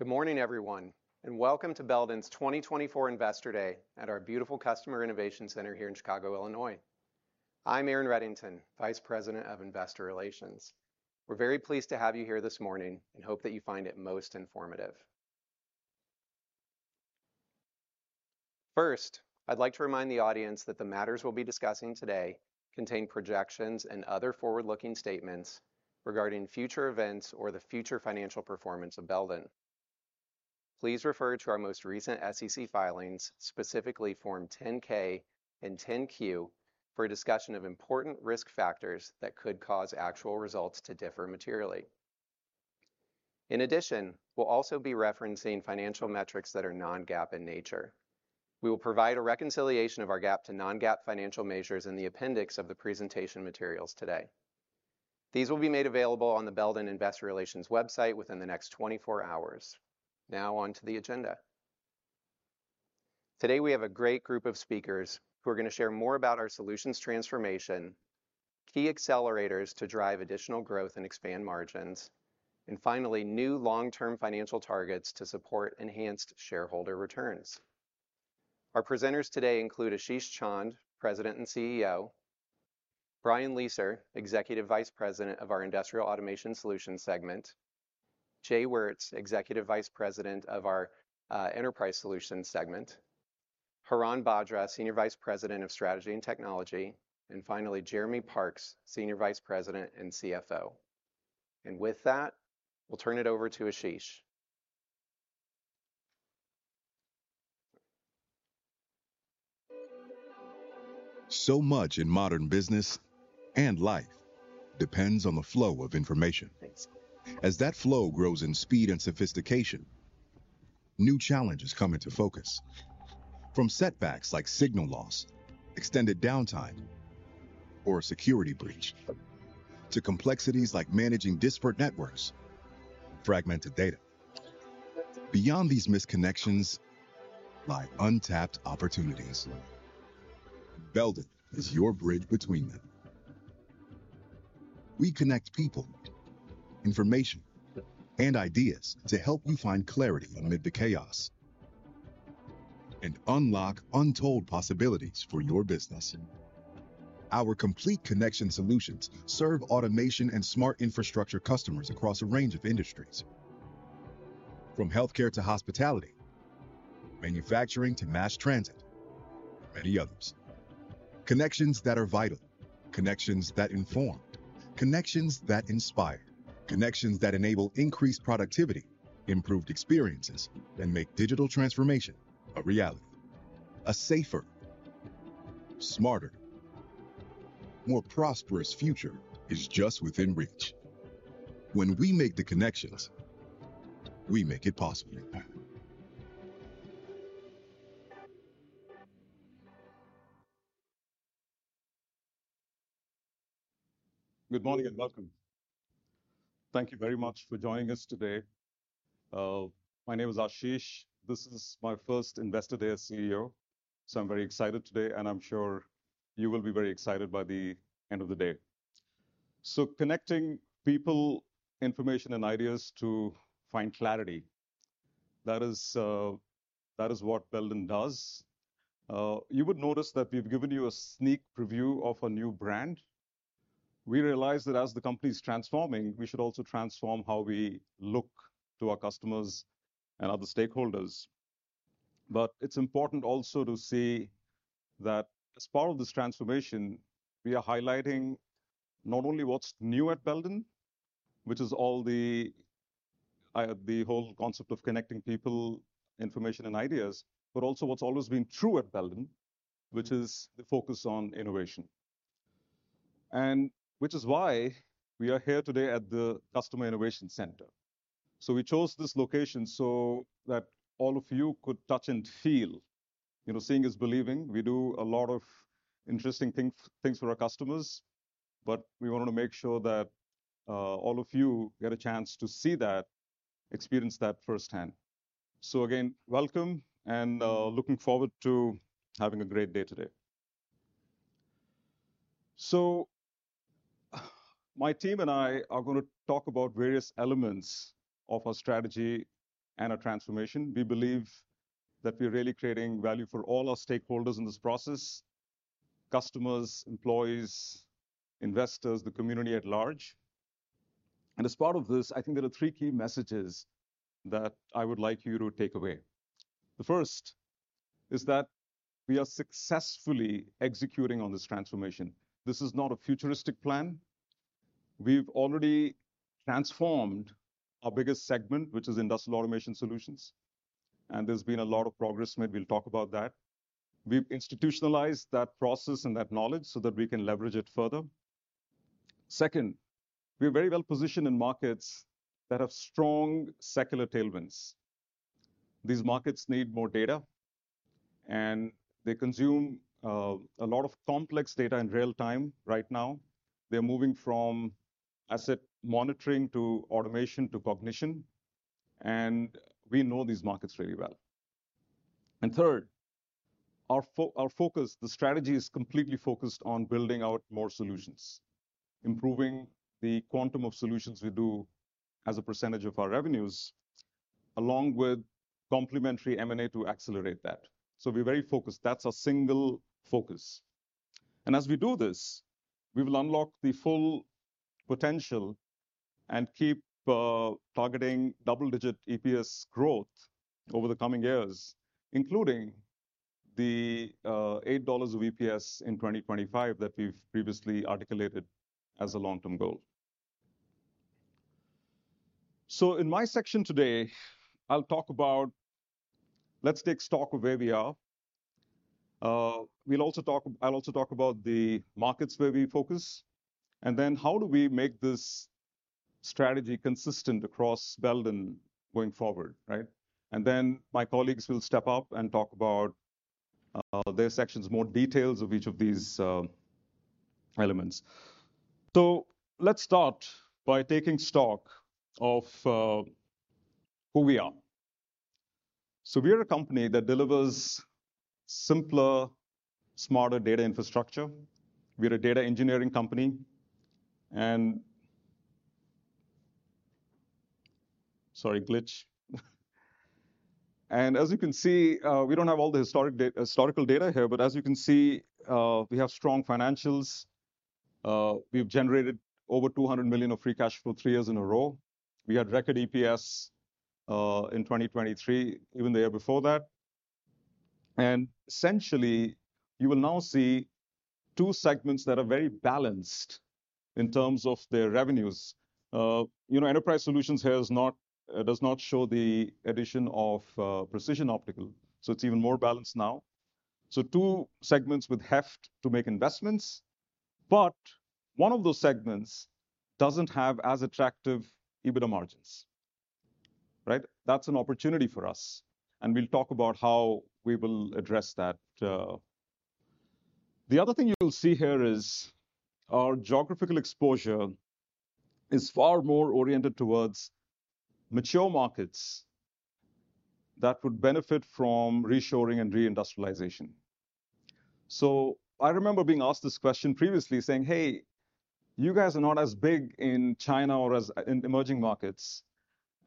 Good morning, everyone, and welcome to Belden's 2024 Investor Day at our beautiful Customer Innovation Center here in Chicago, Illinois. I'm Aaron Reddington, Vice President of Investor Relations. We're very pleased to have you here this morning and hope that you find it most informative. First, I'd like to remind the audience that the matters we'll be discussing today contain projections and other forward-looking statements regarding future events or the future financial performance of Belden. Please refer to our most recent SEC filings, specifically Form 10-K and 10-Q, for a discussion of important risk factors that could cause actual results to differ materially. In addition, we'll also be referencing financial metrics that are Non-GAAP in nature. We will provide a reconciliation of our GAAP to Non-GAAP financial measures in the appendix of the presentation materials today. These will be made available on the Belden Investor Relations website within the next 24 hours. Now on to the agenda. Today, we have a great group of speakers who are going to share more about our solutions transformation, key accelerators to drive additional growth and expand margins, and finally, new long-term financial targets to support enhanced shareholder returns. Our presenters today include Ashish Chand, President and CEO; Brian Lieser, Executive Vice President of our Industrial Automation Solutions segment; Jay Wirts, Executive Vice President of our Enterprise Solutions segment; Hiran Bhadra, Senior Vice President of Strategy and Technology; and finally, Jeremy Parks, Senior Vice President and CFO. And with that, we'll turn it over to Ashish. So much in modern business and life depends on the flow of information. As that flow grows in speed and sophistication, new challenges come into focus, from setbacks like signal loss, extended downtime, or a security breach, to complexities like managing disparate networks, fragmented data. Beyond these missed connections lie untapped opportunities. Belden is your bridge between them. We connect people, information, and ideas to help you find clarity amid the chaos and unlock untold possibilities for your business. Our complete connection solutions serve automation and Smart Infrastructure customers across a range of industries, from healthcare to hospitality, manufacturing to mass transit, many others. Connections that are vital, connections that inform, connections that inspire, connections that enable increased productivity, improved experiences, and make digital transformation a reality. A safer, smarter, more prosperous future is just within reach. When we make the connections, we make it possible. Good morning, and welcome. Thank you very much for joining us today. My name is Ashish. This is my first Investor Day as CEO, so I'm very excited today, and I'm sure you will be very excited by the end of the day. So connecting people, information, and ideas to find clarity, that is what Belden does. You would notice that we've given you a sneak preview of a new brand. We realize that as the company's transforming, we should also transform how we look to our customers and other stakeholders. It's important also to see that as part of this transformation, we are highlighting not only what's new at Belden, which is all the whole concept of connecting people, information, and ideas, but also what's always been true at Belden, which is the focus on innovation, and which is why we are here today at the Customer Innovation Center. We chose this location so that all of you could touch and feel. You know, seeing is believing. We do a lot of interesting things for our customers, but we wanted to make sure that all of you get a chance to see that, experience that firsthand. Again, welcome, and looking forward to having a great day today. My team and I are going to talk about various elements of our strategy and our transformation. We believe that we're really creating value for all our stakeholders in this process: customers, employees, investors, the community at large. And as part of this, I think there are three key messages that I would like you to take away. The first is that we are successfully executing on this transformation. This is not a futuristic plan. We've already transformed our biggest segment, which is Industrial Automation Solutions, and there's been a lot of progress made. We'll talk about that. We've institutionalized that process and that knowledge so that we can leverage it further. Second, we're very well positioned in markets that have strong secular tailwinds. These markets need more data, and they consume a lot of complex data in real time right now. They're moving from asset monitoring to automation to cognition, and we know these markets really well.... Third, our focus, the strategy is completely focused on building out more solutions, improving the quantum of solutions we do as a percentage of our revenues, along with complementary M&A to accelerate that. We're very focused. That's our single focus. As we do this, we will unlock the full potential and keep targeting double-digit EPS growth over the coming years, including the $8 of EPS in 2025 that we've previously articulated as a long-term goal. In my section today, I'll talk about let's take stock of where we are. We'll also talk. I'll also talk about the markets where we focus, and then how do we make this strategy consistent across Belden going forward, right? My colleagues will step up and talk about their sections, more details of each of these elements. So let's start by taking stock of who we are. We are a company that delivers simpler, smarter data infrastructure. We're a data engineering company and... Sorry, glitch. And as you can see, we don't have all the historic historical data here, but as you can see, we have strong financials. We've generated over $200 million of free cash flow three years in a row. We had record EPS in 2023, even the year before that. And essentially, you will now see two segments that are very balanced in terms of their revenues. You know, Enterprise Solutions here is not does not show the addition of Precision Optical, so it's even more balanced now. So two segments with heft to make investments, but one of those segments doesn't have as attractive EBITDA margins, right? That's an opportunity for us, and we'll talk about how we will address that. The other thing you will see here is our geographical exposure is far more oriented towards mature markets that would benefit from reshoring and reindustrialization, so I remember being asked this question previously, saying, "Hey, you guys are not as big in China or as in emerging markets,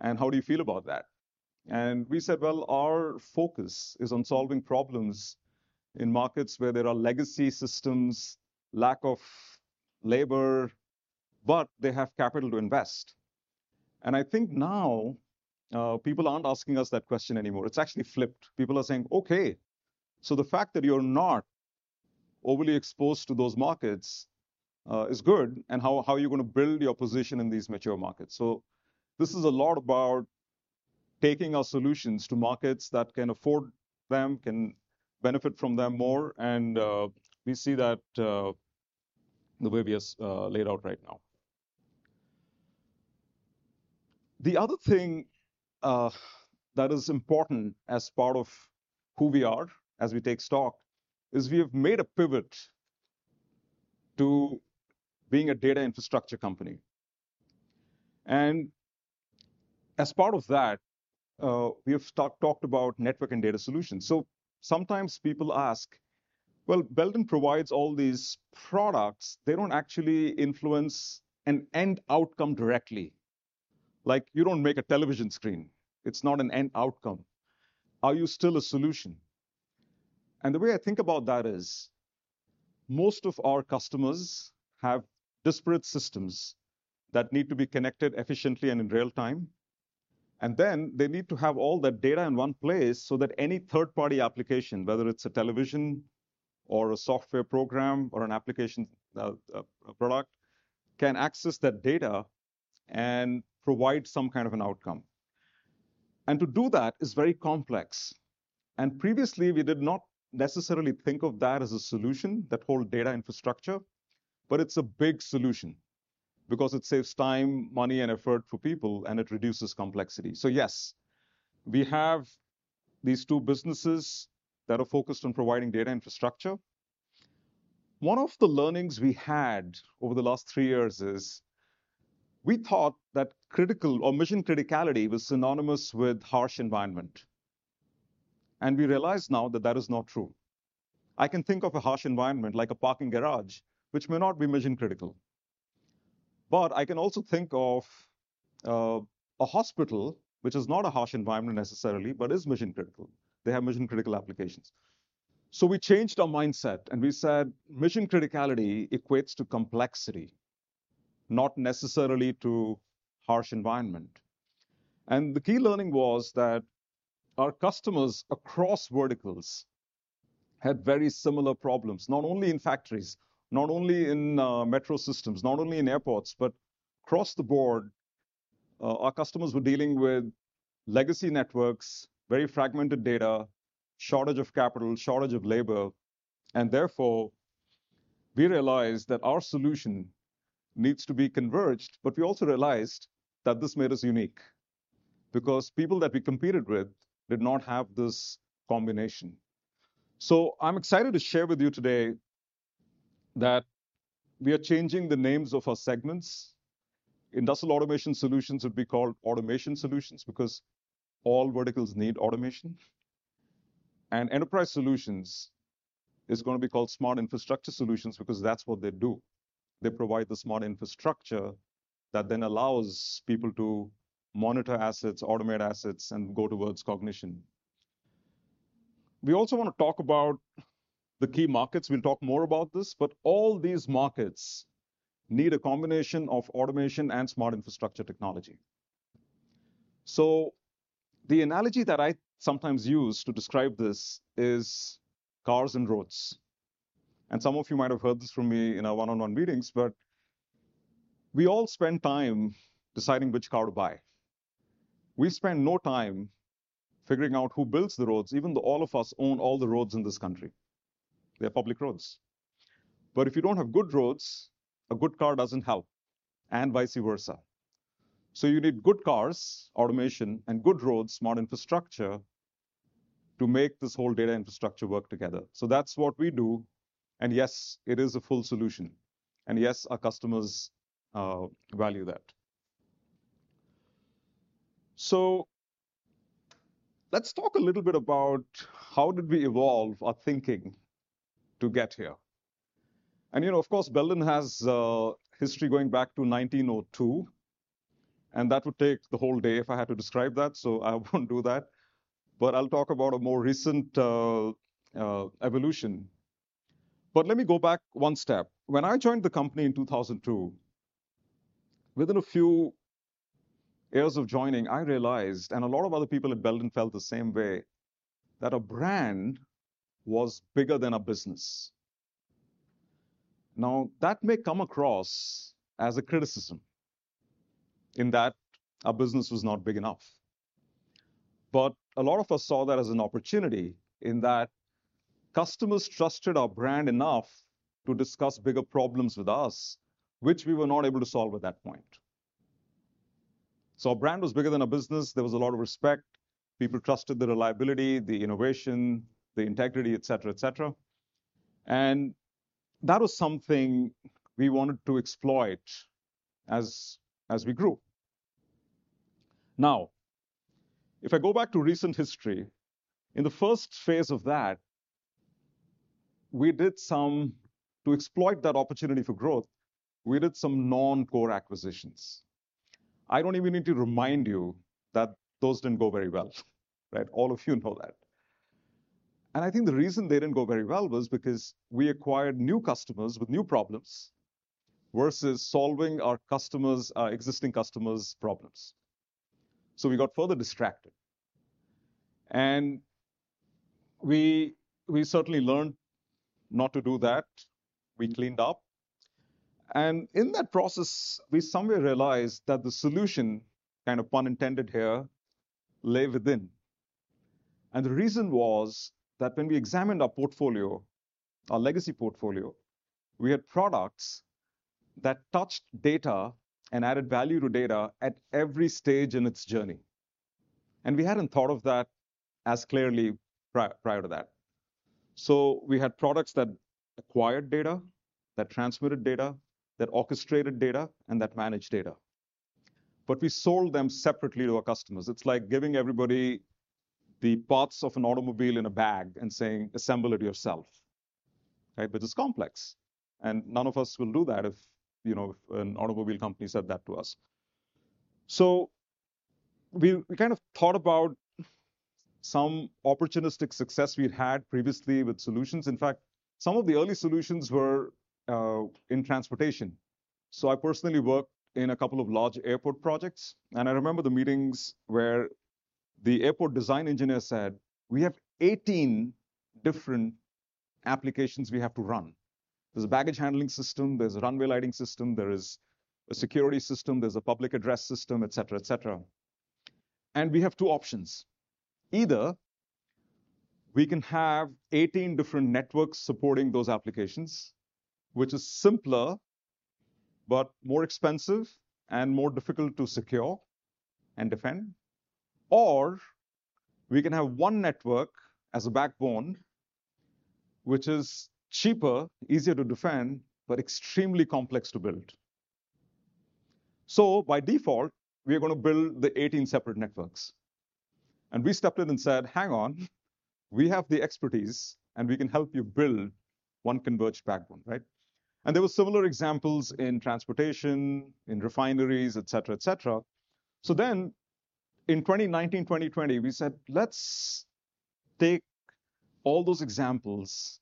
and how do you feel about that?", and we said, "Well, our focus is on solving problems in markets where there are legacy systems, lack of labor, but they have capital to invest," and I think now, people aren't asking us that question anymore. It's actually flipped. People are saying, "Okay, so the fact that you're not overly exposed to those markets, is good, and how, how are you going to build your position in these mature markets?" So this is a lot about taking our solutions to markets that can afford them, can benefit from them more, and, we see that, the way we laid out right now. The other thing, that is important as part of who we are, as we take stock, is we have made a pivot to being a data infrastructure company. And as part of that, we have talked about network and data solutions. So sometimes people ask, "Well, Belden provides all these products. They don't actually influence an end outcome directly. Like, you don't make a television screen. It's not an end outcome. Are you still a solution?" And the way I think about that is, most of our customers have disparate systems that need to be connected efficiently and in real time, and then they need to have all that data in one place so that any third-party application, whether it's a television or a software program or an application, a product, can access that data and provide some kind of an outcome. And to do that is very complex. And previously, we did not necessarily think of that as a solution, that whole data infrastructure, but it's a big solution because it saves time, money and effort for people, and it reduces complexity. So yes, we have these two businesses that are focused on providing data infrastructure. One of the learnings we had over the last three years is, we thought that critical or mission criticality was synonymous with harsh environment, and we realize now that that is not true. I can think of a harsh environment, like a parking garage, which may not be mission-critical, but I can also think of a hospital, which is not a harsh environment necessarily, but is mission-critical. They have mission-critical applications, so we changed our mindset, and we said, "Mission criticality equates to complexity, not necessarily to harsh environment," and the key learning was that our customers across verticals had very similar problems, not only in factories, not only in metro systems, not only in airports, but across the board, our customers were dealing with legacy networks, very fragmented data, shortage of capital, shortage of labor, and therefore, we realized that our solution needs to be converged. But we also realized that this made us unique because people that we competed with did not have this combination. So I'm excited to share with you today that we are changing the names of our segments. Industrial Automation Solutions will be called Automation Solutions because all verticals need automation. And Enterprise Solutions is gonna be called Smart Infrastructure Solutions because that's what they do. They provide the Smart Infrastructure that then allows people to monitor assets, automate assets, and go towards cognition. We also wanna talk about the key markets. We'll talk more about this, but all these markets need a combination of automation and Smart Infrastructure technology. So the analogy that I sometimes use to describe this is cars and roads. And some of you might have heard this from me in our one-on-one meetings, but we all spend time deciding which car to buy. We spend no time figuring out who builds the roads, even though all of us own all the roads in this country. They're public roads. But if you don't have good roads, a good car doesn't help, and vice versa. So you need good cars, automation, and good roads, Smart Infrastructure, to make this whole data infrastructure work together. So that's what we do, and yes, it is a full solution, and yes, our customers value that. So let's talk a little bit about how did we evolve our thinking to get here, and you know, of course, Belden has history going back to 1902, and that would take the whole day if I had to describe that, so I won't do that, but I'll talk about a more recent evolution, but let me go back one step. When I joined the company in 2002, within a few years of joining, I realized, and a lot of other people at Belden felt the same way, that a brand was bigger than a business. Now, that may come across as a criticism, in that our business was not big enough. But a lot of us saw that as an opportunity, in that customers trusted our brand enough to discuss bigger problems with us, which we were not able to solve at that point. So our brand was bigger than our business. There was a lot of respect. People trusted the reliability, the innovation, the integrity, et cetera, et cetera. And that was something we wanted to exploit as we grew. Now, if I go back to recent history, in the first phase of that, we did some to exploit that opportunity for growth, we did some non-core acquisitions. I don't even need to remind you that those didn't go very well, right? All of you know that. And I think the reason they didn't go very well was because we acquired new customers with new problems versus solving our customers', our existing customers' problems. So we got further distracted, and we, we certainly learned not to do that. We cleaned up, and in that process, we somehow realized that the solution, and a pun intended here, lay within. And the reason was that when we examined our portfolio, our legacy portfolio, we had products that touched data and added value to data at every stage in its journey. And we hadn't thought of that as clearly prior to that. So we had products that acquired data, that transmitted data, that orchestrated data, and that managed data. But we sold them separately to our customers. It's like giving everybody the parts of an automobile in a bag and saying, "Assemble it yourself." Right? But it's complex, and none of us will do that if, you know, an automobile company said that to us. So we kind of thought about some opportunistic success we'd had previously with solutions. In fact, some of the early solutions were in transportation. So I personally worked in a couple of large airport projects, and I remember the meetings where the airport design engineer said, "We have 18 different applications we have to run. There's a baggage handling system, there's a runway lighting system, there is a security system, there's a public address system, et cetera, et cetera. We have two options: Either we can have eighteen different networks supporting those applications, which is simpler, but more expensive and more difficult to secure and defend, or we can have one network as a backbone, which is cheaper, easier to defend, but extremely complex to build. So by default, we are gonna build the eighteen separate networks. We stepped in and said, "Hang on, we have the expertise, and we can help you build one converged backbone," right? There were similar examples in transportation, in refineries, et cetera, et cetera. Then in 2019, 2020, we said, "Let's take all those examples,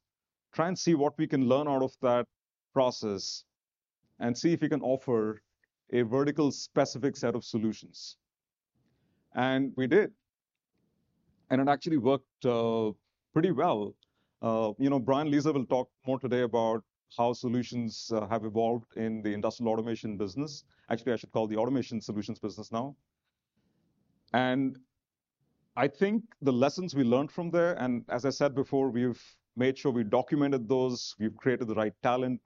try and see what we can learn out of that process, and see if we can offer a vertical-specific set of solutions." We did, and it actually worked pretty well. You know, Brian Lieser will talk more today about how solutions have evolved in the Industrial Automation business. Actually, I should call the Automation Solutions business now. I think the lessons we learned from there, and as I said before, we've made sure we've documented those, we've created the right talent,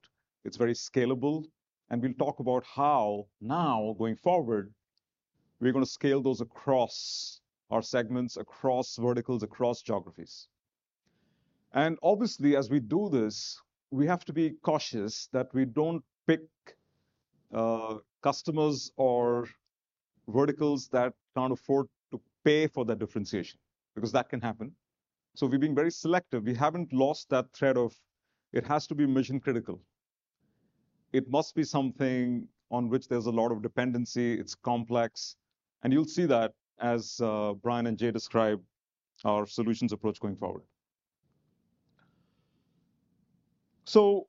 it's very scalable, and we'll talk about how now, going forward, we're going to scale those across our segments, across verticals, across geographies. Obviously, as we do this, we have to be cautious that we don't pick customers or verticals that can't afford to pay for that differentiation, because that can happen, so we've been very selective. We haven't lost that thread of it has to be mission-critical. It must be something on which there's a lot of dependency, it's complex, and you'll see that as Brian and Jay describe our solutions approach going forward. So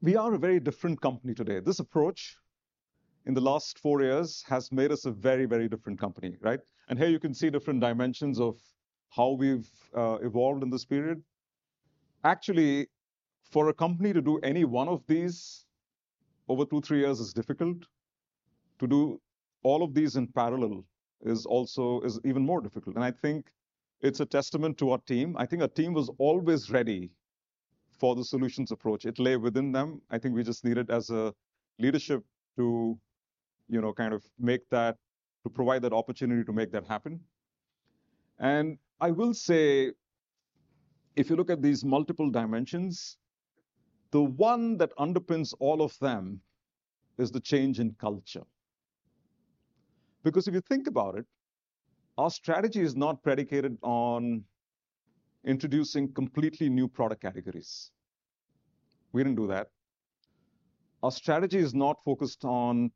we are a very different company today. This approach, in the last four years, has made us a very, very different company, right? And here you can see different dimensions of how we've evolved in this period. Actually, for a company to do any one of these over two, three years is difficult. To do all of these in parallel is also even more difficult, and I think it's a testament to our team. I think our team was always ready for the solutions approach. It lay within them. I think we just needed as a leadership to, you know, kind of make that to provide that opportunity to make that happen. And I will say, if you look at these multiple dimensions, the one that underpins all of them is the change in culture. Because if you think about it, our strategy is not predicated on introducing completely new product categories. We didn't do that. Our strategy is not focused on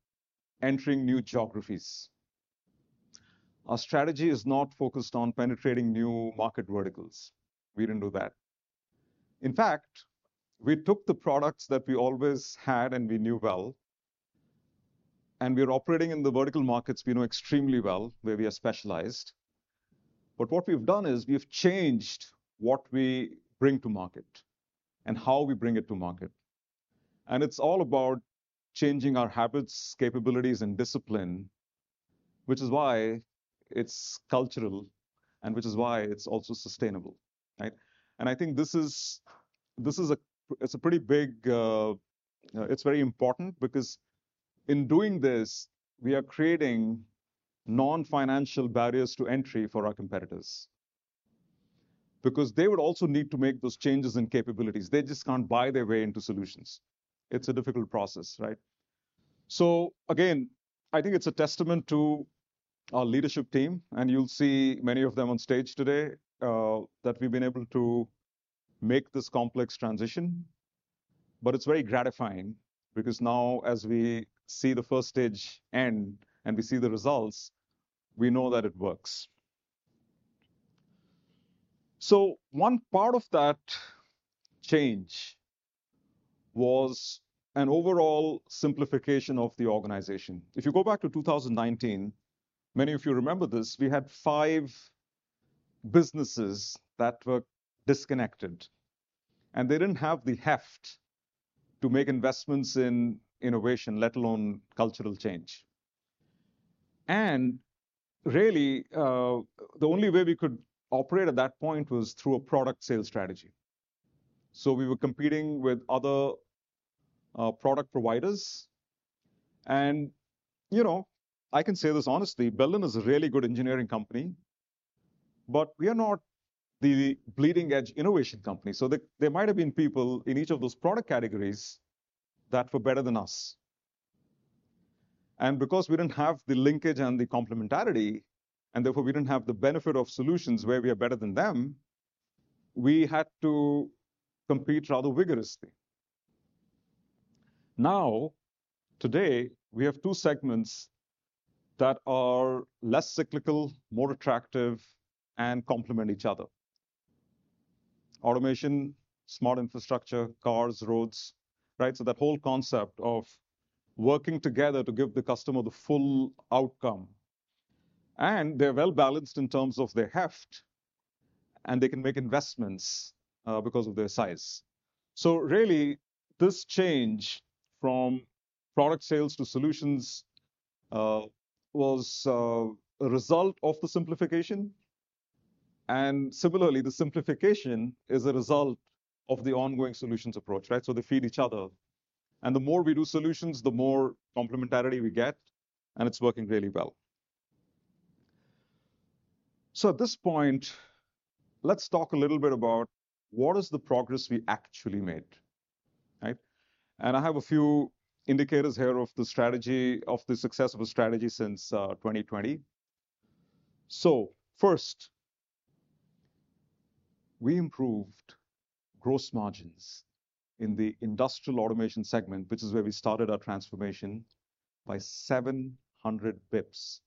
entering new geographies. Our strategy is not focused on penetrating new market verticals. We didn't do that. In fact, we took the products that we always had and we knew well, and we're operating in the vertical markets we know extremely well, where we are specialized. But what we've done is we've changed what we bring to market and how we bring it to market. And it's all about changing our habits, capabilities, and discipline, which is why it's cultural and which is why it's also sustainable, right? And I think this is a pretty big. It's very important because in doing this, we are creating non-financial barriers to entry for our competitors. Because they would also need to make those changes in capabilities. They just can't buy their way into solutions. It's a difficult process, right? So again, I think it's a testament to our leadership team, and you'll see many of them on stage today, that we've been able to make this complex transition. But it's very gratifying because now, as we see the first stage end and we see the results, we know that it works. So one part of that change was an overall simplification of the organization. If you go back to 2019, many of you remember this, we had five businesses that were disconnected, and they didn't have the heft to make investments in innovation, let alone cultural change. And really, the only way we could operate at that point was through a product sales strategy. So we were competing with other product providers. And, you know, I can say this honestly, Belden is a really good engineering company, but we are not the bleeding-edge innovation company. So there might have been people in each of those product categories that were better than us. And because we didn't have the linkage and the complementarity, and therefore we didn't have the benefit of solutions where we are better than them, we had to compete rather vigorously. Now, today, we have two segments that are less cyclical, more attractive, and complement each other. Automation, Smart Infrastructure, cars, roads, right? So that whole concept of working together to give the customer the full outcome, and they're well-balanced in terms of their heft, and they can make investments because of their size. So really, this change from product sales to solutions was a result of the simplification, and similarly, the simplification is a result of the ongoing solutions approach, right? So they feed each other, and the more we do solutions, the more complementarity we get, and it's working really well. So at this point, let's talk a little bit about what is the progress we actually made, right? And I have a few indicators here of the strategy, of the successful strategy since 2020. So first, we improved gross margins in the Industrial Automation segment, which is where we started our transformation, by 700 basis points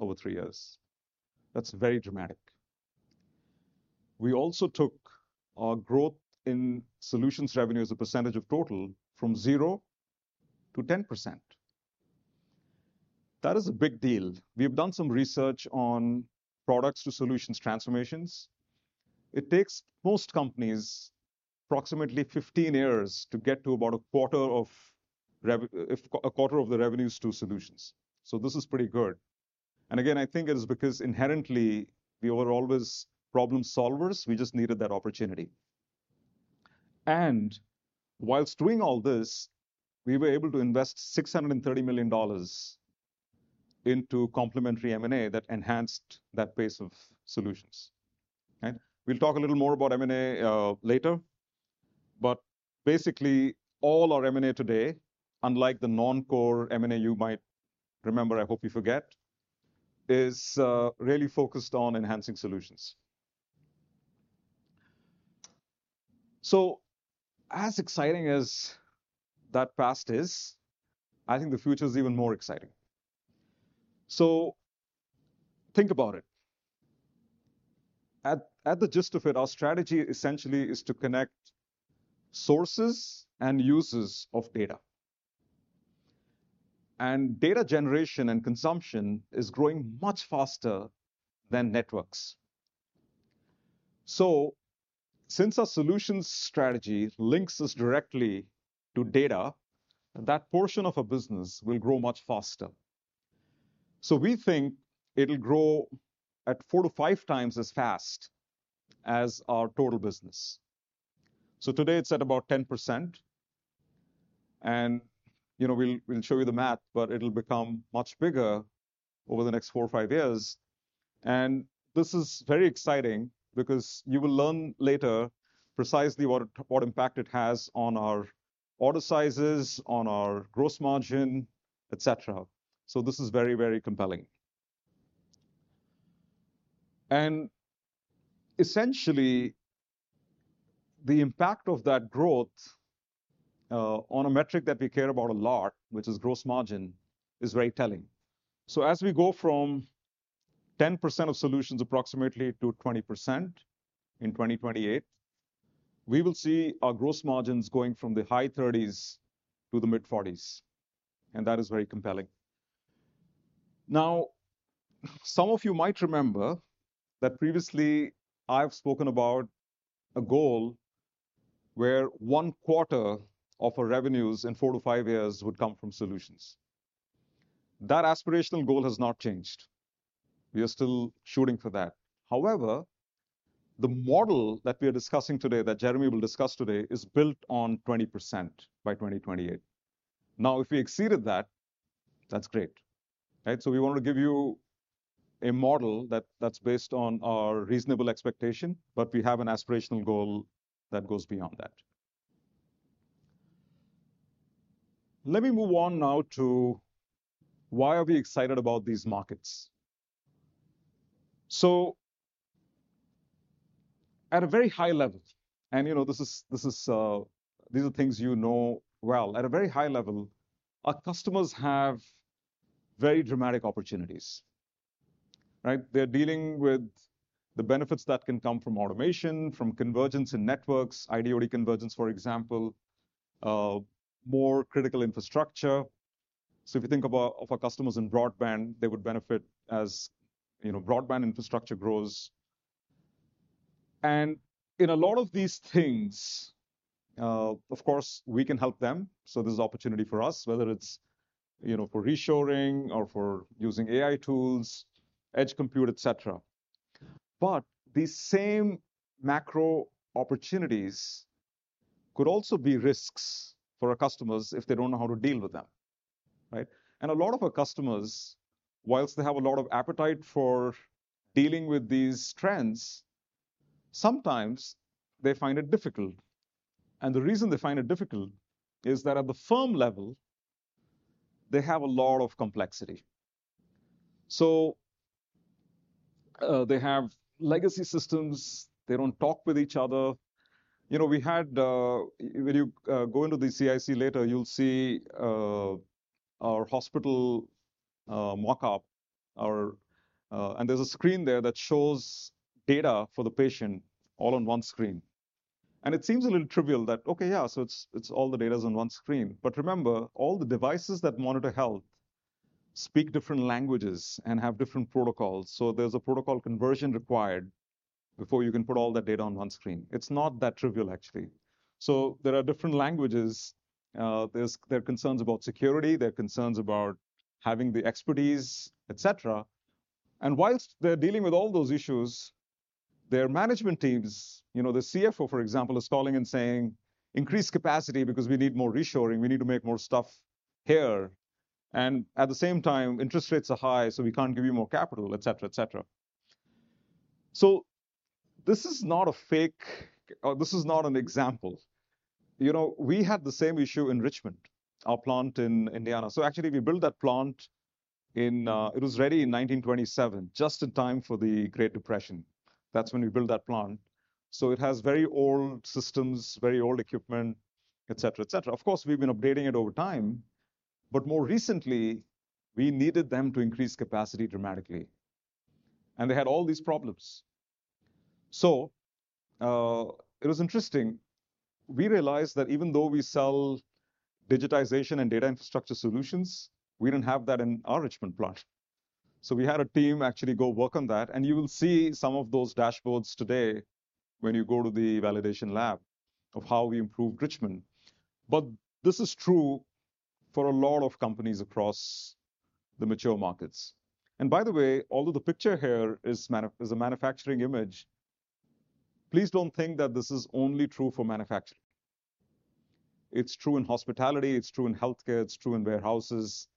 over three years. That's very dramatic. We also took our growth in solutions revenue as a percentage of total from zero to 10%. That is a big deal. We've done some research on products to solutions transformations. It takes most companies approximately 15 years to get to about a quarter of a quarter of the revenues to solutions. So this is pretty good. And again, I think it is because inherently, we were always problem solvers. We just needed that opportunity. And while doing all this, we were able to invest $630 million into complementary M&A that enhanced that base of solutions. We'll talk a little more about M&A later, but basically, all our M&A today, unlike the non-core M&A you might remember, I hope you forget, is really focused on enhancing solutions. As exciting as that past is, I think the future is even more exciting. Think about it. At the gist of it, our strategy essentially is to connect sources and users of data. Data generation and consumption is growing much faster than networks. Since our solutions strategy links us directly to data, that portion of our business will grow much faster. We think it'll grow at four to five times as fast as our total business. Today it's at about 10%, and, you know, we'll show you the math, but it'll become much bigger over the next four or five years. This is very exciting because you will learn later precisely what impact it has on our order sizes, on our gross margin, et cetera. This is very, very compelling. Essentially, the impact of that growth on a metric that we care about a lot, which is gross margin, is very telling. As we go from 10% of solutions approximately to 20% in 2028, we will see our gross margins going from the high 30s to the mid-40s, and that is very compelling. Now, some of you might remember that previously I've spoken about a goal where one quarter of our revenues in four to five years would come from solutions. That aspirational goal has not changed. We are still shooting for that. However, the model that we are discussing today, that Jeremy will discuss today, is built on 20% by 2028. Now, if we exceeded that, that's great, right? So we want to give you a model that, that's based on our reasonable expectation, but we have an aspirational goal that goes beyond that. Let me move on now to why are we excited about these markets? So at a very high level, and, you know, this is, these are things you know well. At a very high level, our customers have very dramatic opportunities, right? They're dealing with the benefits that can come from automation, from convergence in networks, IT/OT convergence, for example, more critical infrastructure. So if you think about our customers in broadband, they would benefit as, you know, broadband infrastructure grows. And in a lot of these things, of course, we can help them. So there's opportunity for us, whether it's, you know, for reshoring or for using AI tools, edge compute, et cetera. But these same macro opportunities could also be risks for our customers if they don't know how to deal with them, right? And a lot of our customers, while they have a lot of appetite for dealing with these trends, sometimes they find it difficult. And the reason they find it difficult is that at the firm level, they have a lot of complexity. So, they have legacy systems, they don't talk with each other. You know, when you go into the CIC later, you'll see our hospital mock-up, or, and there's a screen there that shows data for the patient all on one screen. It seems a little trivial that it's all the data's on one screen. Remember, all the devices that monitor health speak different languages and have different protocols, so there's a protocol conversion required before you can put all that data on one screen. It's not that trivial, actually. There are different languages. There are concerns about security. There are concerns about having the expertise, et cetera. While they're dealing with all those issues, their management teams, you know, the CFO, for example, is calling and saying, "Increase capacity because we need more reshoring, we need to make more stuff here. And at the same time, interest rates are high, so we can't give you more capital," et cetera, et cetera. This is not a fake, or this is not an example. You know, we had the same issue in Richmond, our plant in Indiana. So actually, we built that plant in, it was ready in 1927, just in time for the Great Depression. That's when we built that plant. So it has very old systems, very old equipment, et cetera, et cetera. Of course, we've been updating it over time, but more recently, we needed them to increase capacity dramatically, and they had all these problems. So, it was interesting. We realized that even though we sell digitization and data infrastructure solutions, we didn't have that in our Richmond plant. So we had a team actually go work on that, and you will see some of those dashboards today when you go to the validation lab of how we improved Richmond. But this is true for a lot of companies across the mature markets. And by the way, although the picture here is a manufacturing image, please don't think that this is only true for manufacturing. It's true in hospitality, it's true in healthcare, it's true in warehouses,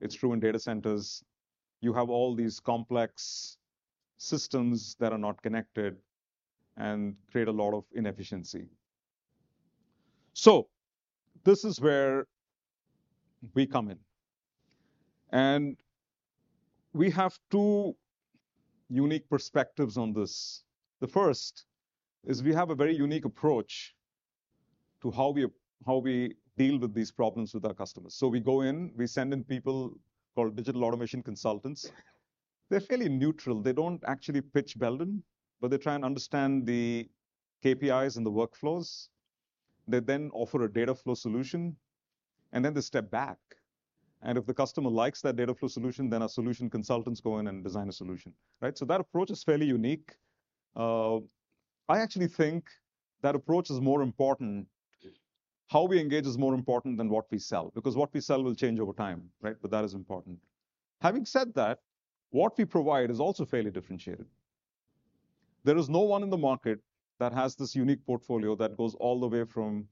it's true in data centers. You have all these complex systems that are not connected and create a lot of inefficiency. So this is where we come in, and we have two unique perspectives on this. The first is we have a very unique approach to how we deal with these problems with our customers. So we go in, we send in people called digital automation consultants. They're fairly neutral. They don't actually pitch Belden, but they try and understand the KPIs and the workflows. They then offer a data flow solution, and then they step back, and if the customer likes that data flow solution, then our solution consultants go in and design a solution, right? So that approach is fairly unique. I actually think that approach is more important. How we engage is more important than what we sell, because what we sell will change over time, right? But that is important. Having said that, what we provide is also fairly differentiated. There is no one in the market that has this unique portfolio that goes all the way from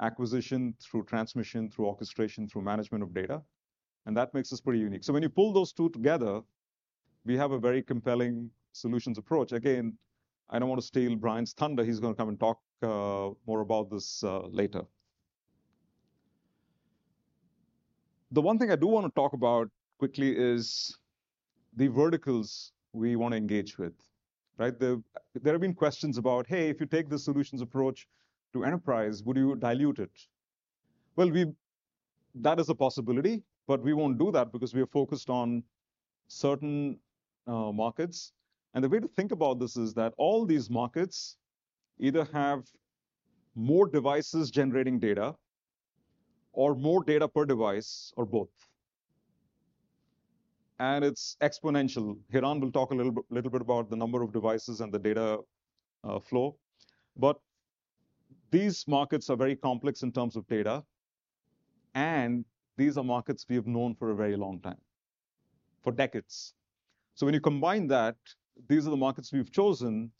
acquisition, through transmission, through orchestration, through management of data, and that makes us pretty unique. So when you pull those two together, we have a very compelling solutions approach. Again, I don't want to steal Brian's thunder. He's gonna come and talk more about this later. The one thing I do want to talk about quickly is the verticals we want to engage with, right? There have been questions about, "Hey, if you take the solutions approach to enterprise, would you dilute it?" Well, we... That is a possibility, but we won't do that because we are focused on certain markets. And the way to think about this is that all these markets either have more devices generating data or more data per device or both. And it's exponential. Hiran will talk a little bit about the number of devices and the data flow, but these markets are very complex in terms of data, and these are markets we have known for a very long time, for decades. So when you combine that, these are the markets we've chosen.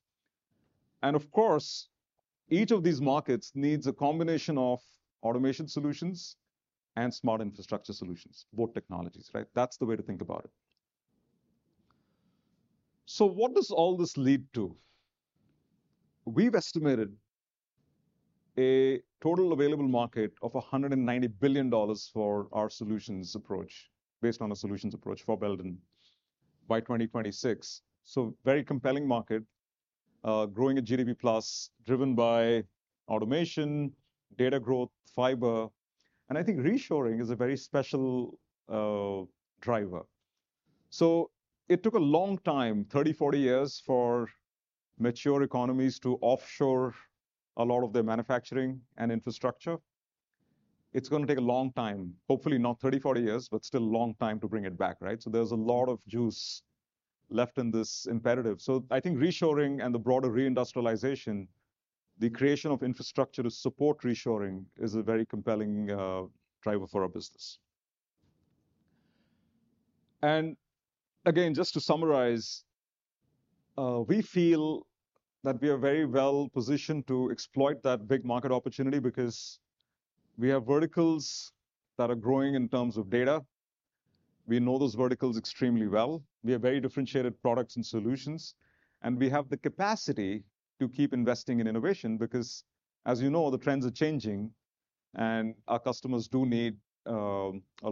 And of course, each of these markets needs a combination of automation solutions and Smart Infrastructure solutions, both technologies, right? That's the way to think about it. So what does all this lead to? We've estimated a total available market of $190 billion for our solutions approach, based on a solutions approach for Belden by 2026. So very compelling market, growing at GDP plus, driven by automation, data growth, fiber, and I think reshoring is a very special, driver. So it took a long time, 30, 40 years, for mature economies to offshore a lot of their manufacturing and infrastructure. It's gonna take a long time, hopefully not 30, 40 years, but still a long time to bring it back, right? So there's a lot of juice left in this imperative. So I think reshoring and the broader reindustrialization, the creation of infrastructure to support reshoring, is a very compelling driver for our business. And again, just to summarize, we feel that we are very well positioned to exploit that big market opportunity because we have verticals that are growing in terms of data. We know those verticals extremely well. We have very differentiated products and solutions, and we have the capacity to keep investing in innovation because, as you know, the trends are changing and our customers do need a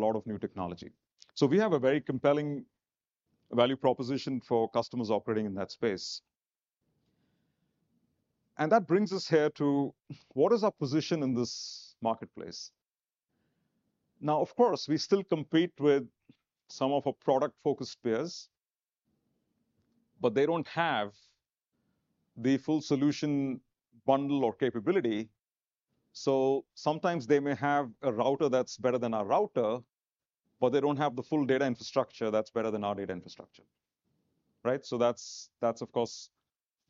lot of new technology. So we have a very compelling value proposition for customers operating in that space. And that brings us here to: what is our position in this marketplace? Now, of course, we still compete with some of our product-focused peers, but they don't have the full solution bundle or capability. So sometimes they may have a router that's better than our router, but they don't have the full data infrastructure that's better than our data infrastructure, right? So that's, of course,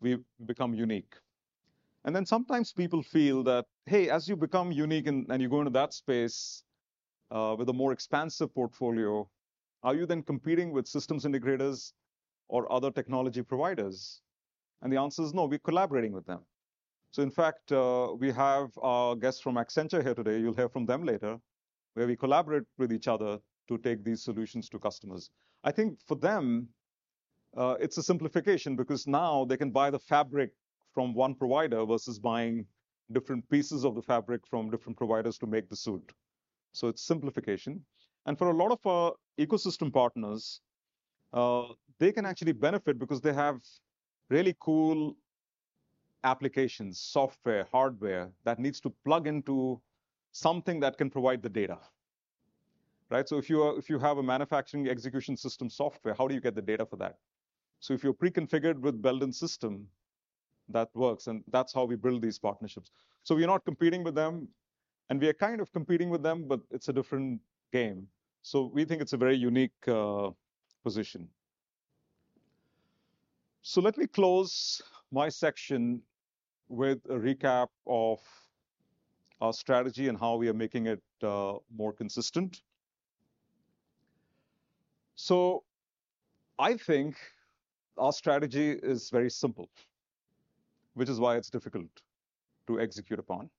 we've become unique. And then sometimes people feel that, hey, as you become unique and you go into that space with a more expansive portfolio, are you then competing with systems integrators or other technology providers? And the answer is no, we're collaborating with them. So in fact, we have our guests from Accenture here today. You'll hear from them later, where we collaborate with each other to take these solutions to customers. I think for them, it's a simplification because now they can buy the fabric from one provider versus buying different pieces of the fabric from different providers to make the suit. So it's simplification. And for a lot of our ecosystem partners, they can actually benefit because they have really cool applications, software, hardware, that needs to plug into something that can provide the data, right? So if you have a manufacturing execution system software, how do you get the data for that? So if you're preconfigured with Belden system, that works, and that's how we build these partnerships. So we are not competing with them, and we are kind of competing with them, but it's a different game. So we think it's a very unique position. So let me close my section with a recap of our strategy and how we are making it more consistent. So I think our strategy is very simple, which is why it's difficult to execute upon.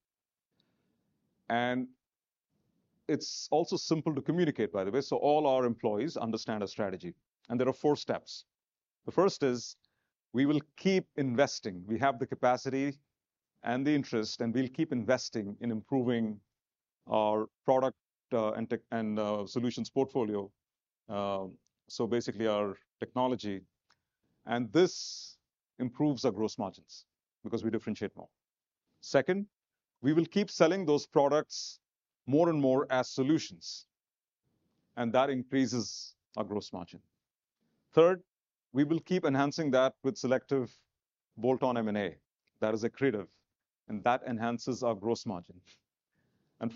It's also simple to communicate, by the way, so all our employees understand our strategy, and there are four steps. The first is, we will keep investing. We have the capacity and the interest, and we'll keep investing in improving our product and technology solutions portfolio. So basically our technology. This improves our gross margins because we differentiate more. Second, we will keep selling those products more and more as solutions, and that increases our gross margin. Third, we will keep enhancing that with selective bolt-on M&A. That is accretive, and that enhances our gross margin.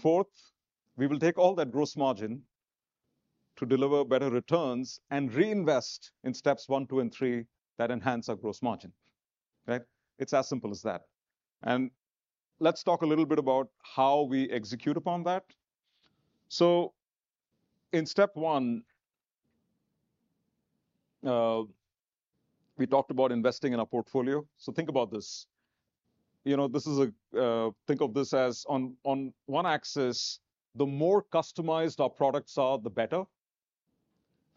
Fourth, we will take all that gross margin to deliver better returns and reinvest in steps one, two, and three, that enhance our gross margin, right? It's as simple as that. Let's talk a little bit about how we execute upon that. So in step one, we talked about investing in our portfolio. So think about this. You know, this is a think of this as on one axis, the more customized our products are, the better,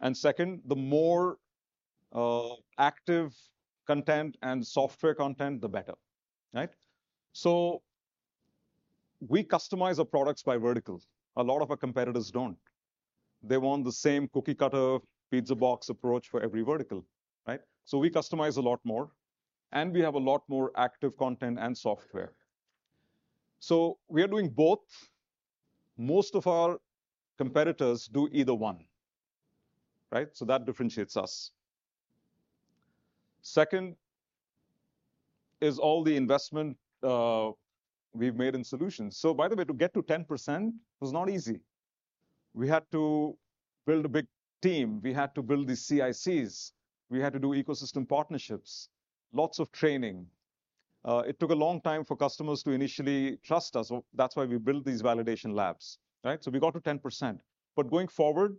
and second, the more active content and software content, the better, right? So we customize our products by vertical. A lot of our competitors don't. They want the same cookie-cutter, pizza box approach for every vertical, right? So we customize a lot more, and we have a lot more active content and software. So we are doing both. Most of our competitors do either one, right? So that differentiates us. Second is all the investment we've made in solutions. So by the way, to get to 10% was not easy. We had to build a big team, we had to build these CICs, we had to do ecosystem partnerships, lots of training. It took a long time for customers to initially trust us, so that's why we built these validation labs, right, so we got to 10%. But going forward,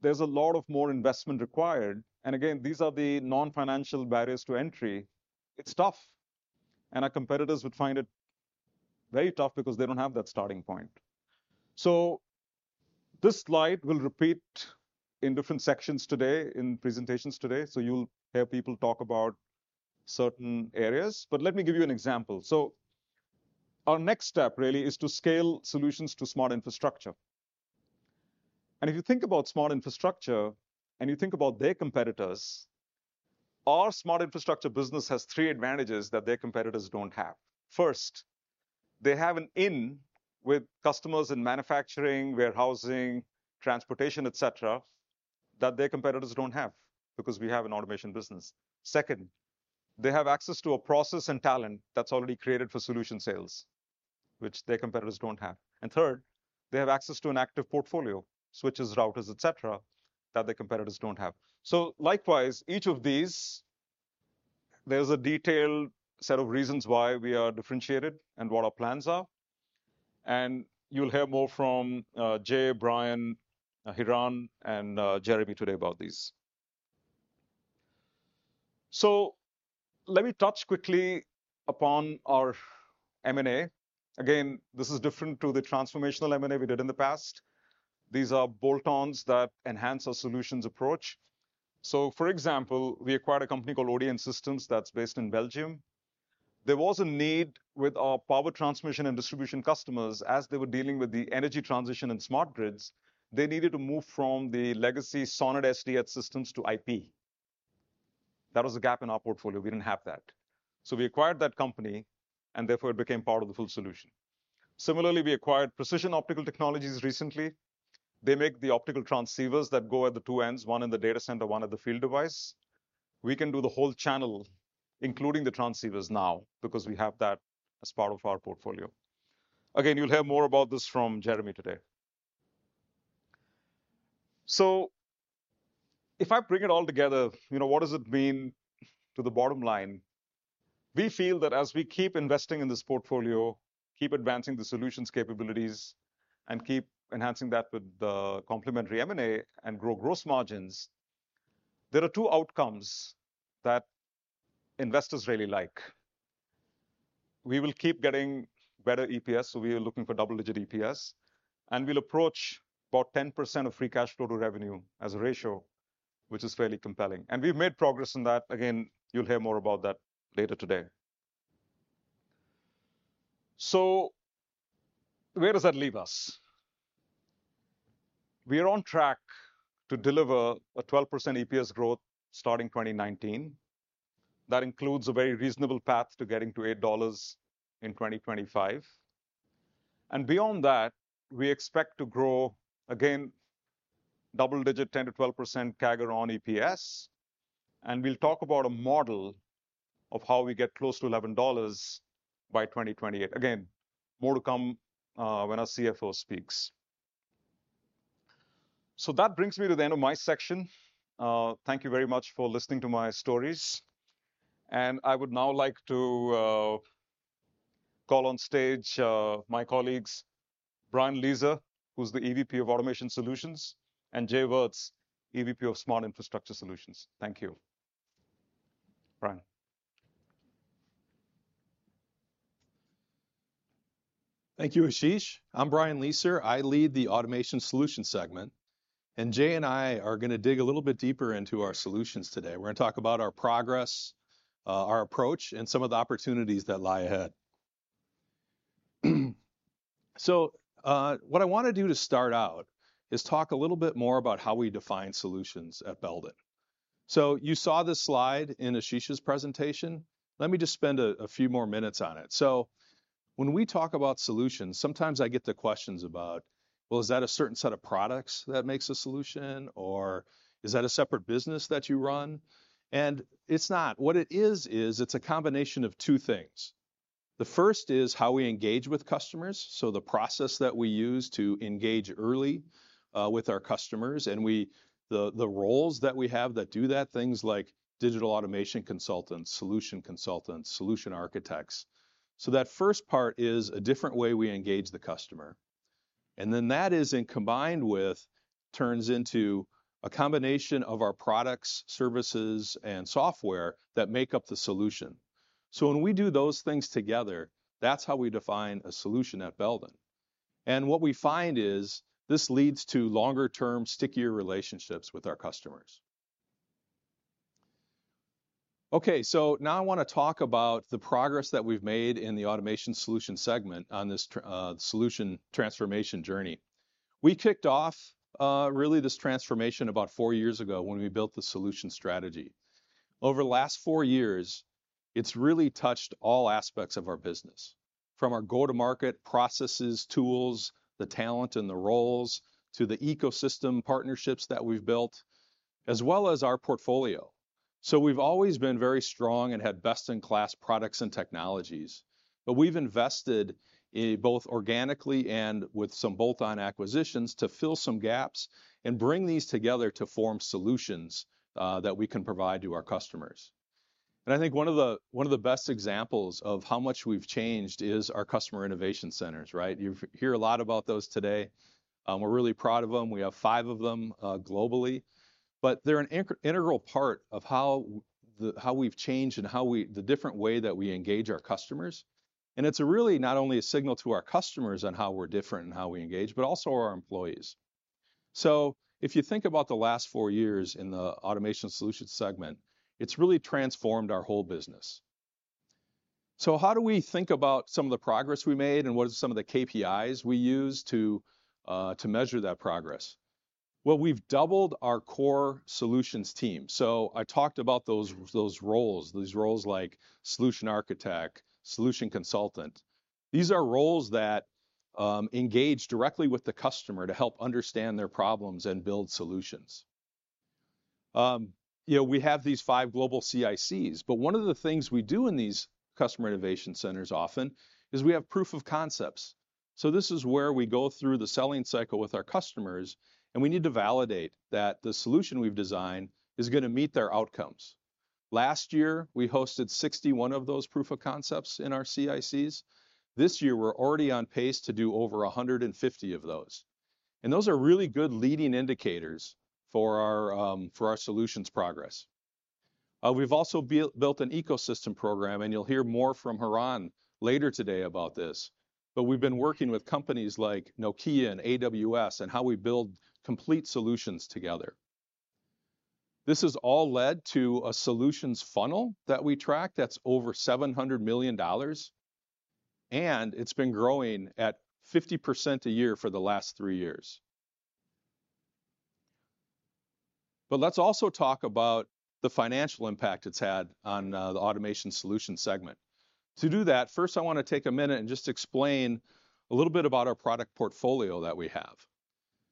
there's a lot of more investment required, and again, these are the non-financial barriers to entry. It's tough, and our competitors would find it very tough because they don't have that starting point, so this slide will repeat in different sections today, in presentations today, so you'll hear people talk about certain areas, but let me give you an example, so our next step really is to scale solutions to Smart Infrastructure, and if you think about Smart Infrastructure and you think about their competitors, our Smart Infrastructure business has three advantages that their competitors don't have. First, they have an in with customers in manufacturing, warehousing, transportation, et cetera, that their competitors don't have, because we have an automation business. Second, they have access to a process and talent that's already created for solution sales, which their competitors don't have. And third, they have access to an active portfolio, switches, routers, et cetera, that their competitors don't have. So likewise, each of these, there's a detailed set of reasons why we are differentiated and what our plans are, and you'll hear more from Jay, Brian, Hiran, and Jeremy today about these. So let me touch quickly upon our M&A. Again, this is different to the transformational M&A we did in the past. These are bolt-ons that enhance our solutions approach. So for example, we acquired a company called OTN Systems that's based in Belgium. There was a need with our power transmission and distribution customers as they were dealing with the energy transition and smart grids. They needed to move from the legacy SONET/SDH systems to IP. That was a gap in our portfolio. We didn't have that. So we acquired that company, and therefore it became part of the full solution. Similarly, we acquired Precision Optical Technologies recently. They make the optical transceivers that go at the two ends, one in the data center, one at the field device. We can do the whole channel, including the transceivers now, because we have that as part of our portfolio. Again, you'll hear more about this from Jeremy today. So if I bring it all together, you know, what does it mean to the bottom line? We feel that as we keep investing in this portfolio, keep advancing the solutions capabilities, and keep enhancing that with the complementary M&A and grow gross margins, there are two outcomes that investors really like. We will keep getting better EPS, so we are looking for double-digit EPS, and we'll approach about 10% of free cash flow to revenue as a ratio, which is fairly compelling, and we've made progress in that. Again, you'll hear more about that later today, so where does that leave us? We are on track to deliver a 12% EPS growth starting 2019. That includes a very reasonable path to getting to $8 in 2025, and beyond that, we expect to grow, again, double-digit, 10%-12% CAGR on EPS, and we'll talk about a model of how we get close to $11 by 2028. Again, more to come when our CFO speaks. So that brings me to the end of my section. Thank you very much for listening to my stories. And I would now like to call on stage my colleagues, Brian Lieser, who's the EVP of Automation Solutions, and Jay Wirts, EVP of Smart Infrastructure Solutions. Thank you. Brian. Thank you, Ashish. I'm Brian Lieser. I lead the Automation Solutions segment, and Jay and I are gonna dig a little bit deeper into our solutions today. We're gonna talk about our progress, our approach, and some of the opportunities that lie ahead. So, what I want to do to start out is talk a little bit more about how we define solutions at Belden. So you saw this slide in Ashish's presentation. Let me just spend a few more minutes on it. So when we talk about solutions, sometimes I get the questions about, "Well, is that a certain set of products that makes a solution?" Or, "Is that a separate business that you run?" And it's not. What it is, is it's a combination of two things. The first is how we engage with customers, so the process that we use to engage early with our customers, and the roles that we have that do that, things like digital automation consultants, solution consultants, solution architects. So that first part is a different way we engage the customer. And then that is, and combined with, turns into a combination of our products, services, and software that make up the solution. So when we do those things together, that's how we define a solution at Belden. And what we find is this leads to longer-term, stickier relationships with our customers. Okay, so now I wanna talk about the progress that we've made in the Automation Solutions segment on this solution transformation journey. We kicked off really this transformation about four years ago when we built the solution strategy. Over the last four years, it's really touched all aspects of our business, from our go-to-market processes, tools, the talent and the roles, to the ecosystem partnerships that we've built, as well as our portfolio. So we've always been very strong and had best-in-class products and technologies, but we've invested both organically and with some bolt-on acquisitions, to fill some gaps and bring these together to form solutions that we can provide to our customers. And I think one of the, one of the best examples of how much we've changed is our Customer Innovation Centers, right? You've heard a lot about those today. We're really proud of them. We have five of them globally, but they're an integral part of how we've changed and the different way that we engage our customers. It's really not only a signal to our customers on how we're different and how we engage, but also our employees. If you think about the last four years in the automation solutions segment, it's really transformed our whole business. How do we think about some of the progress we made, and what are some of the KPIs we use to measure that progress? We've doubled our core solutions team. I talked about those roles like solution architect, solution consultant. These are roles that engage directly with the customer to help understand their problems and build solutions. You know, we have these five global CICs, but one of the things we do in these Customer Innovation Centers often is we have proof of concepts. So this is where we go through the selling cycle with our customers, and we need to validate that the solution we've designed is gonna meet their outcomes. Last year, we hosted 61 of those proof of concepts in our CICs. This year, we're already on pace to do over 150 of those, and those are really good leading indicators for our solutions progress. We've also built an ecosystem program, and you'll hear more from Hiran later today about this, but we've been working with companies like Nokia and AWS, and how we build complete solutions together. This has all led to a solutions funnel that we track that's over $700 million, and it's been growing at 50% a year for the last three years. But let's also talk about the financial impact it's had on the Automation Solutions segment. To do that, first, I wanna take a minute and just explain a little bit about our product portfolio that we have.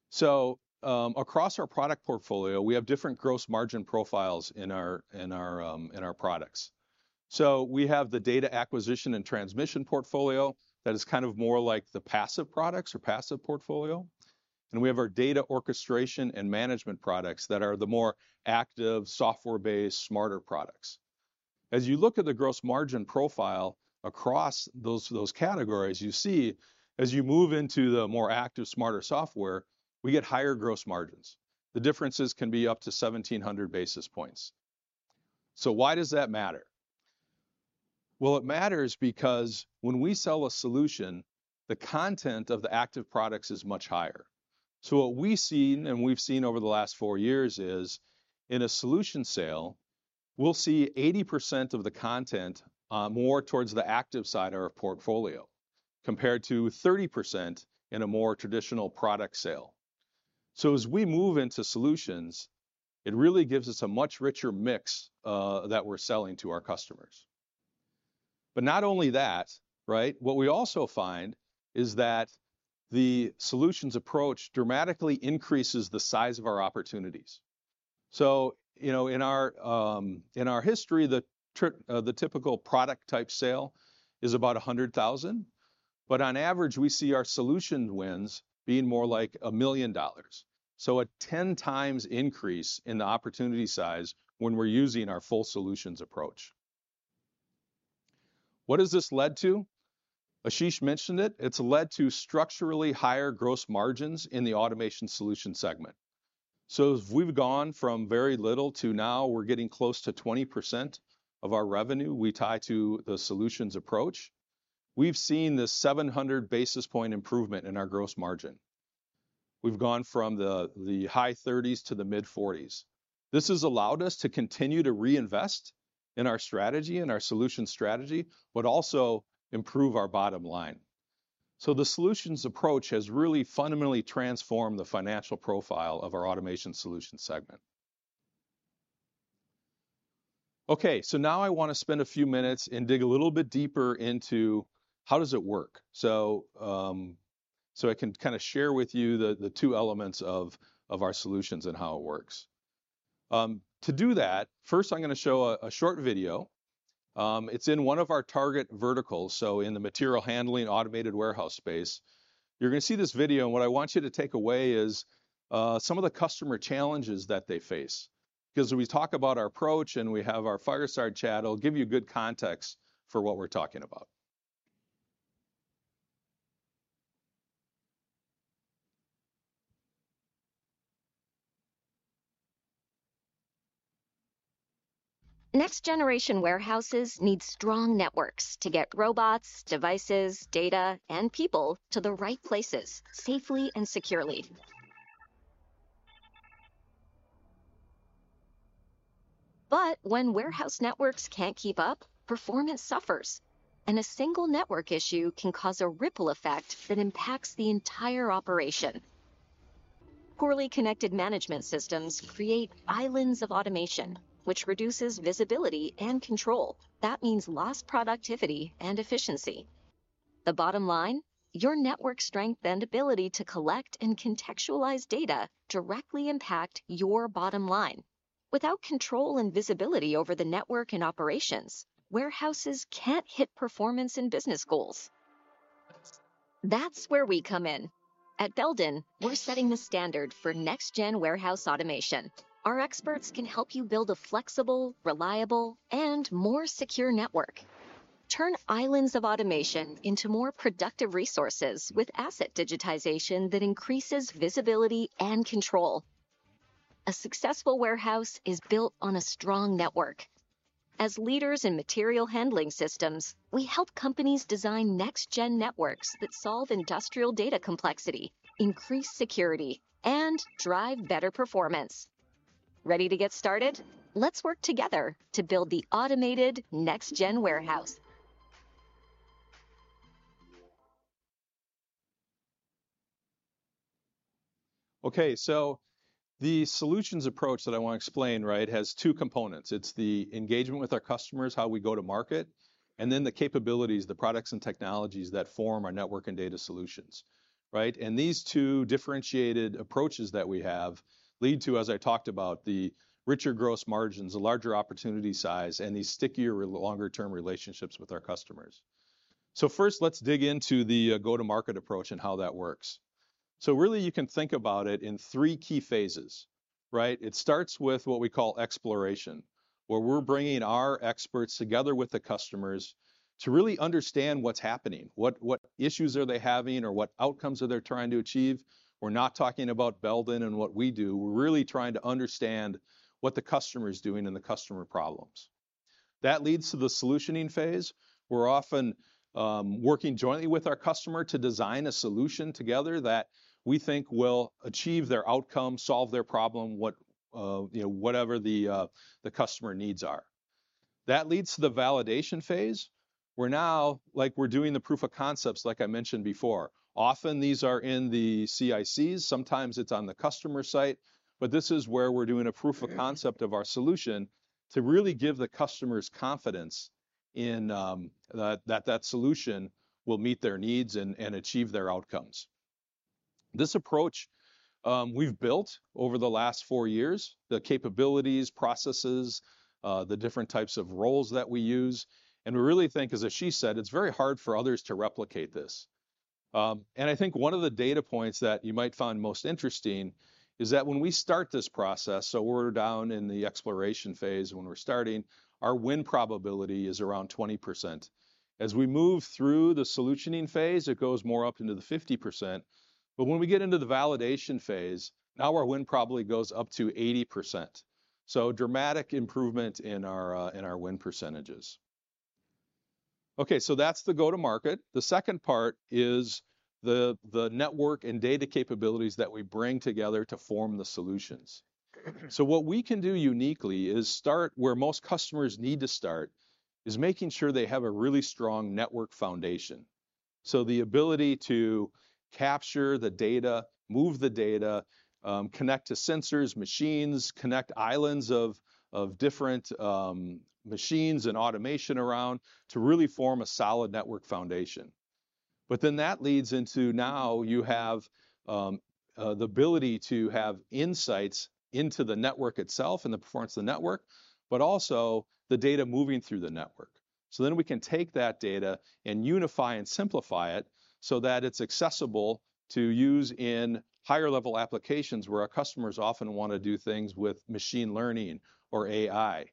So, across our product portfolio, we have different gross margin profiles in our products. So we have the data acquisition and transmission portfolio that is kind of more like the passive products or passive portfolio, and we have our data orchestration and management products that are the more active, software-based, smarter products. As you look at the gross margin profile across those categories, you see as you move into the more active, smarter software, we get higher gross margins. The differences can be up to seventeen hundred basis points. So why does that matter? Well, it matters because when we sell a solution, the content of the active products is much higher. So what we've seen, and we've seen over the last four years, is in a solution sale, we'll see 80% of the content more towards the active side of our portfolio, compared to 30% in a more traditional product sale. So as we move into solutions, it really gives us a much richer mix that we're selling to our customers. But not only that, right? What we also find is that the solutions approach dramatically increases the size of our opportunities. So, you know, in our, in our history, the typical product-type sale is about $100,000, but on average, we see our solution wins being more like $1 million. So a ten times increase in the opportunity size when we're using our full solutions approach. What has this led to? Ashish mentioned it. It's led to structurally higher gross margins in the Automation Solutions segment. So as we've gone from very little to now, we're getting close to 20% of our revenue we tie to the solutions approach. We've seen this seven hundred basis points improvement in our gross margin. We've gone from the high thirties to the mid-40s. This has allowed us to continue to reinvest in our strategy and our solution strategy, but also improve our bottom line. So the solutions approach has really fundamentally transformed the financial profile of our Automation Solutions segment. Okay, so now I want to spend a few minutes and dig a little bit deeper into how does it work? So, I can kind of share with you the two elements of our solutions and how it works. To do that, first, I'm going to show a short video. It's in one of our target verticals, so in the material handling automated warehouse space. You're going to see this video, and what I want you to take away is some of the customer challenges that they face. 'Cause when we talk about our approach, and we have our fireside chat, it'll give you good context for what we're talking about. Next generation warehouses need strong networks to get robots, devices, data, and people to the right places, safely and securely. But when warehouse networks can't keep up, performance suffers, and a single network issue can cause a ripple effect that impacts the entire operation. Poorly connected management systems create islands of automation, which reduces visibility and control. That means lost productivity and efficiency. The bottom line, your network strength and ability to collect and contextualize data directly impact your bottom line. Without control and visibility over the network and operations, warehouses can't hit performance and business goals. That's where we come in. At Belden, we're setting the standard for next-gen warehouse automation. Our experts can help you build a flexible, reliable, and more secure network. Turn islands of automation into more productive resources with asset digitization that increases visibility and control. A successful warehouse is built on a strong network. As leaders in material handling systems, we help companies design next-gen networks that solve industrial data complexity, increase security, and drive better performance. Ready to get started? Let's work together to build the automated next-gen warehouse. Okay, so the solutions approach that I want to explain, right, has two components. It's the engagement with our customers, how we go to market, and then the capabilities, the products and technologies that form our network and data solutions, right? And these two differentiated approaches that we have lead to, as I talked about, the richer gross margins, the larger opportunity size, and these stickier, longer-term relationships with our customers. So first, let's dig into the go-to-market approach and how that works. So really, you can think about it in three key phases, right? It starts with what we call exploration, where we're bringing our experts together with the customers to really understand what's happening, what issues are they having, or what outcomes are they trying to achieve. We're not talking about Belden and what we do. We're really trying to understand what the customer is doing and the customer problems. That leads to the solutioning phase. We're often working jointly with our customer to design a solution together that we think will achieve their outcome, solve their problem, what, you know, whatever the customer needs are. That leads to the validation phase, where now, like we're doing the proof of concepts, like I mentioned before. Often, these are in the CICs, sometimes it's on the customer site, but this is where we're doing a proof of concept of our solution to really give the customers confidence in that solution will meet their needs and achieve their outcomes. This approach we've built over the last four years, the capabilities, processes, the different types of roles that we use, and we really think, as Ashish said, it's very hard for others to replicate this. And I think one of the data points that you might find most interesting is that when we start this process, so we're down in the exploration phase when we're starting, our win probability is around 20%. As we move through the solutioning phase, it goes more up into the 50%. But when we get into the validation phase, now our win probability goes up to 80%, so dramatic improvement in our in our win percentages. Okay, so that's the go-to-market. The second part is the the network and data capabilities that we bring together to form the solutions. So what we can do uniquely is start where most customers need to start, is making sure they have a really strong network foundation. So the ability to capture the data, move the data, connect to sensors, machines, connect islands of different machines and automation around to really form a solid network foundation. But then that leads into now you have the ability to have insights into the network itself and the performance of the network, but also the data moving through the network. So then we can take that data and unify and simplify it so that it's accessible to use in higher level applications, where our customers often want to do things with machine learning or AI.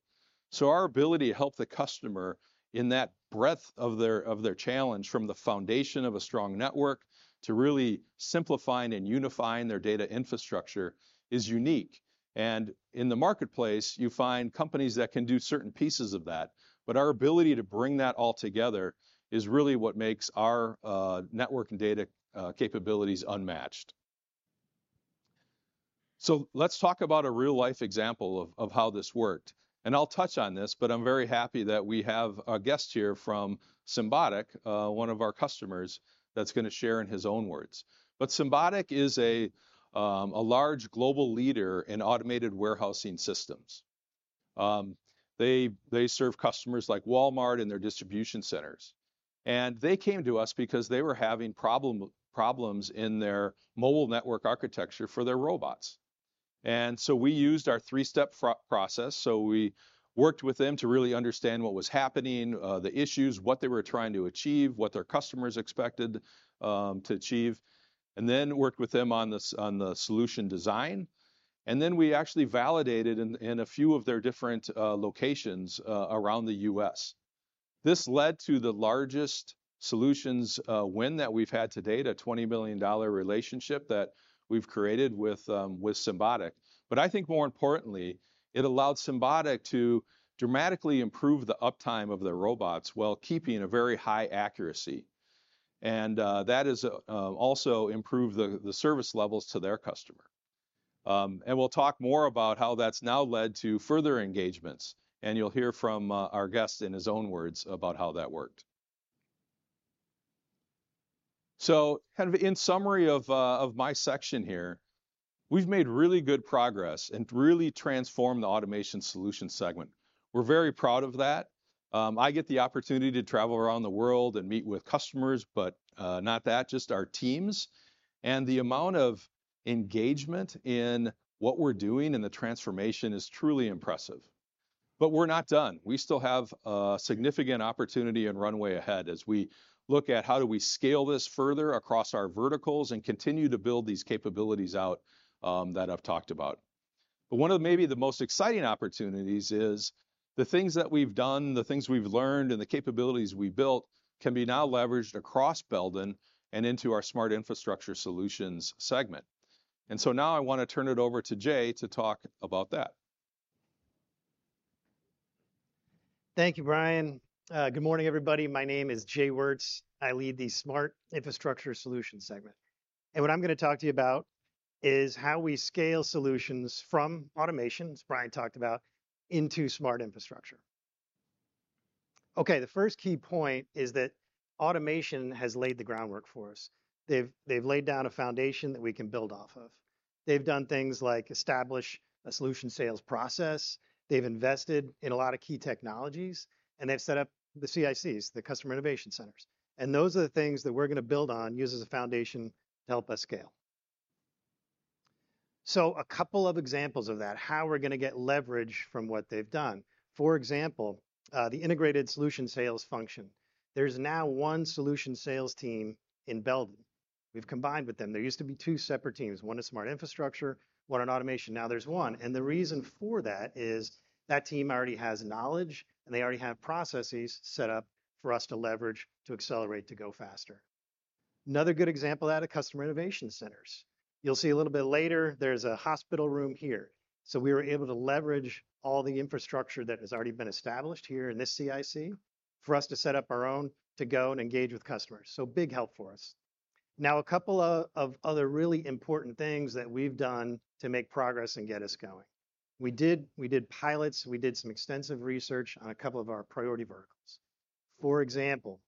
Our ability to help the customer in that breadth of their challenge, from the foundation of a strong network to really simplifying and unifying their data infrastructure, is unique. In the marketplace, you find companies that can do certain pieces of that, but our ability to bring that all together is really what makes our network and data capabilities unmatched. Let's talk about a real-life example of how this worked, and I'll touch on this, but I'm very happy that we have a guest here from Symbotic, one of our customers, that's gonna share in his own words. Symbotic is a large global leader in automated warehousing systems. They serve customers like Walmart in their distribution centers. They came to us because they were having problems in their mobile network architecture for their robots. And so we used our three-step process. So we worked with them to really understand what was happening, the issues, what they were trying to achieve, what their customers expected to achieve, and then worked with them on the solution design. And then we actually validated in a few of their different locations around the U.S. This led to the largest solutions win that we've had to date, a $20 million relationship that we've created with Symbotic. But I think more importantly, it allowed Symbotic to dramatically improve the uptime of their robots while keeping a very high accuracy. And that has also improved the service levels to their customer. And we'll talk more about how that's now led to further engagements, and you'll hear from our guest in his own words about how that worked. So kind of in summary of my section here, we've made really good progress and really transformed the Automation Solutions segment. We're very proud of that. I get the opportunity to travel around the world and meet with customers, but not that, just our teams. And the amount of engagement in what we're doing and the transformation is truly impressive. But we're not done. We still have a significant opportunity and runway ahead as we look at how do we scale this further across our verticals and continue to build these capabilities out that I've talked about. But one of maybe the most exciting opportunities is the things that we've done, the things we've learned, and the capabilities we've built can be now leveraged across Belden and into our Smart Infrastructure Solutions segment. And so now I want to turn it over to Jay to talk about that. Thank you, Brian. Good morning, everybody. My name is Jay Wirts. I lead the Smart Infrastructure Solutions segment, and what I'm gonna talk to you about is how we scale solutions from automation, as Brian talked about, into Smart Infrastructure. Okay, the first key point is that automation has laid the groundwork for us. They've laid down a foundation that we can build off of. They've done things like establish a solution sales process, they've invested in a lot of key technologies, and they've set up the CICs, the Customer Innovation Centers. And those are the things that we're gonna build on, use as a foundation to help us scale. So a couple of examples of that, how we're gonna get leverage from what they've done. For example, the integrated solution sales function. There's now one solution sales team in Belden. We've combined with them. There used to be two separate teams, one in Smart Infrastructure, one in automation. Now there's one, and the reason for that is that team already has knowledge, and they already have processes set up for us to leverage, to accelerate, to go faster. Another good example of that are Customer Innovation Centers. You'll see a little bit later, there's a hospital room here, so we were able to leverage all the infrastructure that has already been established here in this CIC for us to set up our own, to go and engage with customers. So big help for us. Now, a couple of other really important things that we've done to make progress and get us going. We did pilots. We did some extensive research on a couple of our priority verticals. For example,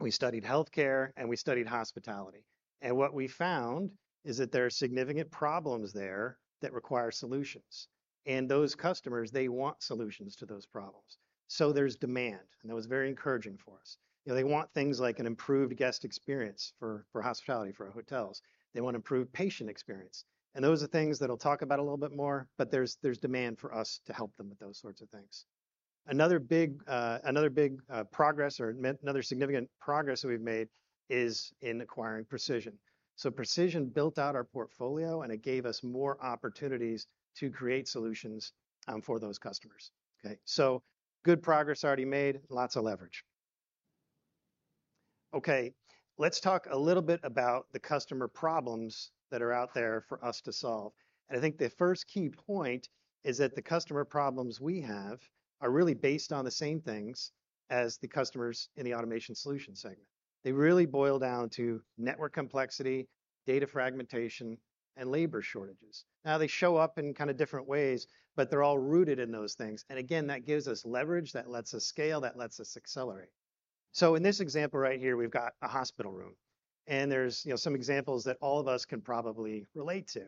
we studied healthcare, and we studied hospitality. What we found is that there are significant problems there that require solutions. Those customers, they want solutions to those problems. There's demand, and that was very encouraging for us. You know, they want things like an improved guest experience for, for hospitality, for our hotels. They want improved patient experience, and those are things that I'll talk about a little bit more, but there's demand for us to help them with those sorts of things. Another big, another significant progress we've made is in acquiring Precision. So Precision built out our portfolio, and it gave us more opportunities to create solutions, for those customers. Okay, so good progress already made, lots of leverage. Okay, let's talk a little bit about the customer problems that are out there for us to solve. I think the first key point is that the customer problems we have are really based on the same things as the customers in the Automation Solutions segment. They really boil down to network complexity, data fragmentation, and labor shortages. Now, they show up in kind of different ways, but they're all rooted in those things. And again, that gives us leverage, that lets us scale, that lets us accelerate. So in this example right here, we've got a hospital room, and there's, you know, some examples that all of us can probably relate to.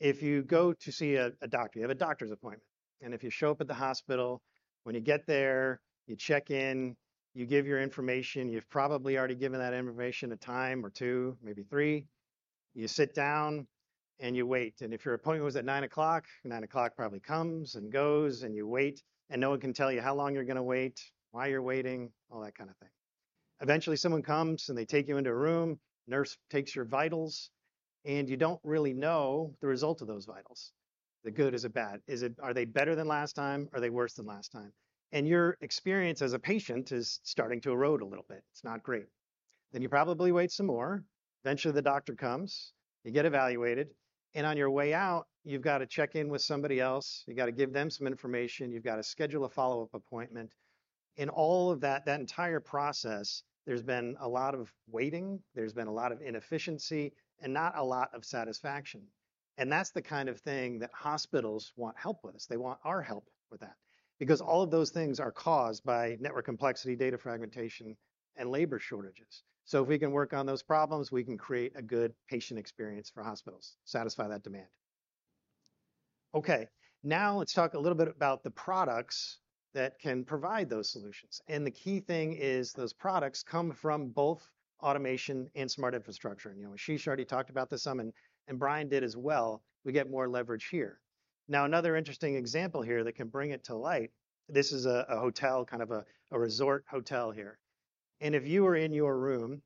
If you go to see a doctor, you have a doctor's appointment, and if you show up at the hospital, when you get there, you check in, you give your information, you've probably already given that information a time or two, maybe three. You sit down and you wait, and if your appointment was at 9:00 A.M., 9:00 A.M. probably comes and goes, and you wait, and no one can tell you how long you're gonna wait, why you're waiting, all that kind of thing. Eventually, someone comes and they take you into a room, nurse takes your vitals, and you don't really know the result of those vitals. Is it good? Is it bad? Are they better than last time? Are they worse than last time? Your experience as a patient is starting to erode a little bit. It's not great. You probably wait some more. Eventually, the doctor comes, you get evaluated, and on your way out, you've got to check in with somebody else. You've got to give them some information. You've got to schedule a follow-up appointment. In all of that, that entire process, there's been a lot of waiting, there's been a lot of inefficiency, and not a lot of satisfaction, and that's the kind of thing that hospitals want help with. They want our help with that because all of those things are caused by network complexity, data fragmentation, and labor shortages. So if we can work on those problems, we can create a good patient experience for hospitals, satisfy that demand. Okay, now let's talk a little bit about the products that can provide those solutions, and the key thing is those products come from both automation and Smart Infrastructure, and you know, Ashish already talked about this some, and, and Brian did as well. We get more leverage here. Now, another interesting example here that can bring it to light, this is a hotel, kind of a resort hotel here. If you were in your room,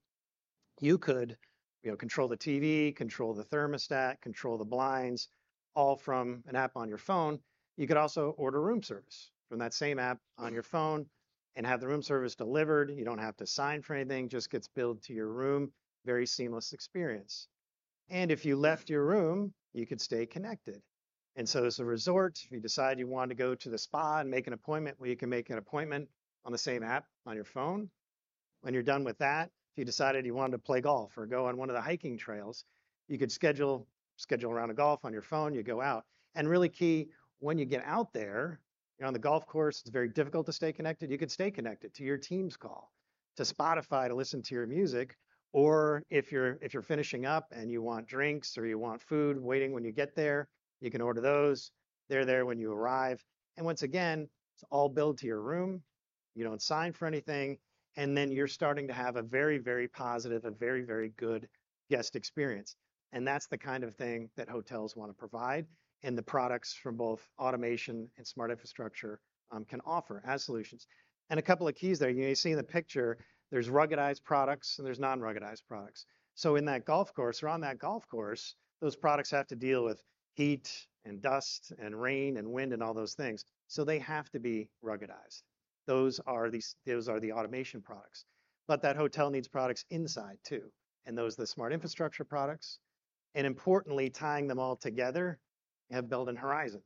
you could, you know, control the TV, control the thermostat, control the blinds, all from an app on your phone. You could also order room service from that same app on your phone and have the room service delivered. You don't have to sign for anything, just gets billed to your room. Very seamless experience. If you left your room, you could stay connected. As a resort, if you decide you want to go to the spa and make an appointment, well, you can make an appointment on the same app on your phone. When you're done with that, if you decided you wanted to play golf or go on one of the hiking trails, you could schedule a round of golf on your phone, you go out. And really key, when you get out there, you're on the golf course, it's very difficult to stay connected. You could stay connected to your Teams call, to Spotify to listen to your music, or if you're finishing up and you want drinks or you want food waiting when you get there, you can order those. They're there when you arrive. And once again, it's all billed to your room. You don't sign for anything, and then you're starting to have a very, very positive, a very, very good guest experience. And that's the kind of thing that hotels wanna provide, and the products from both automation and Smart Infrastructure can offer as solutions. And a couple of keys there. You know, you see in the picture, there's ruggedized products and there's non-ruggedized products. So in that golf course or on that golf course, those products have to deal with heat and dust and rain and wind and all those things, so they have to be ruggedized. Those are these, those are the automation products. But that hotel needs products inside, too, and those are the Smart Infrastructure products, and importantly, tying them all together, you have Belden Horizon.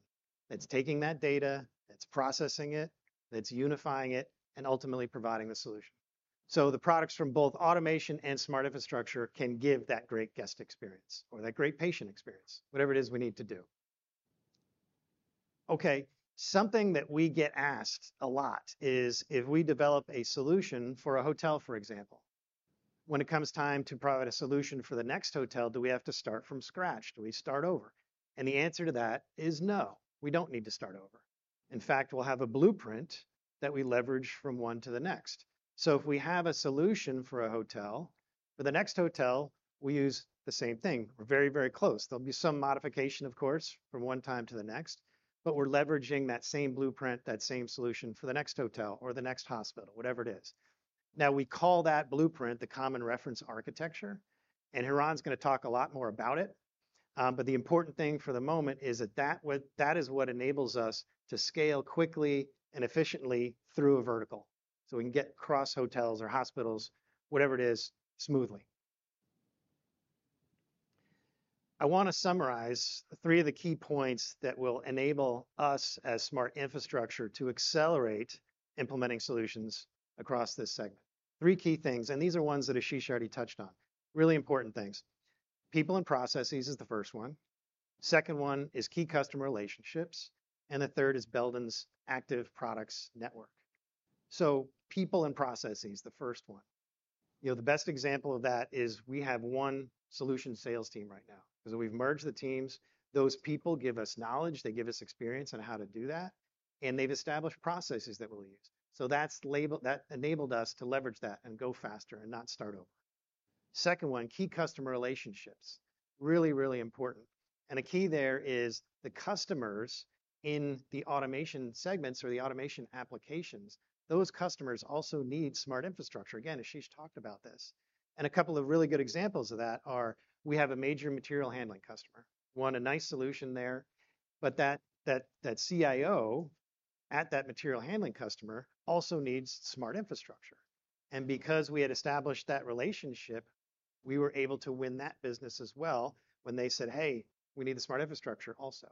It's taking that data, it's processing it, it's unifying it, and ultimately providing the solution. So the products from both automation and Smart Infrastructure can give that great guest experience or that great patient experience, whatever it is we need to do. Okay, something that we get asked a lot is, if we develop a solution for a hotel, for example, when it comes time to provide a solution for the next hotel, do we have to start from scratch? Do we start over? And the answer to that is no, we don't need to start over. In fact, we'll have a blueprint that we leverage from one to the next. So if we have a solution for a hotel, for the next hotel, we use the same thing. We're very, very close. There'll be some modification, of course, from one time to the next, but we're leveraging that same blueprint, that same solution, for the next hotel or the next hospital, whatever it is. Now, we call that blueprint the Common Reference Architecture, and Hiran's gonna talk a lot more about it. But the important thing for the moment is that that is what enables us to scale quickly and efficiently through a vertical, so we can get across hotels or hospitals, whatever it is, smoothly. I wanna summarize three of the key points that will enable us, as Smart Infrastructure, to accelerate implementing solutions across this segment. Three key things, and these are ones that Ashish already touched on. Really important things. People and processes is the first one. Second one is key customer relationships, and the third is Belden's Active Products network. So people and processes, the first one. You know, the best example of that is we have one solution sales team right now, 'cause we've merged the teams. Those people give us knowledge, they give us experience on how to do that, and they've established processes that we'll use. So that's that enabled us to leverage that and go faster and not start over. Second one, key customer relationships. Really, really important. A key there is the customers in the automation segments or the automation applications. Those customers also need Smart Infrastructure. Again, Ashish talked about this. A couple of really good examples of that are, we have a major material handling customer, want a nice solution there, but that CIO at that material handling customer also needs Smart Infrastructure. And because we had established that relationship, we were able to win that business as well when they said, "Hey, we need the Smart Infrastructure also."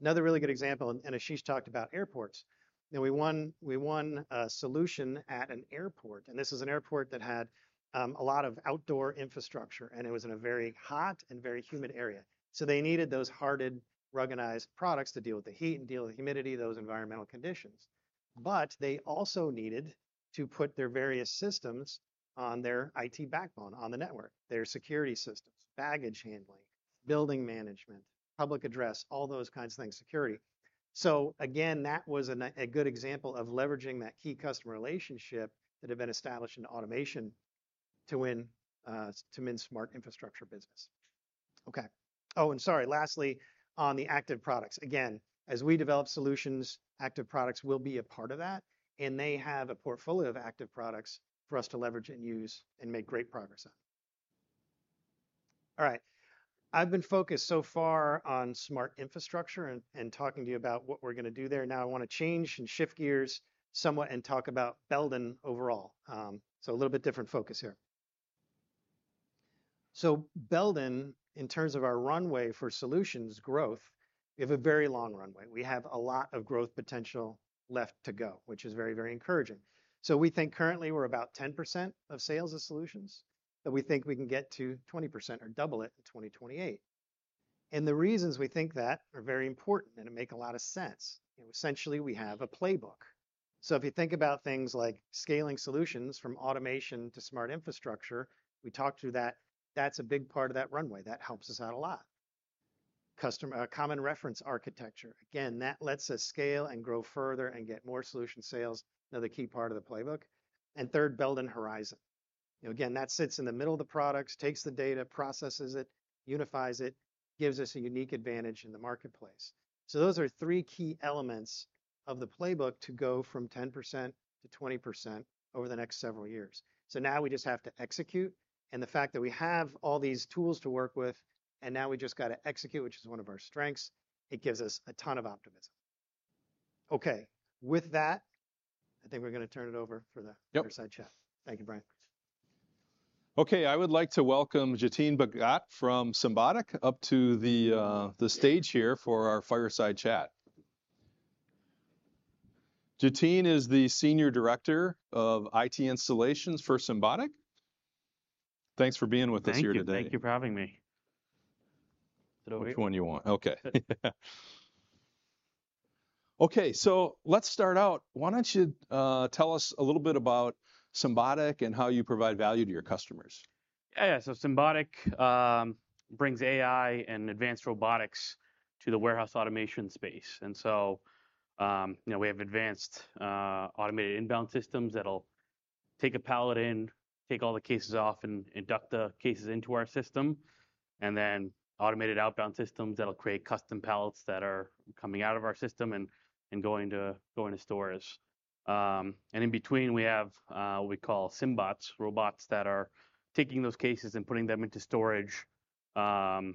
Another really good example, Ashish talked about airports. You know, we won a solution at an airport, and this is an airport that had a lot of outdoor infrastructure, and it was in a very hot and very humid area. So they needed those hardened-... Ruggedized products to deal with the heat and deal with the humidity, those environmental conditions. But they also needed to put their various systems on their IT backbone, on the network, their security systems, baggage handling, building management, public address, all those kinds of things, security. So again, that was a good example of leveraging that key customer relationship that had been established in automation to win Smart Infrastructure business. Okay. Oh, and sorry, lastly, on the active products. Again, as we develop solutions, active products will be a part of that, and they have a portfolio of active products for us to leverage and use and make great progress on. All right. I've been focused so far on Smart Infrastructure and talking to you about what we're going to do there. Now I want to change and shift gears somewhat and talk about Belden overall. So a little bit different focus here. So Belden, in terms of our runway for solutions growth, we have a very long runway. We have a lot of growth potential left to go, which is very, very encouraging. So we think currently we're about 10% of sales as solutions, but we think we can get to 20% or double it in 2028. And the reasons we think that are very important and they make a lot of sense. Essentially, we have a playbook. So if you think about things like scaling solutions from automation to Smart Infrastructure, we talked through that. That's a big part of that runway. That helps us out a lot. Custom... Common Reference Architecture. Again, that lets us scale and grow further and get more solution sales, another key part of the playbook. And third, Belden Horizon. You know, again, that sits in the middle of the products, takes the data, processes it, unifies it, gives us a unique advantage in the marketplace. So those are three key elements of the playbook to go from 10% to 20% over the next several years. So now we just have to execute, and the fact that we have all these tools to work with, and now we just got to execute, which is one of our strengths. It gives us a ton of optimism. Okay. With that, I think we're going to turn it over for the- Yep ...fireside chat. Thank you, Brian. Okay, I would like to welcome Jitin Bhagat from Symbotic up to the stage here for our fireside chat. Jitin is the Senior Director of IT Installations for Symbotic. Thanks for being with us here today. Thank you. Thank you for having me. Which one you want? Okay. Okay, so let's start out. Why don't you tell us a little bit about Symbotic and how you provide value to your customers? Yeah, so Symbotic brings AI and advanced robotics to the warehouse automation space. And so, you know, we have advanced automated inbound systems that'll take a pallet in, take all the cases off, and induct the cases into our system, and then automated outbound systems that'll create custom pallets that are coming out of our system and going to stores. And in between, we have what we call Symbots, robots that are taking those cases and putting them into storage and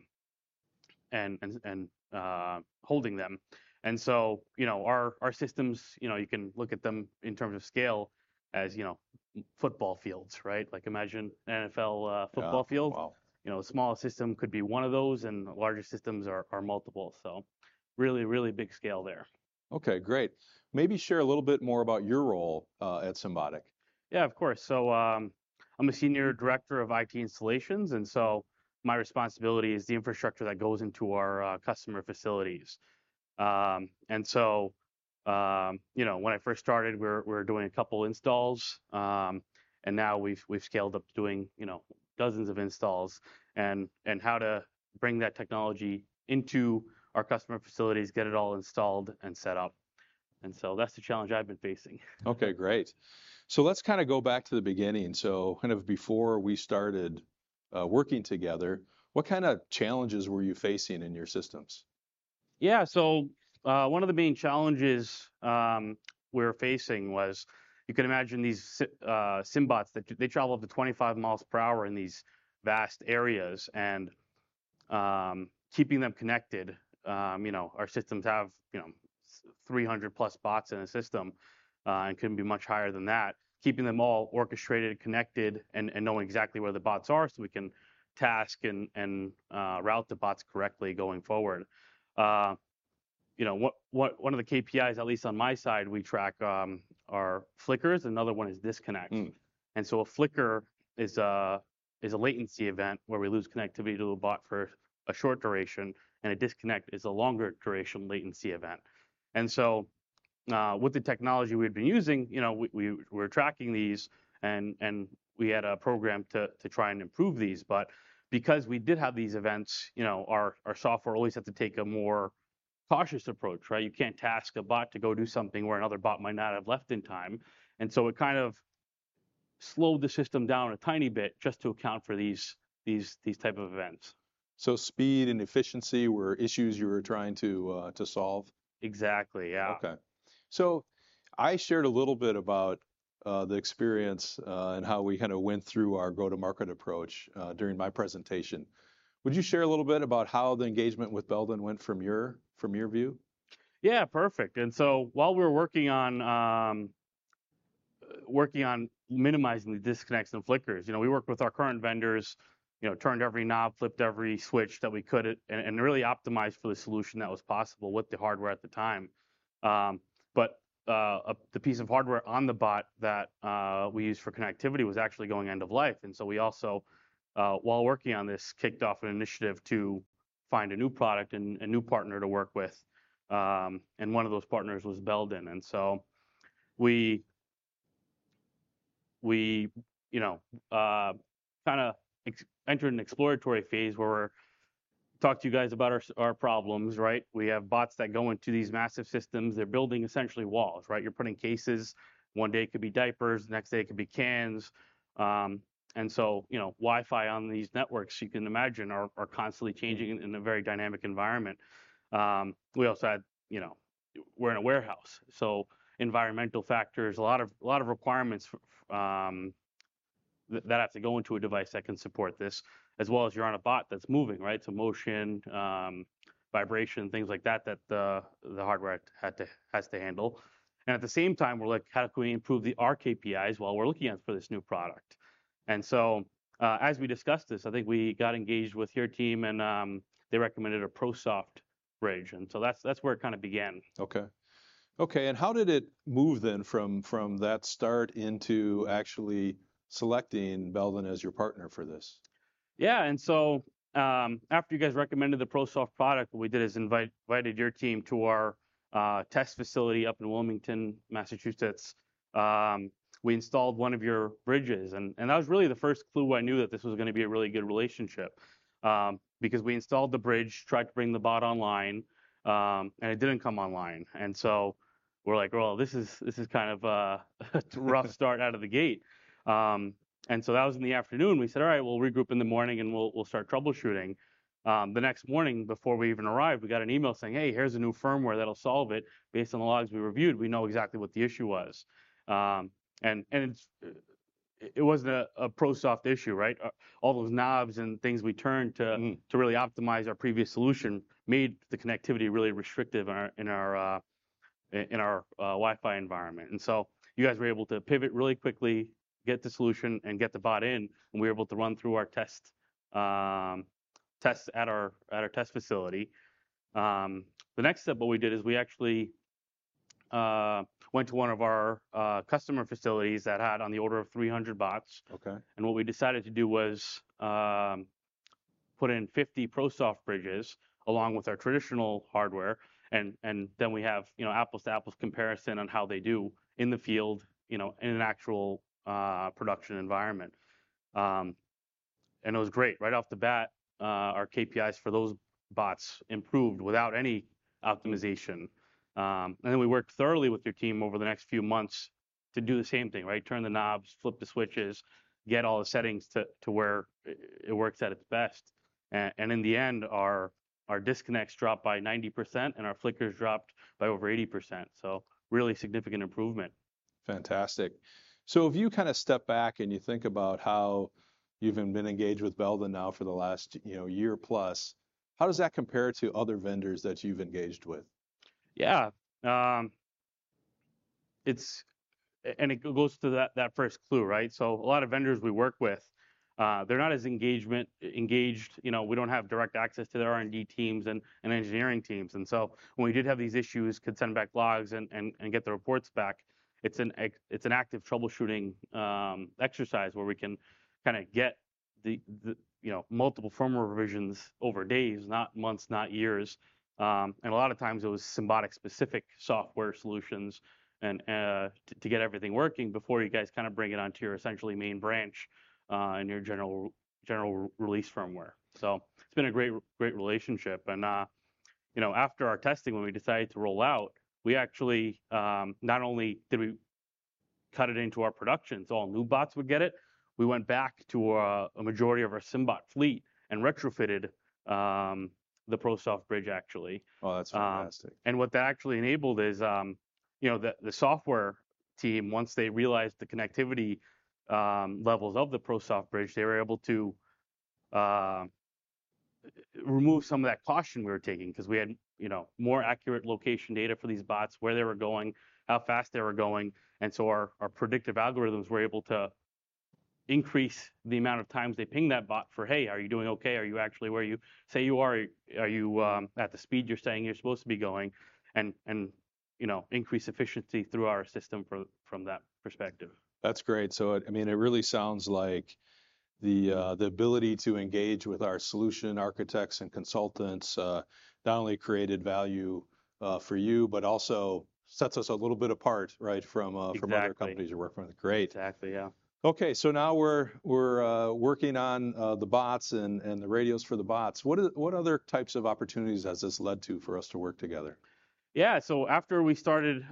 holding them. And so, you know, our systems, you know, you can look at them in terms of scale as you know, football fields, right? Like, imagine NFL. Yeah... football field. Wow! You know, a smaller system could be one of those, and larger systems are multiple, so really, really big scale there. Okay, great. Maybe share a little bit more about your role at Symbotic. Yeah, of course. So, I'm a Senior Director of IT Installations, and so my responsibility is the infrastructure that goes into our customer facilities. And so, you know, when I first started, we were doing a couple installs, and now we've scaled up doing, you know, dozens of installs and how to bring that technology into our customer facilities, get it all installed and set up. And so that's the challenge I've been facing. Okay, great. So let's kind of go back to the beginning. So kind of before we started working together, what kind of challenges were you facing in your systems? Yeah, so one of the main challenges we were facing was, you can imagine these Symbots that they travel up to 25 mph in these vast areas. And keeping them connected, you know, our systems have, you know, 300+ bots in a system and can be much higher than that. Keeping them all orchestrated, connected, and knowing exactly where the bots are so we can task and route the bots correctly going forward. You know, one of the KPIs, at least on my side, we track, are flickers, another one is disconnect. Mm. And so a flicker is a latency event where we lose connectivity to a bot for a short duration, and a disconnect is a longer duration latency event. And so, with the technology we've been using, you know, we're tracking these, and we had a program to try and improve these. But because we did have these events, you know, our software always had to take a more cautious approach, right? You can't task a bot to go do something where another bot might not have left in time. And so it kind of slowed the system down a tiny bit just to account for these type of events. So speed and efficiency were issues you were trying to solve? Exactly. Yeah. Okay. So I shared a little bit about the experience, and how we kind of went through our go-to-market approach during my presentation. Would you share a little bit about how the engagement with Belden went from your view? Yeah, perfect. And so while we were working on working on minimizing the disconnects and flickers, you know, we worked with our current vendors, you know, turned every knob, flipped every switch that we could, and really optimized for the solution that was possible with the hardware at the time. But the piece of hardware on the bot that we used for connectivity was actually going end of life. And so we also while working on this, kicked off an initiative to find a new product and a new partner to work with, and one of those partners was Belden. And so we, you know, kind of entered an exploratory phase where we talked to you guys about our problems, right? We have bots that go into these massive systems. They're building essentially walls, right? You're putting cases, one day it could be diapers, the next day it could be cans, and so, you know, Wi-Fi on these networks, you can imagine, are constantly changing in a very dynamic environment. We also had, you know, we're in a warehouse, so environmental factors, a lot of requirements that have to go into a device that can support this, as well as you're on a bot that's moving, right, so motion, vibration, things like that, that the hardware has to handle. At the same time, we're like, "How can we improve our KPIs while we're looking at for this new product?" So, as we discussed this, I think we got engaged with your team, and they recommended a ProSoft Bridge, and so that's where it kind of began. Okay. Okay, and how did it move then from that start into actually selecting Belden as your partner for this? Yeah, and so, after you guys recommended the ProSoft product, what we did is invited your team to our test facility up in Wilmington, Massachusetts. We installed one of your bridges, and that was really the first clue I knew that this was gonna be a really good relationship. Because we installed the bridge, tried to bring the bot online, and it didn't come online. And so we're like: Well, this is kind of a rough start out of the gate. And so that was in the afternoon. We said, "All right, we'll regroup in the morning, and we'll start troubleshooting." The next morning, before we even arrived, we got an email saying, "Hey, here's a new firmware that'll solve it. Based on the logs we reviewed, we know exactly what the issue was." And it's... It wasn't a ProSoft issue, right? All those knobs and things we turned to- Mm... to really optimize our previous solution made the connectivity really restrictive in our Wi-Fi environment. And so you guys were able to pivot really quickly, get the solution, and get the bot in, and we were able to run through our tests at our test facility. The next step, what we did is we actually went to one of our customer facilities that had on the order of three hundred bots. Okay. And what we decided to do was, put in 50 ProSoft bridges, along with our traditional hardware, and then we have, you know, apples-to-apples comparison on how they do in the field, you know, in an actual production environment. And it was great. Right off the bat, our KPIs for those bots improved without any optimization. And then we worked thoroughly with your team over the next few months to do the same thing, right? Turn the knobs, flip the switches, get all the settings to where it works at its best. And in the end, our disconnects dropped by 90%, and our flickers dropped by over 80%, so really significant improvement. Fantastic. So if you kind of step back, and you think about how you've been engaged with Belden now for the last, you know, year plus, how does that compare to other vendors that you've engaged with? Yeah, and it goes to that first clue, right? So a lot of vendors we work with, they're not as engaged. You know, we don't have direct access to their R&D teams and get the reports back. It's an active troubleshooting exercise where we can kind of get the multiple firmware revisions over days, not months, not years, and a lot of times it was Symbotic-specific software solutions and to get everything working before you guys kind of bring it onto your essentially main branch and your general release firmware. So it's been a great relationship, and you know, after our testing, when we decided to roll out, we actually not only did we cut it into our production, so all new bots would get it, we went back to a majority of our Symbotic fleet and retrofitted the ProSoft Bridge, actually. Oh, that's fantastic. And what that actually enabled is, you know, the software team, once they realized the connectivity levels of the ProSoft Bridge, they were able to remove some of that caution we were taking. 'Cause we had, you know, more accurate location data for these bots, where they were going, how fast they were going, and so our predictive algorithms were able to increase the amount of times they pinged that bot for, "Hey, are you doing okay? Are you actually where you say you are? Are you at the speed you're saying you're supposed to be going?" And you know, increase efficiency through our system from that perspective. That's great. So it, I mean, it really sounds like the ability to engage with our solution architects and consultants not only created value for you but also sets us a little bit apart, right, from- Exactly... from other companies you work with. Great! Exactly, yeah. Okay, so now we're working on the bots and the radios for the bots. What other types of opportunities has this led to for us to work together? Yeah. So after we started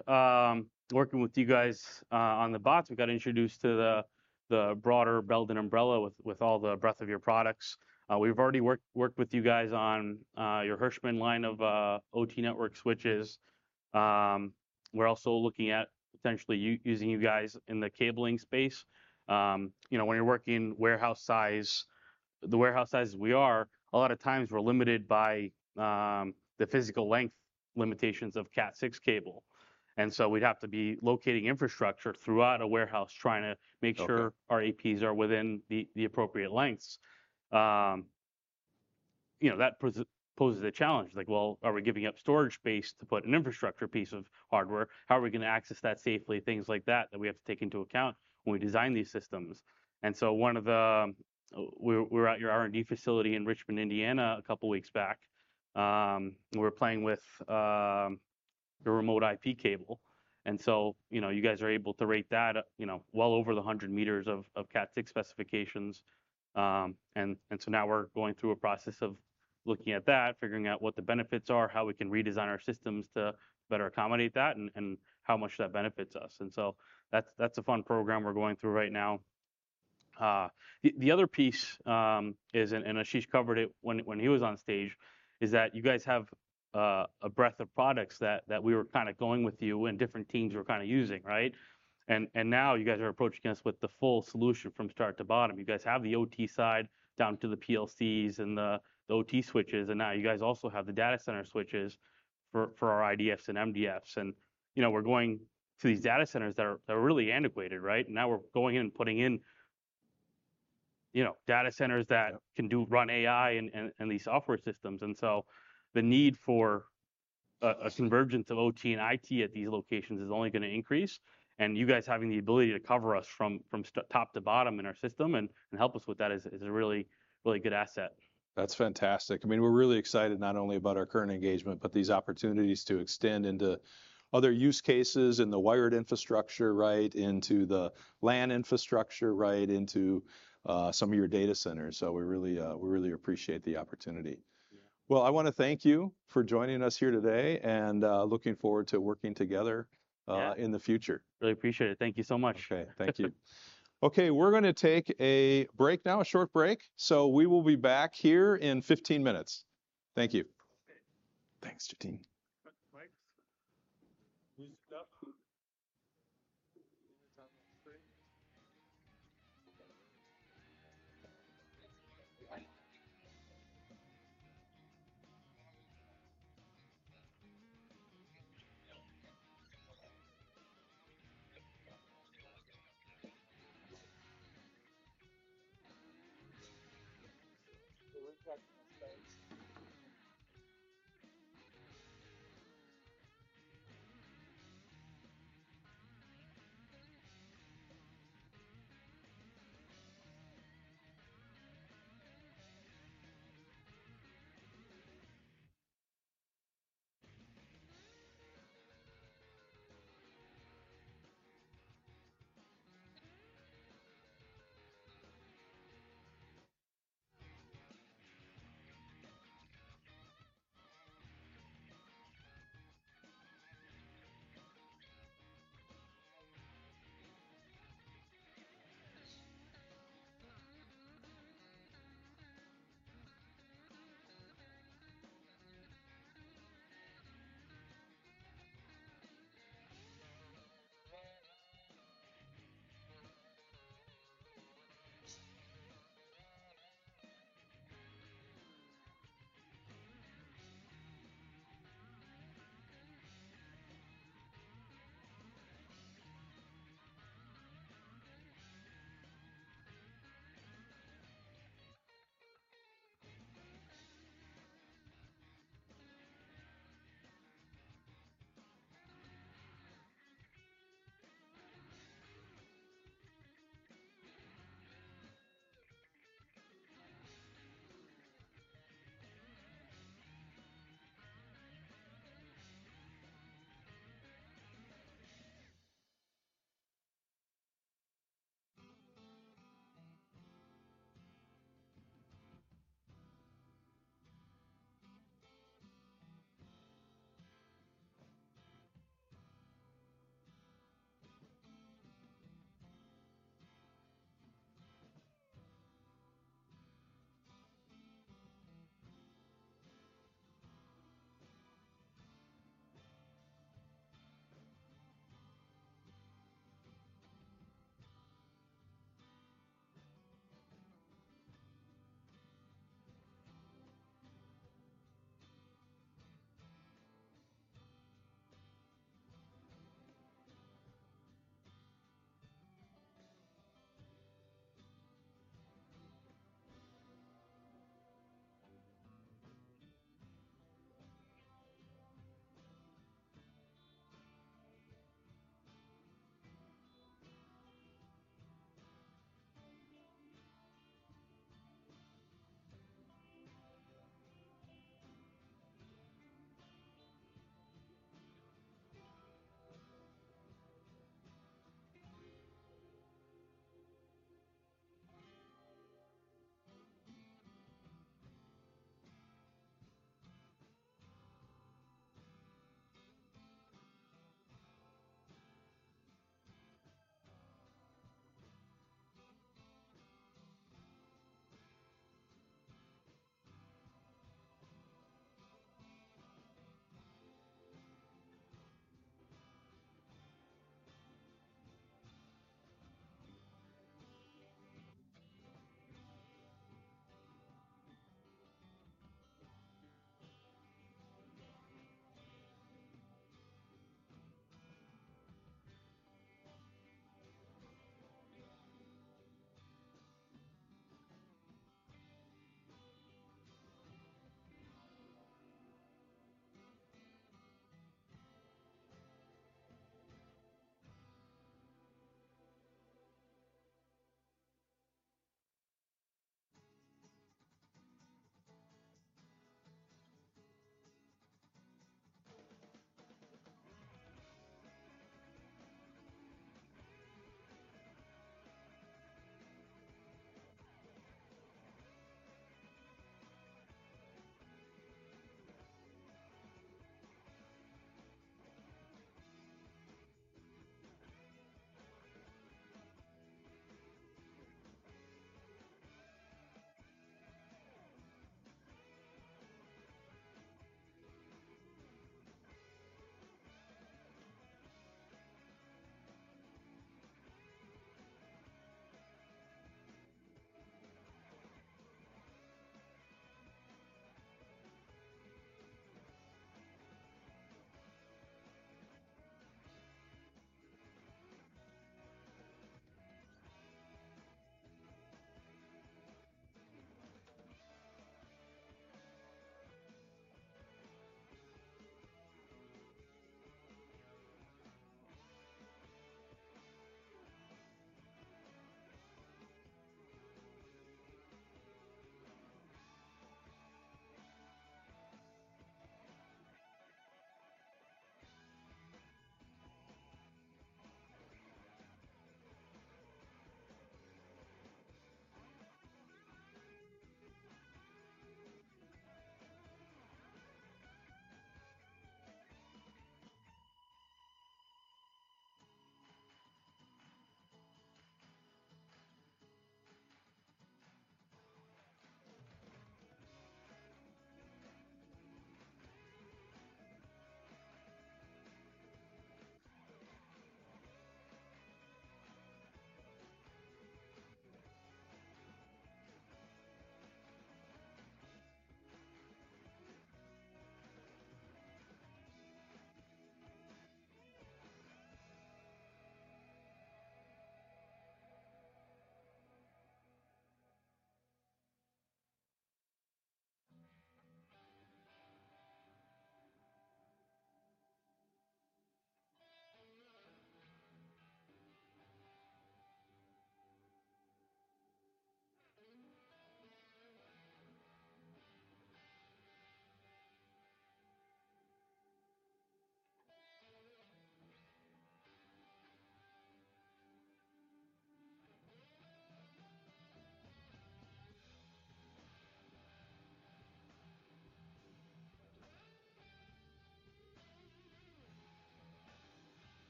working with you guys on the bots, we got introduced to the broader Belden umbrella with all the breadth of your products. We've already worked with you guys on your Hirschmann line of OT network switches. We're also looking at potentially using you guys in the cabling space. You know, when you're working warehouse size as we are, a lot of times we're limited by the physical length limitations of Cat6 cable, and so we'd have to be locating infrastructure throughout a warehouse, trying to make sure- Okay... our APs are within the appropriate lengths. You know, that presents a challenge. Like, well, are we giving up storage space to put an infrastructure piece of hardware? How are we gonna access that safely? Things like that, that we have to take into account when we design these systems. And so one of the, we were at your R&D facility in Richmond, Indiana, a couple weeks back. We were playing with your RemoteIP cable. And so, you know, you guys are able to rate that, you know, well over the 100 m of Cat 6 specifications. And so now we're going through a process of looking at that, figuring out what the benefits are, how we can redesign our systems to better accommodate that, and how much that benefits us. And so that's a fun program we're going through right now. The other piece is, and Ashish covered it when he was on stage, is that you guys have a breadth of products that we were kind of going with you, and different teams were kind of using, right? And now you guys are approaching us with the full solution from start to bottom. You guys have the OT side down to the PLCs and the OT switches, and now you guys also have the data center switches for our IDFs and MDFs. And, you know, we're going to these data centers that are really antiquated, right? Now we're going in and putting in, you know, data centers that can do run AI and these software systems. And so the need for a convergence of OT and IT at these locations is only gonna increase, and you guys having the ability to cover us from top to bottom in our system and help us with that is a really, really good asset. That's fantastic. I mean, we're really excited not only about our current engagement, but these opportunities to extend into other use cases in the wired infrastructure, right into the LAN infrastructure, right into some of your data centers. So we really appreciate the opportunity. Yeah. I want to thank you for joining us here today, and, looking forward to working together. Yeah. in the future. Really appreciate it. Thank you so much. Okay, thank you. Okay, we're gonna take a break now, a short break, so we will be back here in 15 minutes. Thank you. Thanks,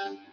Jitin. Mic. New stuff.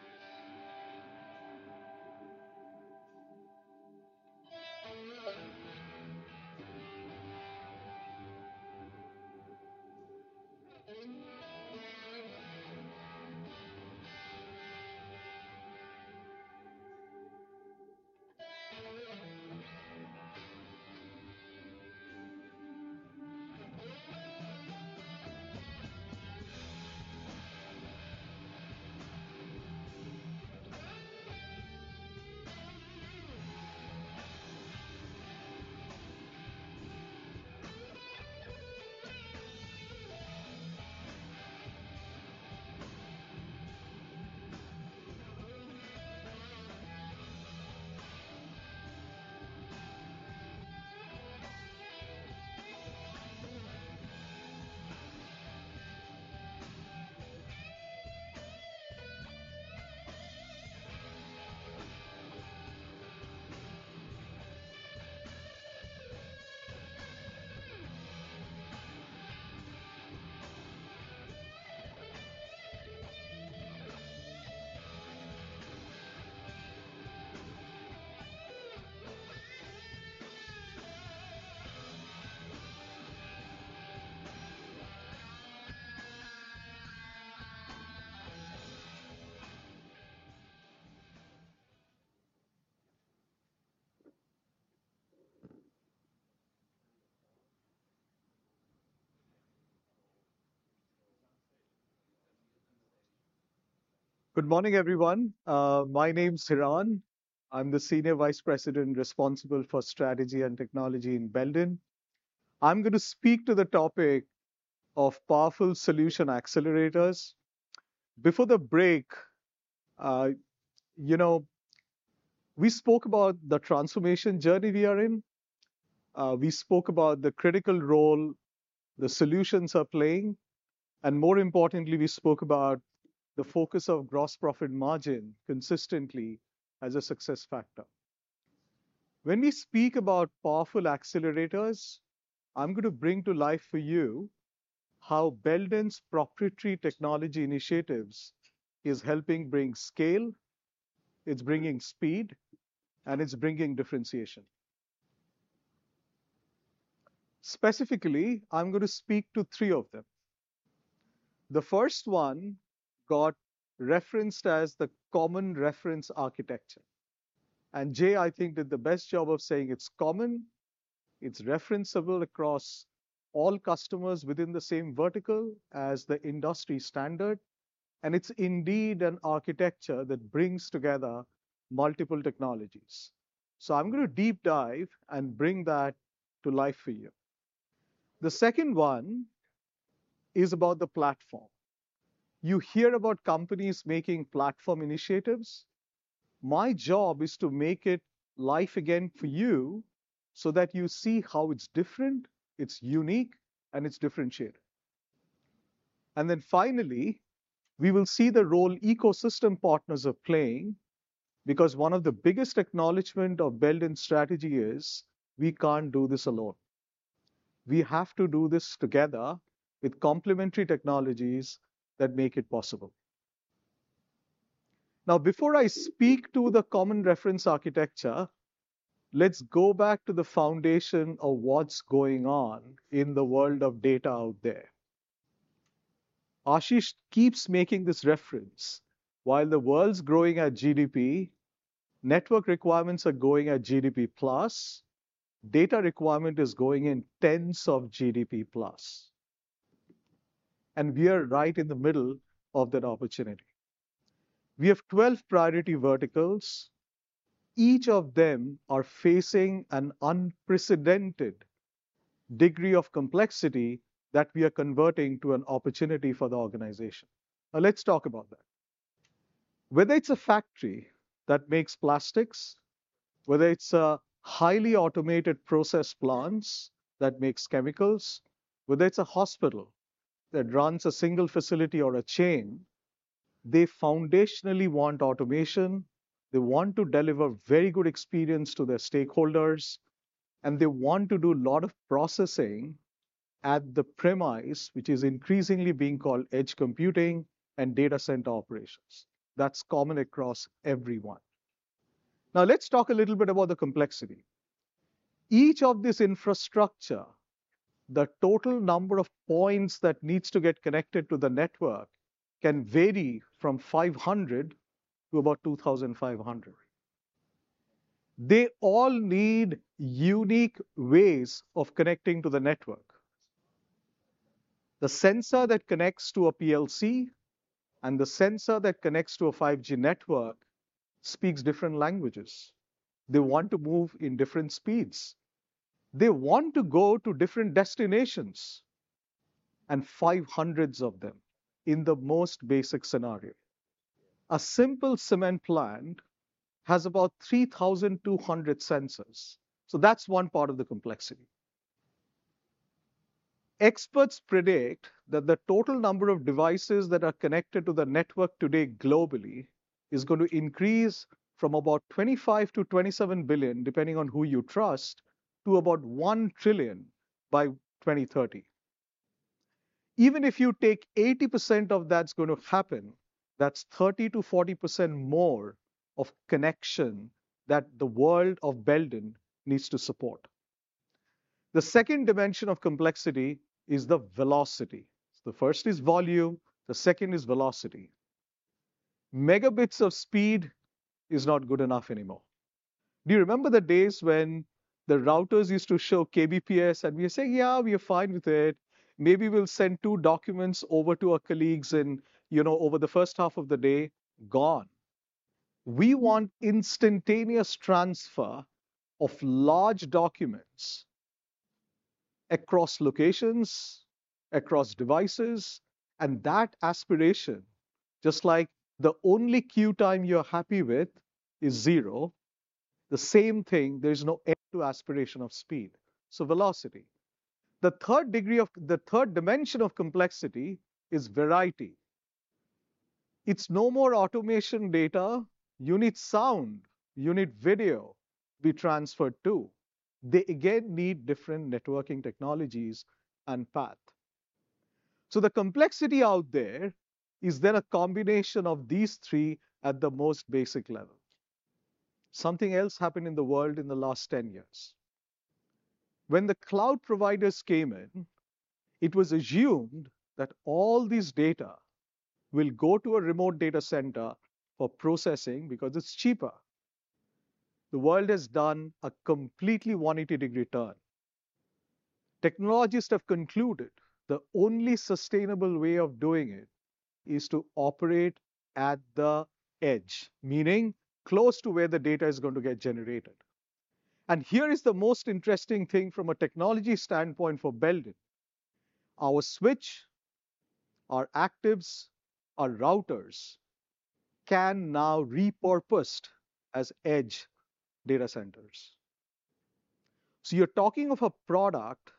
Good morning, everyone. My name's Hiran. I'm the Senior Vice President responsible for strategy and technology in Belden. I'm gonna speak to the topic of powerful solution accelerators. Before the break, you know, we spoke about the transformation journey we are in. We spoke about the critical role the solutions are playing, and more importantly, we spoke about the focus of gross profit margin consistently as a success factor. When we speak about powerful accelerators, I'm gonna bring to life for you how Belden's proprietary technology initiatives is helping bring scale, it's bringing speed, and it's bringing differentiation. Specifically, I'm gonna speak to three of them. The first one got referenced as the Common Reference Architecture, and Jay, I think, did the best job of saying it's common, it's referenceable across all customers within the same vertical as the industry standard, and it's indeed an architecture that brings together multiple technologies. So I'm gonna deep dive and bring that to life for you. The second one is about the platform. You hear about companies making platform initiatives. My job is to make it live again for you so that you see how it's different, it's unique, and it's differentiated. And then finally, we will see the role ecosystem partners are playing because one of the biggest acknowledgment of Belden's strategy is we can't do this alone. We have to do this together with complementary technologies that make it possible. Now, before I speak to the Common Reference Architecture, let's go back to the foundation of what's going on in the world of data out there. Ashish keeps making this reference. While the world's growing at GDP, network requirements are growing at GDP plus, data requirement is going in tens of GDP plus, and we are right in the middle of that opportunity. We have twelve priority verticals. Each of them are facing an unprecedented degree of complexity that we are converting to an opportunity for the organization. Now, let's talk about that. Whether it's a factory that makes plastics, whether it's a highly automated process plants that makes chemicals, whether it's a hospital that runs a single facility or a chain, they foundationally want automation, they want to deliver very good experience to their stakeholders, and they want to do a lot of processing at the premise, which is increasingly being called edge computing and data center operations. That's common across everyone. Now, let's talk a little bit about the complexity. Each of this infrastructure, the total number of points that needs to get connected to the network can vary from 500 to about 2,500. They all need unique ways of connecting to the network... The sensor that connects to a PLC and the sensor that connects to a 5G network speaks different languages. They want to move in different speeds. They want to go to different destinations, and 500 of them in the most basic scenario. A simple cement plant has about 3,200 sensors, so that's one part of the complexity. Experts predict that the total number of devices that are connected to the network today globally is going to increase from about 25 billion to 27 billion, depending on who you trust, to about 1 trillion by 2030. Even if you take 80% of that's going to happen, that's 30%-40% more of connection that the world of Belden needs to support. The second dimension of complexity is the velocity. The first is volume, the second is velocity. Megabits of speed is not good enough anymore. Do you remember the days when the routers used to show kbps, and we say, "Yeah, we are fine with it. Maybe we'll send two documents over to our colleagues and, you know, over the first half of the day, gone. We want instantaneous transfer of large documents across locations, across devices, and that aspiration, just like the only queue time you're happy with, is zero. The same thing, there is no end to aspiration of speed. So velocity. The third dimension of complexity is variety. It's no more automation data, you need sound, you need video be transferred too. They, again, need different networking technologies and path. So the complexity out there is then a combination of these three at the most basic level. Something else happened in the world in the last ten years. When the cloud providers came in, it was assumed that all these data will go to a remote data center for processing because it's cheaper. The world has done a completely 180-degree turn. Technologists have concluded the only sustainable way of doing it is to operate at the edge, meaning close to where the data is going to get generated. And here is the most interesting thing from a technology standpoint for Belden. Our switch, our actives, our routers can now be repurposed as edge data centers. So you're talking of a product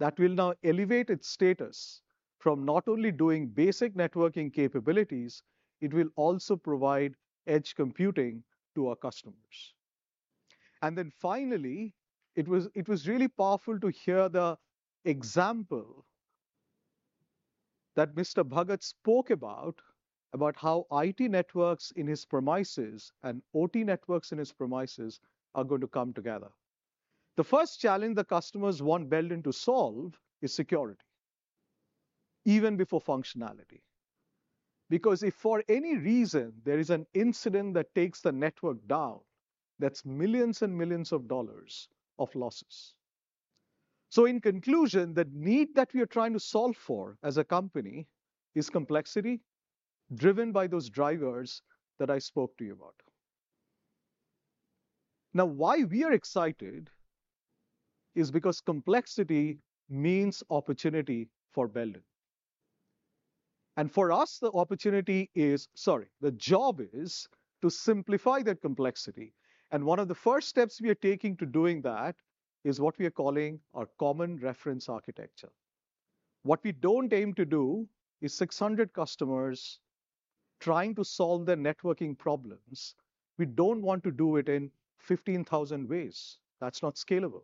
that will now elevate its status from not only doing basic networking capabilities, it will also provide edge computing to our customers. And then finally, it was really powerful to hear the example that Mr. Bhagat spoke about, about how IT networks in his premises and OT networks in his premises are going to come together. The first challenge the customers want Belden to solve is security, even before functionality, because if for any reason there is an incident that takes the network down, that's millions and millions of dollars of losses. So in conclusion, the need that we are trying to solve for as a company is complexity, driven by those drivers that I spoke to you about. Now, why we are excited is because complexity means opportunity for Belden. And for us, the opportunity is... Sorry, the job is to simplify that complexity, and one of the first steps we are taking to doing that is what we are calling our Common Reference Architecture. What we don't aim to do is 600 customers trying to solve their networking problems. We don't want to do it in 15,000 ways. That's not scalable.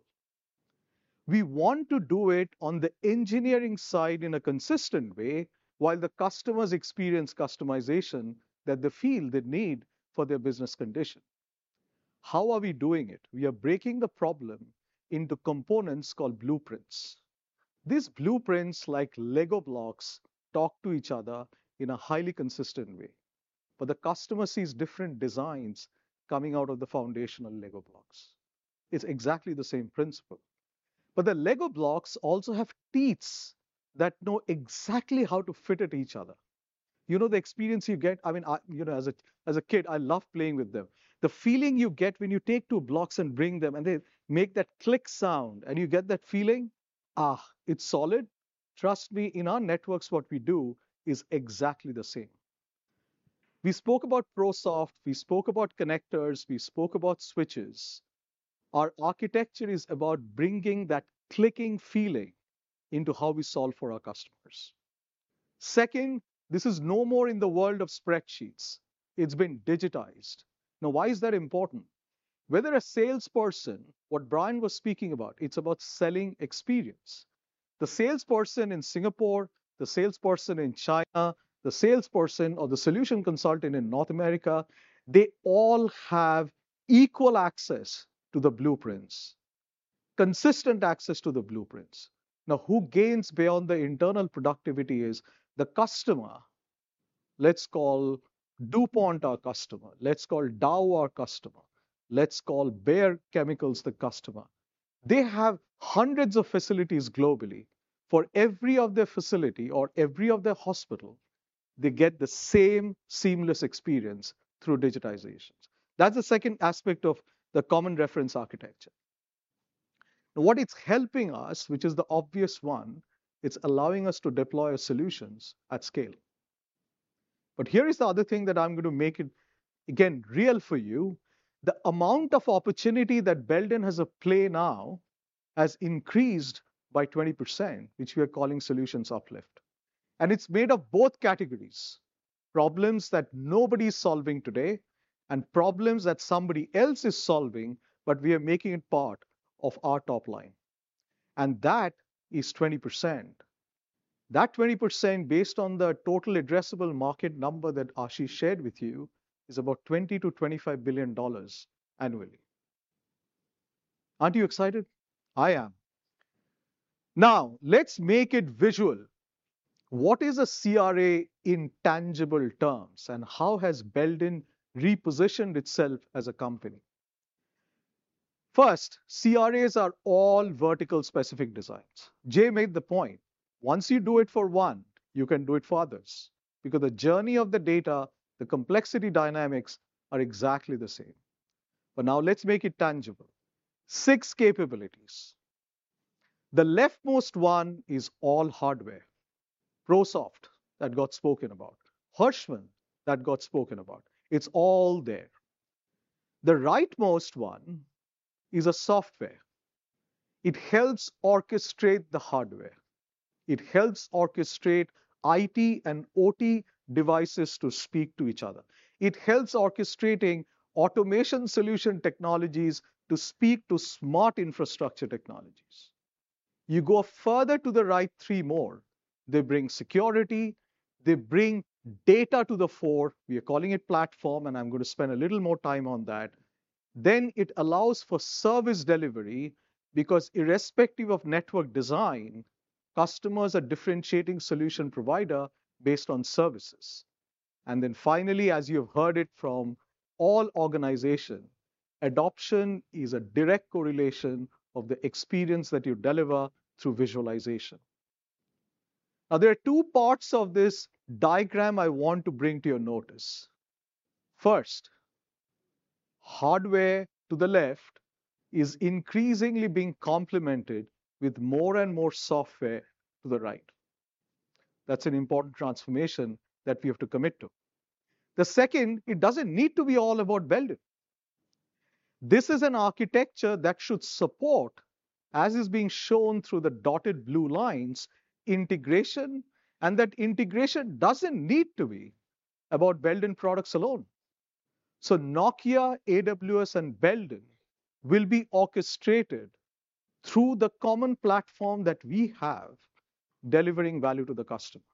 We want to do it on the engineering side in a consistent way, while the customers experience customization that they feel they need for their business condition. How are we doing it? We are breaking the problem into components called blueprints. These blueprints, like Lego blocks, talk to each other in a highly consistent way, but the customer sees different designs coming out of the foundational Lego blocks. It's exactly the same principle. But the Lego blocks also have teeth that know exactly how to fit at each other. You know, the experience you get, I mean, you know, as a kid, I loved playing with them. The feeling you get when you take two blocks and bring them, and they make that click sound, and you get that feeling, "Ah, it's solid." Trust me, in our networks, what we do is exactly the same. We spoke about ProSoft, we spoke about connectors, we spoke about switches. Our architecture is about bringing that clicking feeling into how we solve for our customers. Second, this is no more in the world of spreadsheets. It's been digitized. Now, why is that important? Whether a salesperson, what Brian was speaking about, it's about selling experience. The salesperson in Singapore, the salesperson in China, the salesperson or the solution consultant in North America, they all have equal access to the blueprints, consistent access to the blueprints. Now, who gains beyond the internal productivity is the customer. Let's call DuPont our customer, let's call Dow our customer, let's call Bayer Chemicals the customer. They have hundreds of facilities globally. For every one of their facilities or every one of their hospitals, they get the same seamless experience through digitization. That's the second aspect of the Common Reference Architecture. Now, what it's helping us, which is the obvious one, it's allowing us to deploy our solutions at scale. But here is the other thing that I'm gonna make it, again, real for you. The amount of opportunity that Belden has at play now has increased by 20%, which we are calling solutions uplift, and it's made of both categories: problems that nobody's solving today and problems that somebody else is solving, but we are making it part of our top line, and that is 20%. That 20%, based on the total addressable market number that Ashish shared with you, is about $20 billion-$25 billion annually. Aren't you excited? I am. Now, let's make it visual. What is a CRA in tangible terms, and how has Belden repositioned itself as a company? First, CRAs are all vertical-specific designs. Jay made the point: once you do it for one, you can do it for others because the journey of the data, the complexity dynamics, are exactly the same. But now let's make it tangible. Six capabilities. The leftmost one is all hardware. ProSoft, that got spoken about, Hirschmann, that got spoken about. It's all there. The rightmost one is a software. It helps orchestrate the hardware. It helps orchestrate IT and OT devices to speak to each other. It helps orchestrating automation solution technologies to speak to Smart Infrastructure technologies. You go further to the right, three more. They bring security, they bring data to the fore, we are calling it platform, and I'm gonna spend a little more time on that. Then it allows for service delivery because irrespective of network design, customers are differentiating solution provider based on services. Then finally, as you have heard it from all organizations, adoption is a direct correlation of the experience that you deliver through visualization. Now, there are two parts of this diagram I want to bring to your notice. First, hardware to the left is increasingly being complemented with more and more software to the right. That's an important transformation that we have to commit to. The second, it doesn't need to be all about Belden. This is an architecture that should support, as is being shown through the dotted blue lines, integration, and that integration doesn't need to be about Belden products alone. So Nokia, AWS, and Belden will be orchestrated through the common platform that we have, delivering value to the customer.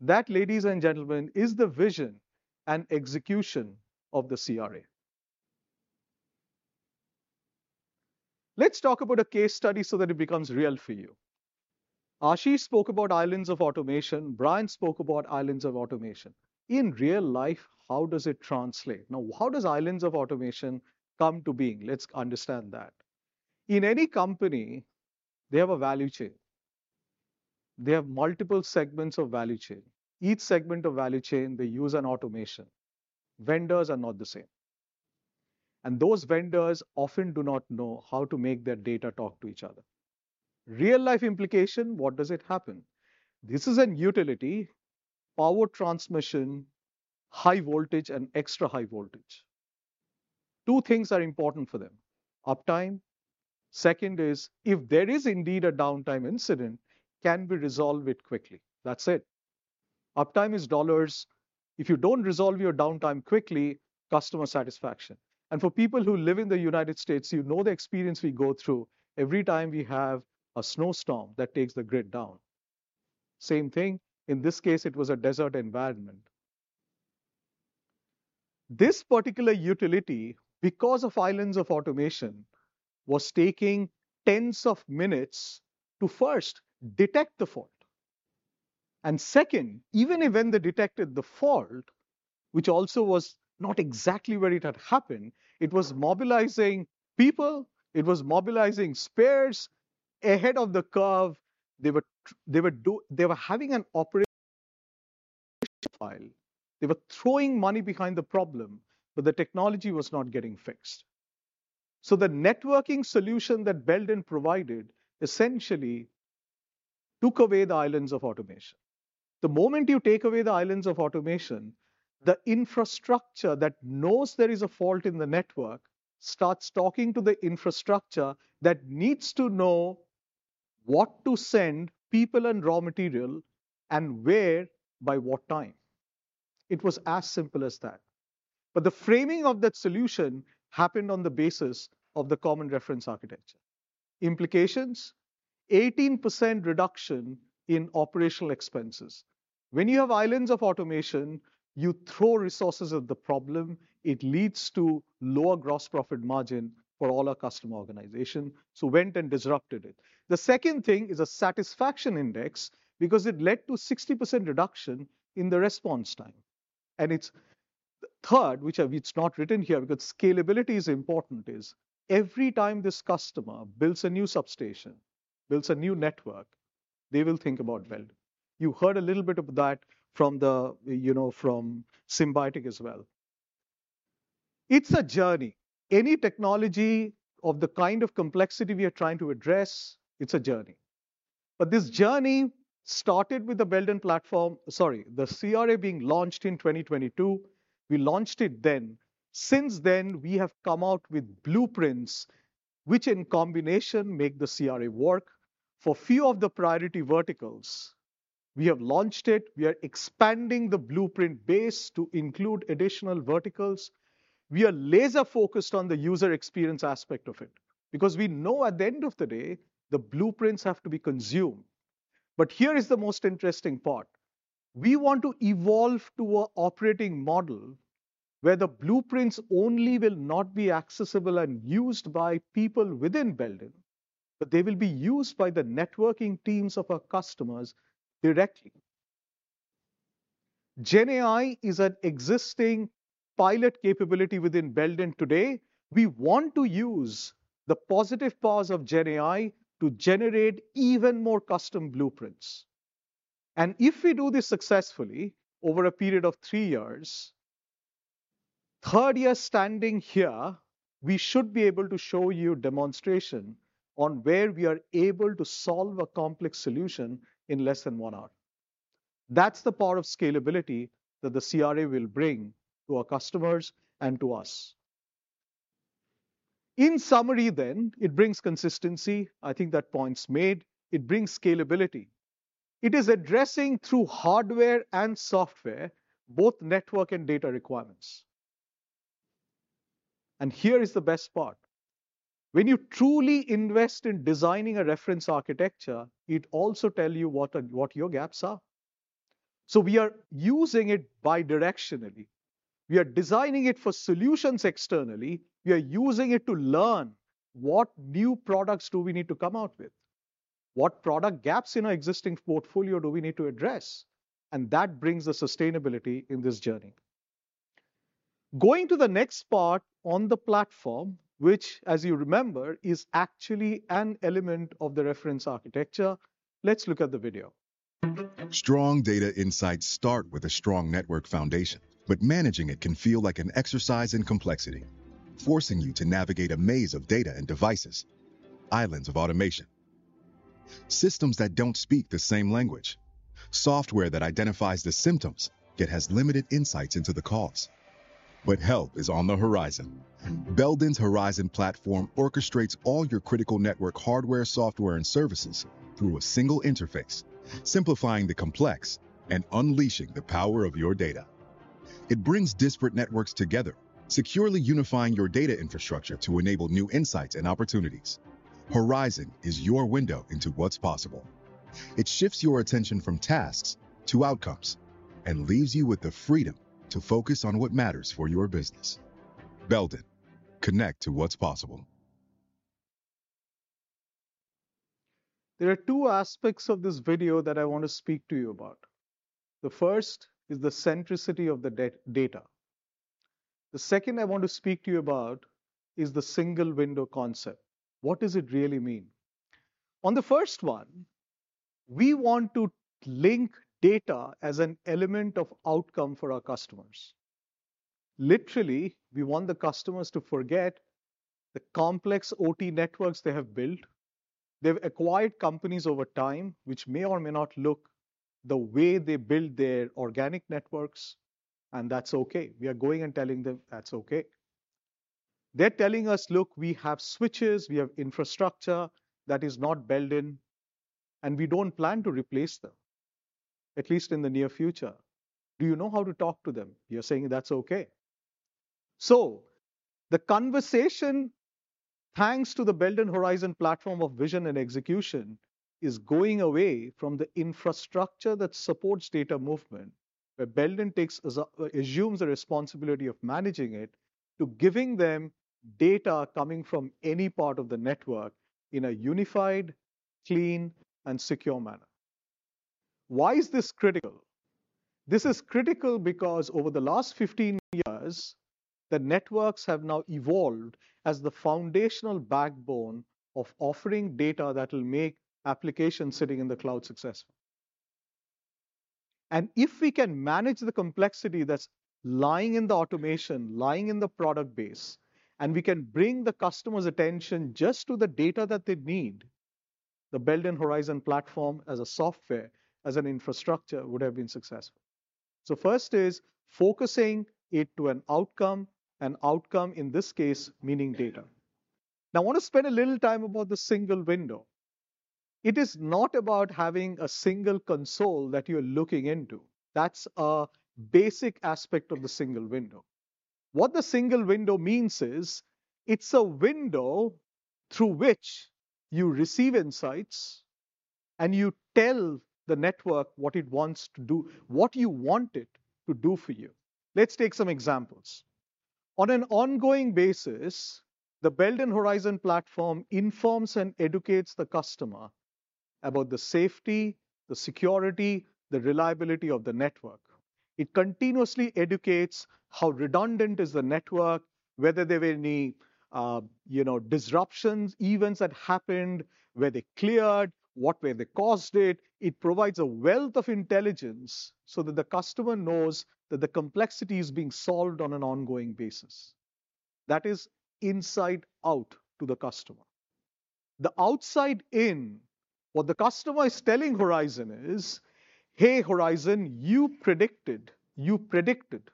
That, ladies and gentlemen, is the vision and execution of the CRA. Let's talk about a case study so that it becomes real for you. Ashish spoke about islands of automation. Brian spoke about islands of automation. In real life, how does it translate? Now, how do islands of automation come into being? Let's understand that. In any company, they have a value chain. They have multiple segments of value chain. Each segment of value chain, they use an automation. Vendors are not the same, and those vendors often do not know how to make their data talk to each other. Real-life implication, what happens? This is a utility, power transmission, high voltage, and extra high voltage. Two things are important for them: uptime. Second is, if there is indeed a downtime incident, can we resolve it quickly? That's it. Uptime is dollars. If you don't resolve your downtime quickly, customer satisfaction. For people who live in the United States, you know the experience we go through every time we have a snowstorm that takes the grid down. Same thing. In this case, it was a desert environment. This particular utility, because of islands of automation, was taking tens of minutes to first detect the fault, and second, even when they detected the fault, which also was not exactly where it had happened, it was mobilizing people, it was mobilizing spares ahead of the curve. They were having an operational failure. They were throwing money behind the problem, but the technology was not getting fixed. So the networking solution that Belden provided essentially took away the islands of automation. The moment you take away the islands of automation, the infrastructure that knows there is a fault in the network starts talking to the infrastructure that needs to know what to send people and raw material and where, by what time. It was as simple as that. But the framing of that solution happened on the basis of the Common Reference Architecture. Implications? 18% reduction in operational expenses. When you have islands of automation, you throw resources at the problem, it leads to lower gross profit margin for all our customer organization, so went and disrupted it. The second thing is a satisfaction index, because it led to 60% reduction in the response time. And it's third, which it's not written here, because scalability is important, is every time this customer builds a new substation, builds a new network, they will think about Belden. You heard a little bit of that from the, you know, from Symbotic as well. It's a journey. Any technology of the kind of complexity we are trying to address, it's a journey. But this journey started with the Belden platform - sorry, the CRA being launched in 2022. We launched it then. Since then, we have come out with blueprints, which, in combination, make the CRA work for few of the priority verticals. We have launched it. We are expanding the blueprint base to include additional verticals. We are laser-focused on the user experience aspect of it because we know at the end of the day, the blueprints have to be consumed. Here is the most interesting part: We want to evolve to an operating model where the blueprints only will not be accessible and used by people within Belden, but they will be used by the networking teams of our customers directly. GenAI is an existing pilot capability within Belden today. We want to use the positive powers of GenAI to generate even more custom blueprints. And if we do this successfully over a period of three years, third year standing here, we should be able to show you demonstration on where we are able to solve a complex solution in less than one hour. That's the power of scalability that the CRA will bring to our customers and to us. In summary, then, it brings consistency. I think that point's made. It brings scalability. It is addressing, through hardware and software, both network and data requirements. And here is the best part: When you truly invest in designing a reference architecture, it also tell you what your gaps are. So we are using it bidirectionally. We are designing it for solutions externally, we are using it to learn what new products do we need to come out with, what product gaps in our existing portfolio do we need to address, and that brings the sustainability in this journey. Going to the next part on the platform, which, as you remember, is actually an element of the reference architecture. Let's look at the video. Strong data insights start with a strong network foundation, but managing it can feel like an exercise in complexity, forcing you to navigate a maze of data and devices, islands of automation, systems that don't speak the same language, software that identifies the symptoms, yet has limited insights into the cause. But help is on the horizon. Belden's Horizon platform orchestrates all your critical network hardware, software, and services through a single interface, simplifying the complex and unleashing the power of your data. It brings disparate networks together, securely unifying your data infrastructure to enable new insights and opportunities. Horizon is your window into what's possible. It shifts your attention from tasks to outcomes and leaves you with the freedom to focus on what matters for your business. Belden, connect to what's possible. There are two aspects of this video that I want to speak to you about. The first is the centricity of the data. The second I want to speak to you about is the single window concept. What does it really mean? On the first one, we want to link data as an element of outcome for our customers. Literally, we want the customers to forget the complex OT networks they have built. They've acquired companies over time, which may or may not look the way they build their organic networks, and that's okay. We are going and telling them that's okay. They're telling us, "Look, we have switches, we have infrastructure that is not built in, and we don't plan to replace them, at least in the near future." Do you know how to talk to them? You're saying, "That's okay." So the conversation, thanks to the Belden Horizon platform of vision and execution, is going away from the infrastructure that supports data movement, where Belden assumes the responsibility of managing it, to giving them data coming from any part of the network in a unified, clean, and secure manner. Why is this critical? This is critical because over the last fifteen years, the networks have now evolved as the foundational backbone of offering data that will make applications sitting in the cloud successful. And if we can manage the complexity that's lying in the automation, lying in the product base, and we can bring the customer's attention just to the data that they need, the Belden Horizon platform, as a software, as an infrastructure, would have been successful. So first is focusing it to an outcome, an outcome, in this case, meaning data. Now, I want to spend a little time about the single window. It is not about having a single console that you're looking into. That's a basic aspect of the single window. What the single window means is, it's a window through which you receive insights, and you tell the network what it wants to do, what you want it to do for you. Let's take some examples. On an ongoing basis, the Belden Horizon platform informs and educates the customer about the safety, the security, the reliability of the network. It continuously educates how redundant is the network, whether there were any, you know, disruptions, events that happened, were they cleared, what caused it? It provides a wealth of intelligence so that the customer knows that the complexity is being solved on an ongoing basis. That is inside out to the customer. The outside in, what the customer is telling Horizon is: "Hey, Horizon, you predicted, you predicted,"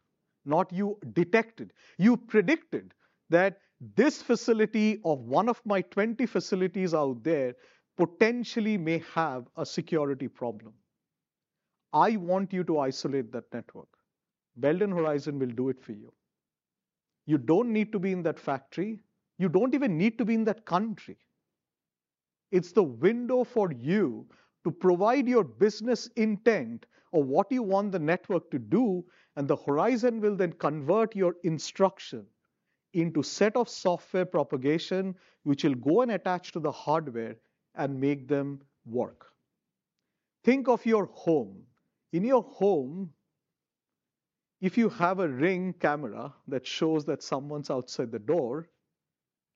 not you detected, "you predicted that this facility of one of my 20 facilities out there potentially may have a security problem. I want you to isolate that network." Belden Horizon will do it for you. You don't need to be in that factory. You don't even need to be in that country. It's the window for you to provide your business intent of what you want the network to do, and the Horizon will then convert your instruction into set of software propagation, which will go and attach to the hardware and make them work. Think of your home. In your home, if you have a Ring camera that shows that someone's outside the door,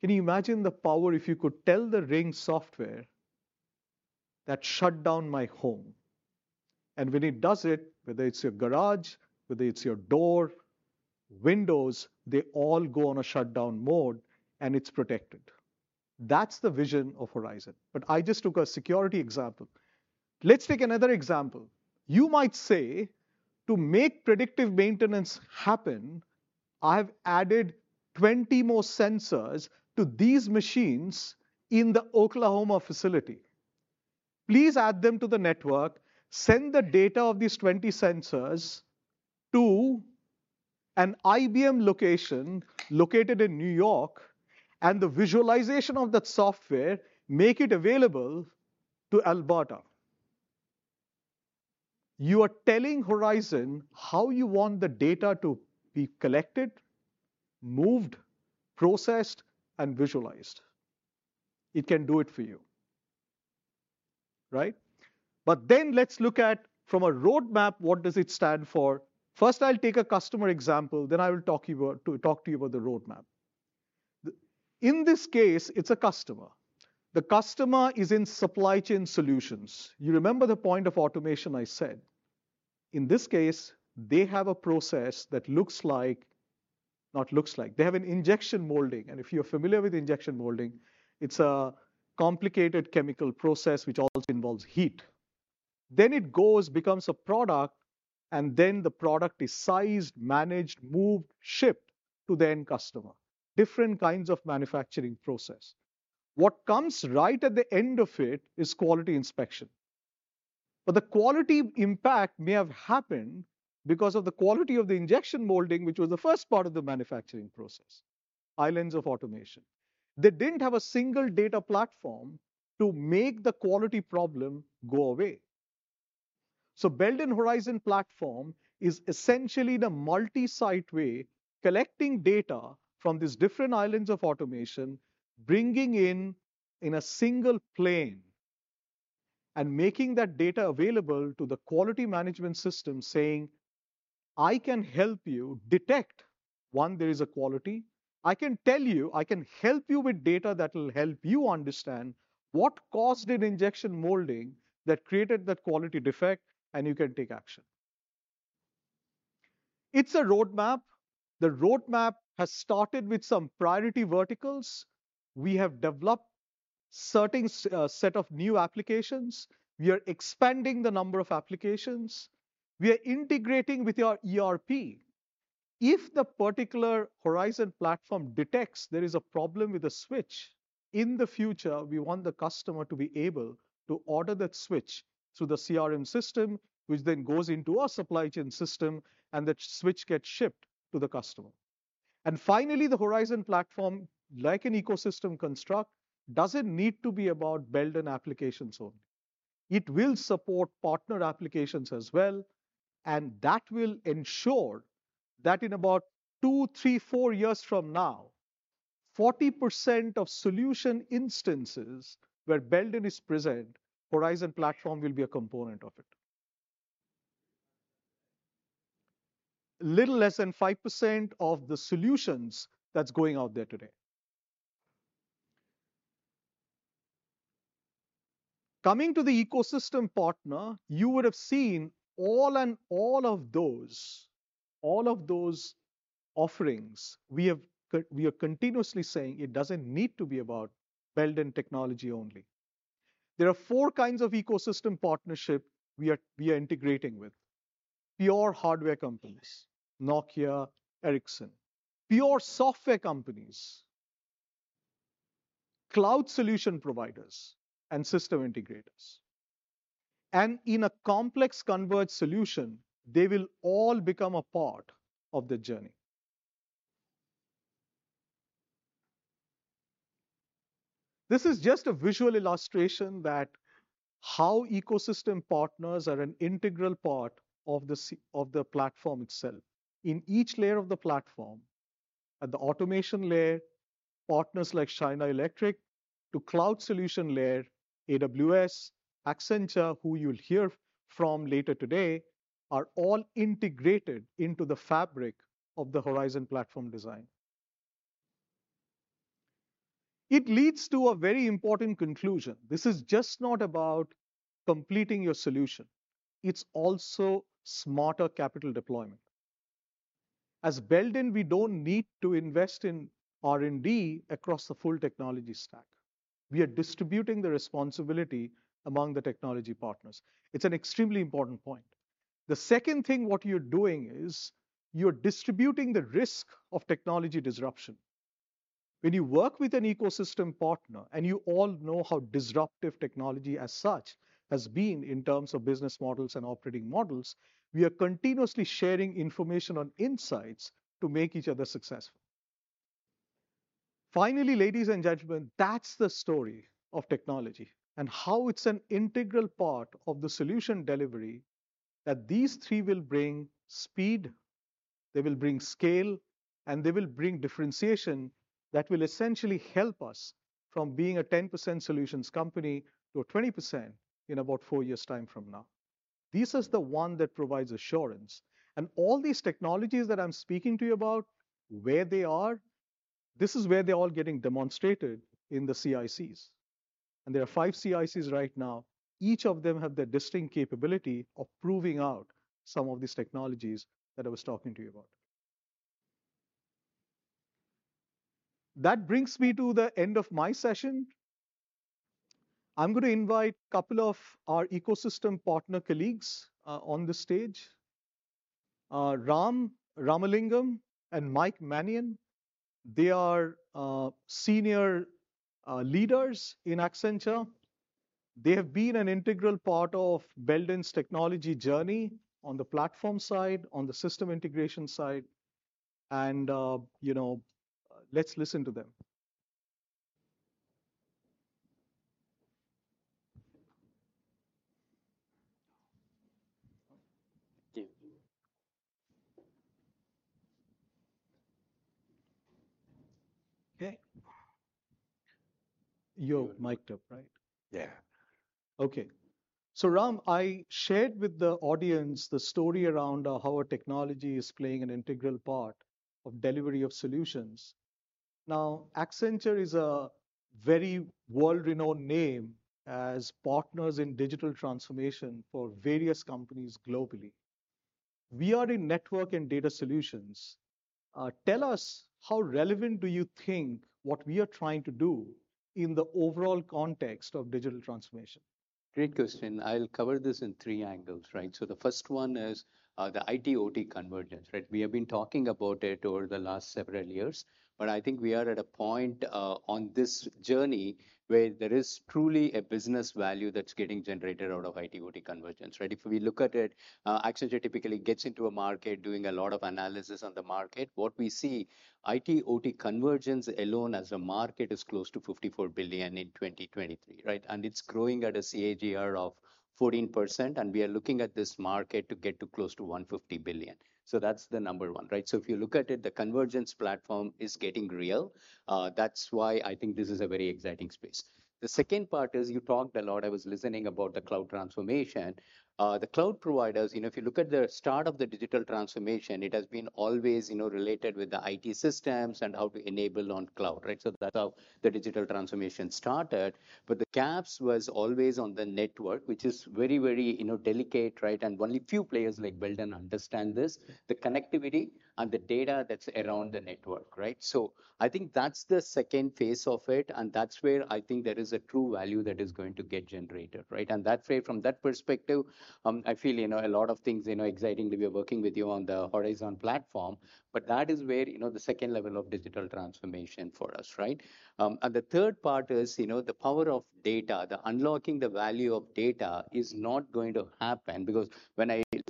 can you imagine the power if you could tell the Ring software that, "Shut down my home? And when it does it, whether it's your garage, whether it's your door, windows, they all go on a shutdown mode, and it's protected. That's the vision of Horizon, but I just took a security example. Let's take another example. You might say, to make predictive maintenance happen, I've added 20 more sensors to these machines in the Oklahoma facility. Please add them to the network, send the data of these 20 sensors to an IBM location located in New York, and the visualization of that software, make it available to Alberta. You are telling Horizon how you want the data to be collected, moved, processed, and visualized. It can do it for you, right? But then let's look at from a roadmap, what does it stand for? First, I'll take a customer example, then I will talk to you about the roadmap. In this case, it's a customer. The customer is in supply chain solutions. You remember the point of automation I said? In this case, they have a process that looks like... not looks like, they have an injection molding, and if you're familiar with injection molding, it's a complicated chemical process which also involves heat. Then it goes, becomes a product, and then the product is sized, managed, moved, shipped to the end customer. Different kinds of manufacturing process. What comes right at the end of it is quality inspection. But the quality impact may have happened because of the quality of the injection molding, which was the first part of the manufacturing process, islands of automation. They didn't have a single data platform to make the quality problem go away. So Belden Horizon platform is essentially the multi-site way, collecting data from these different islands of automation, bringing in a single plane, and making that data available to the quality management system, saying, "I can help you detect, one, there is a quality. I can tell you, I can help you with data that will help you understand what caused an injection molding that created that quality defect, and you can take action." It's a roadmap. The roadmap has started with some priority verticals. We have developed certain set of new applications. We are expanding the number of applications. We are integrating with your ERP. If the particular Horizon platform detects there is a problem with the switch, in the future, we want the customer to be able to order that switch through the CRM system, which then goes into our supply chain system, and that switch gets shipped to the customer. Finally, the Horizon platform, like an ecosystem construct, doesn't need to be about Belden applications only. It will support partner applications as well, and that will ensure that in about two, three, four years from now, 40% of solution instances where Belden is present, Horizon platform will be a component of it. A little less than 5% of the solutions that's going out there today. Coming to the ecosystem partner, you would have seen all of those offerings, we are continuously saying it doesn't need to be about Belden technology only. There are four kinds of ecosystem partnership we are integrating with: pure hardware companies, Nokia, Ericsson, pure software companies, cloud solution providers, and system integrators. In a complex converged solution, they will all become a part of the journey. This is just a visual illustration of how ecosystem partners are an integral part of the platform itself. In each layer of the platform, at the automation layer, partners like Schneider Electric, to the cloud solution layer, AWS, Accenture, who you'll hear from later today, are all integrated into the fabric of the Horizon platform design. It leads to a very important conclusion. This is not just about completing your solution, it's also smarter capital deployment. As Belden, we don't need to invest in R&D across the full technology stack. We are distributing the responsibility among the technology partners. It's an extremely important point. The second thing, what you're doing is, you're distributing the risk of technology disruption. When you work with an ecosystem partner, and you all know how disruptive technology as such has been in terms of business models and operating models, we are continuously sharing information on insights to make each other successful. Finally, ladies and gentlemen, that's the story of technology and how it's an integral part of the solution delivery, that these three will bring speed, they will bring scale, and they will bring differentiation that will essentially help us from being a 10% solutions company to a 20% in about four years' time from now. This is the one that provides assurance, and all these technologies that I'm speaking to you about, where they are, this is where they're all getting demonstrated, in the CICs, and there are five CICs right now. Each of them have their distinct capability of proving out some of these technologies that I was talking to you about. That brings me to the end of my session. I'm going to invite a couple of our ecosystem partner colleagues on the stage. Ram Ramalingam and Mike Mannion. They are senior leaders in Accenture. They have been an integral part of Belden's technology journey on the platform side, on the system integration side, and, you know, let's listen to them. Thank you. Okay. You're miked up, right? Yeah. Okay. So Ram, I shared with the audience the story around how our technology is playing an integral part of delivery of solutions. Now, Accenture is a very world-renowned name as partners in digital transformation for various companies globally. We are in network and data solutions. Tell us, how relevant do you think what we are trying to do in the overall context of digital transformation? Great question. I'll cover this in three angles, right? So the first one is, the IT/OT convergence, right? We have been talking about it over the last several years, but I think we are at a point, on this journey where there is truly a business value that's getting generated out of IT/OT convergence, right? If we look at it, Accenture typically gets into a market doing a lot of analysis on the market. What we see, IT/OT convergence alone as a market is close to $54 billion in 2023, right? And it's growing at a CAGR of 14%, and we are looking at this market to get to close to $150 billion. So that's the number one, right? So if you look at it, the convergence platform is getting real. That's why I think this is a very exciting space. The second part is, you talked a lot, I was listening, about the cloud transformation. The cloud providers, you know, if you look at the start of the digital transformation, it has been always, you know, related with the IT systems and how to enable on cloud, right? So that's how the digital transformation started. But the gaps was always on the network, which is very, very, you know, delicate, right? And only few players like Belden understand this, the connectivity and the data that's around the network, right? So I think that's the second phase of it, and that's where I think there is a true value that is going to get generated, right? And that way, from that perspective, I feel, you know, a lot of things, you know, exciting that we are working with you on the Horizon platform, but that is where, you know, the second level of digital transformation for us, right? And the third part is, you know, the power of data. The unlocking the value of data is not going to happen because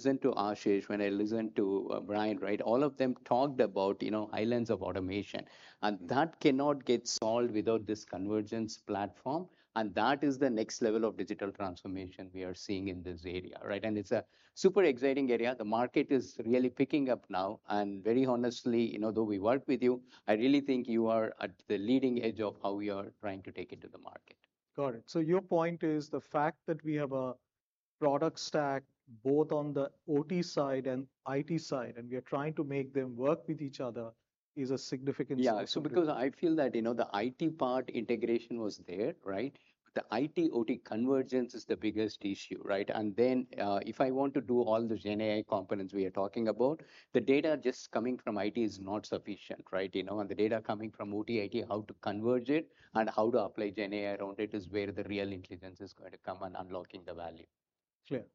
when I listen to Ashish, when I listen to Brian, right, all of them talked about, you know, islands of automation, and that cannot get solved without this convergence platform, and that is the next level of digital transformation we are seeing in this area, right? And it's a super exciting area. The market is really picking up now, and very honestly, you know, though we work with you, I really think you are at the leading edge of how we are trying to take it to the market. Got it. So your point is the fact that we have a product stack, both on the OT side and IT side, and we are trying to make them work with each other is a significant- Yeah. So because I feel that, you know, the IT part integration was there, right? The IT/OT convergence is the biggest issue, right? And then, if I want to do all the GenAI components we are talking about, the data just coming from IT is not sufficient, right? You know, and the data coming from OT/IT, how to converge it and how to apply GenAI around it, is where the real intelligence is going to come and unlocking the value. Clear.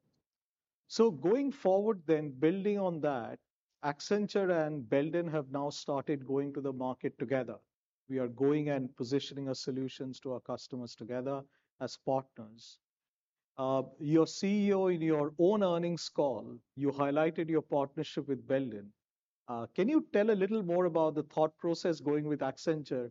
So going forward then, building on that, Accenture and Belden have now started going to the market together. We are going and positioning our solutions to our customers together as partners. Your CEO in your own earnings call, you highlighted your partnership with Belden. Can you tell a little more about the thought process going with Accenture,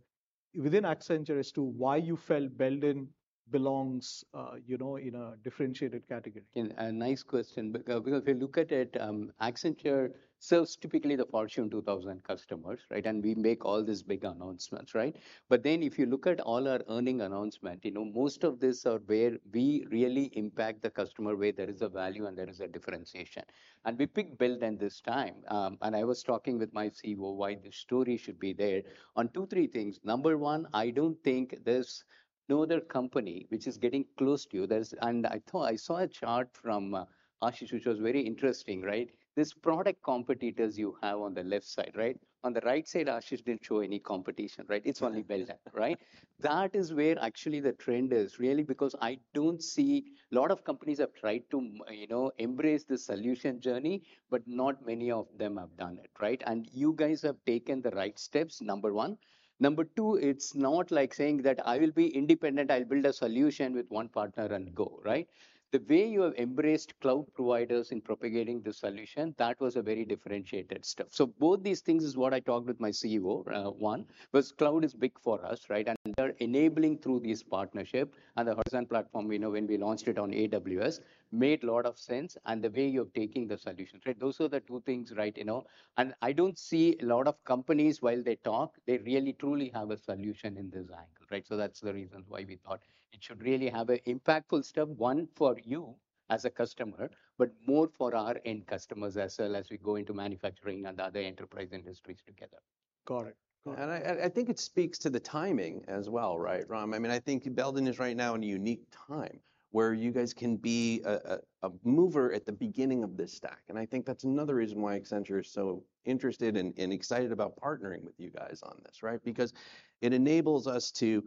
within Accenture, as to why you felt Belden belongs, you know, in a differentiated category? It's a nice question because, because if you look at it, Accenture serves typically the Fortune 2000 customers, right? And we make all these big announcements, right? But then if you look at all our earnings announcements, you know, most of this are where we really impact the customer, where there is a value and there is a differentiation. And we picked Belden this time. And I was talking with my CEO why the story should be there on two, three things. Number one, I don't think there's no other company which is getting close to you. There's. And I thought I saw a chart from Ashish, which was very interesting, right? This product competitors you have on the left side, right? On the right side, Ashish didn't show any competition, right? It's only Belden, right? That is where actually the trend is, really because I don't see a lot of companies have tried to, you know, embrace the solution journey, but not many of them have done it, right? And you guys have taken the right steps, number one. Number two, it's not like saying that I will be independent, I'll build a solution with one partner and go, right? The way you have embraced cloud providers in propagating the solution, that was a very differentiated step. So both these things is what I talked with my CEO. One, was cloud is big for us, right? And they're enabling through this partnership and the Horizon platform, we know when we launched it on AWS, made a lot of sense and the way you're taking the solution, right? Those are the two things, right, you know, and I don't see a lot of companies, while they talk, they really truly have a solution in this angle, right? So that's the reason why we thought it should really have an impactful step, one, for you as a customer, but more for our end customers as well as we go into manufacturing and other enterprise industries together. Got it. Got it. I think it speaks to the timing as well, right, Ram? I mean, I think Belden is right now in a unique time, where you guys can be a mover at the beginning of this stack. I think that's another reason why Accenture is so interested and excited about partnering with you guys on this, right? Because it enables us to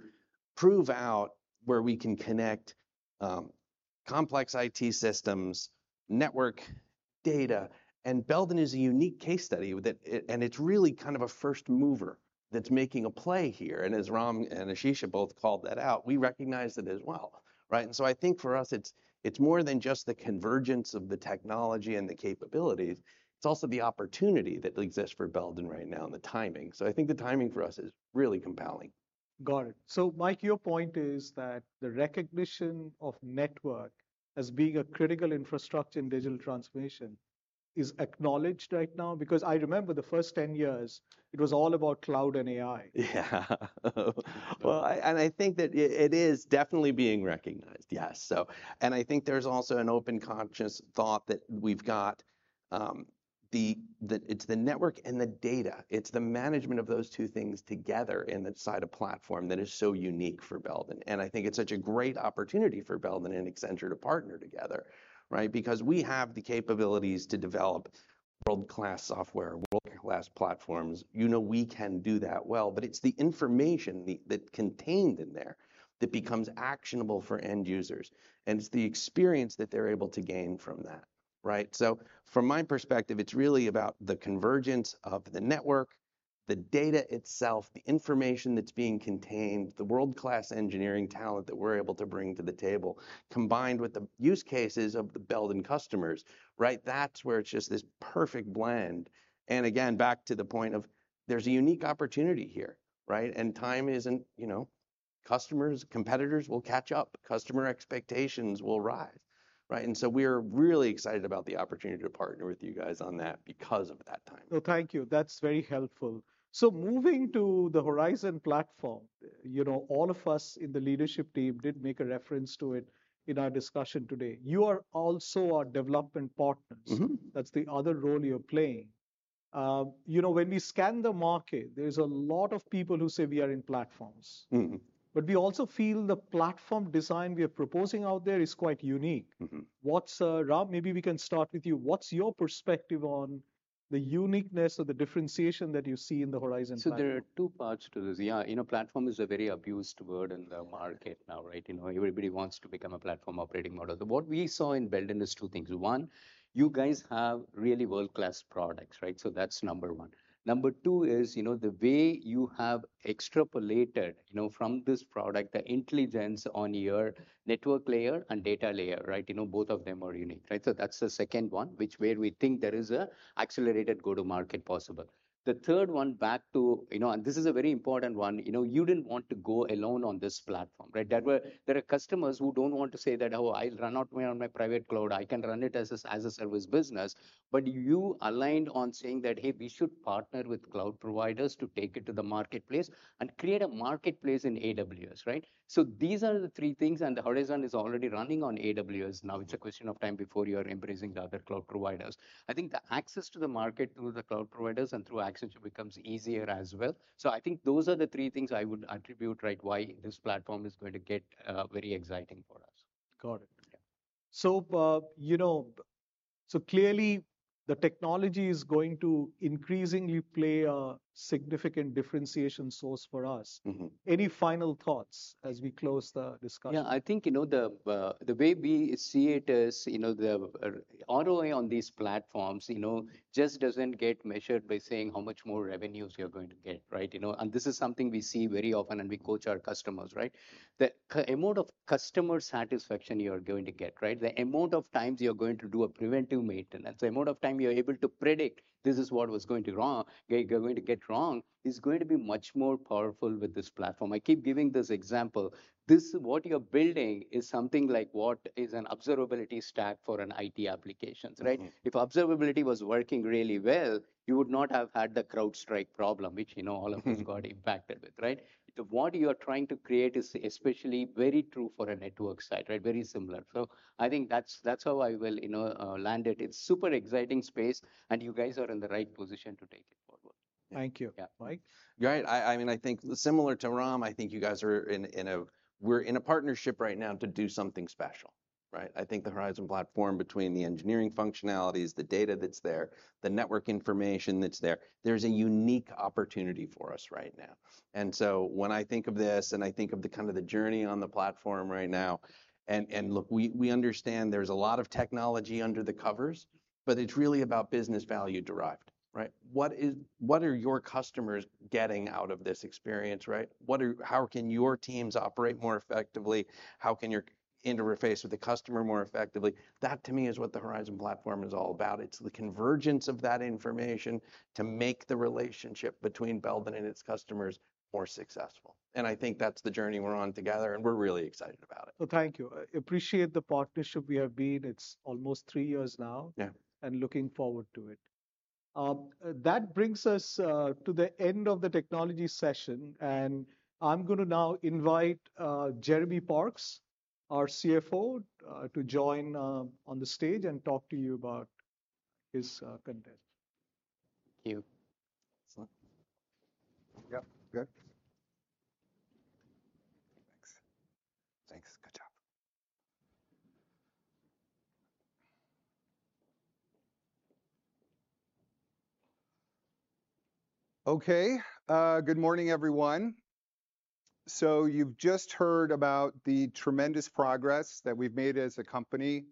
prove out where we can connect complex IT systems, network data, and Belden is a unique case study that it. It's really kind of a first mover that's making a play here. As Ram and Ashish both called that out, we recognize it as well, right? So I think for us, it's more than just the convergence of the technology and the capabilities, it's also the opportunity that exists for Belden right now and the timing. So I think the timing for us is really compelling. Got it. So Mike, your point is that the recognition of network as being a critical infrastructure in digital transformation is acknowledged right now? Because I remember the first 10 years, it was all about cloud and AI. Yeah. Well, I think that it is definitely being recognized. Yes. So, and I think there's also an open conscious thought that we've got the it's the network and the data. It's the management of those two things together inside a platform that is so unique for Belden. And I think it's such a great opportunity for Belden and Accenture to partner together, right? Because we have the capabilities to develop world-class software, world-class platforms. You know, we can do that well, but it's the information that contained in there that becomes actionable for end users, and it's the experience that they're able to gain from that, right? From my perspective, it's really about the convergence of the network, the data itself, the information that's being contained, the world-class engineering talent that we're able to bring to the table, combined with the use cases of the Belden customers, right? That's where it's just this perfect blend. Again, back to the point of there's a unique opportunity here, right? And time isn't... You know, customers, competitors will catch up, customer expectations will rise, right? And so we're really excited about the opportunity to partner with you guys on that because of that timing. Thank you. That's very helpful. So moving to the Horizon platform, you know, all of us in the leadership team did make a reference to it in our discussion today. You are also our development partners. Mm-hmm. That's the other role you're playing. You know, when we scan the market, there's a lot of people who say we are in platforms. Mm-hmm. But we also feel the platform design we are proposing out there is quite unique. Mm-hmm. Ram, maybe we can start with you. What's your perspective on the uniqueness or the differentiation that you see in the Horizon platform? So there are two parts to this. Yeah, you know, platform is a very abused word in the market now, right? You know, everybody wants to become a platform operating model. What we saw in Belden is two things. One, you guys have really world-class products, right? So that's number one. Number two is, you know, the way you have extrapolated, you know, from this product, the intelligence on your network layer and data layer, right? You know, both of them are unique, right? So that's the second one, which where we think there is a accelerated go-to-market possible. The third one back to, you know, and this is a very important one, you know, you didn't want to go alone on this platform, right? There were, there are customers who don't want to say that, "Oh, I'll run out on my private cloud. I can run it as a service business." But you aligned on saying that, "Hey, we should partner with cloud providers to take it to the marketplace," and create a marketplace in AWS, right? So these are the three things, and the Horizon is already running on AWS now. It's a question of time before you are embracing the other cloud providers. I think the access to the market through the cloud providers and through Accenture becomes easier as well. So I think those are the three things I would attribute, right, why this platform is going to get very exciting for us. Got it. Yeah.... So, you know, so clearly the technology is going to increasingly play a significant differentiation source for us. Mm-hmm. Any final thoughts as we close the discussion? Yeah, I think, you know, the way we see it is, you know, the ROI on these platforms, you know, just doesn't get measured by saying how much more revenues you're going to get, right? You know, and this is something we see very often, and we coach our customers, right? The key amount of customer satisfaction you are going to get, right? The amount of times you're going to do a preventive maintenance, the amount of time you're able to predict this is what is going to go wrong, is going to be much more powerful with this platform. I keep giving this example: this, what you're building is something like what is an observability stack for an IT applications, right? Mm-hmm. If observability was working really well, you would not have had the CrowdStrike problem, which, you know- Mm-hmm... all of us got impacted with, right? What you are trying to create is especially very true for a network site, right? So I think that's, that's how I will, you know, land it. It's super exciting space, and you guys are in the right position to take it forward. Thank you. Yeah. Mike? Right. I mean, I think similar to Ram, I think you guys are in a... We're in a partnership right now to do something special, right? I think the Horizon platform, between the engineering functionalities, the data that's there, the network information that's there, there's a unique opportunity for us right now, and so when I think of this, and I think of the kind of the journey on the platform right now, and look, we understand there's a lot of technology under the covers, but it's really about business value derived, right? What is- what are your customers getting out of this experience, right? What are... How can your teams operate more effectively? How can you interface with the customer more effectively? That, to me, is what the Horizon platform is all about. It's the convergence of that information to make the relationship between Belden and its customers more successful, and I think that's the journey we're on together, and we're really excited about it. Thank you. I appreciate the partnership we have been. It's almost three years now. Yeah. And looking forward to it. That brings us to the end of the technology session, and I'm going to now invite Jeremy Parks, our CFO, to join on the stage and talk to you about his content. Thank you. Excellent. Yep, good. Thanks. Thanks. Good job. Okay. Good morning, everyone. So you've just heard about the tremendous progress that we've made as a company,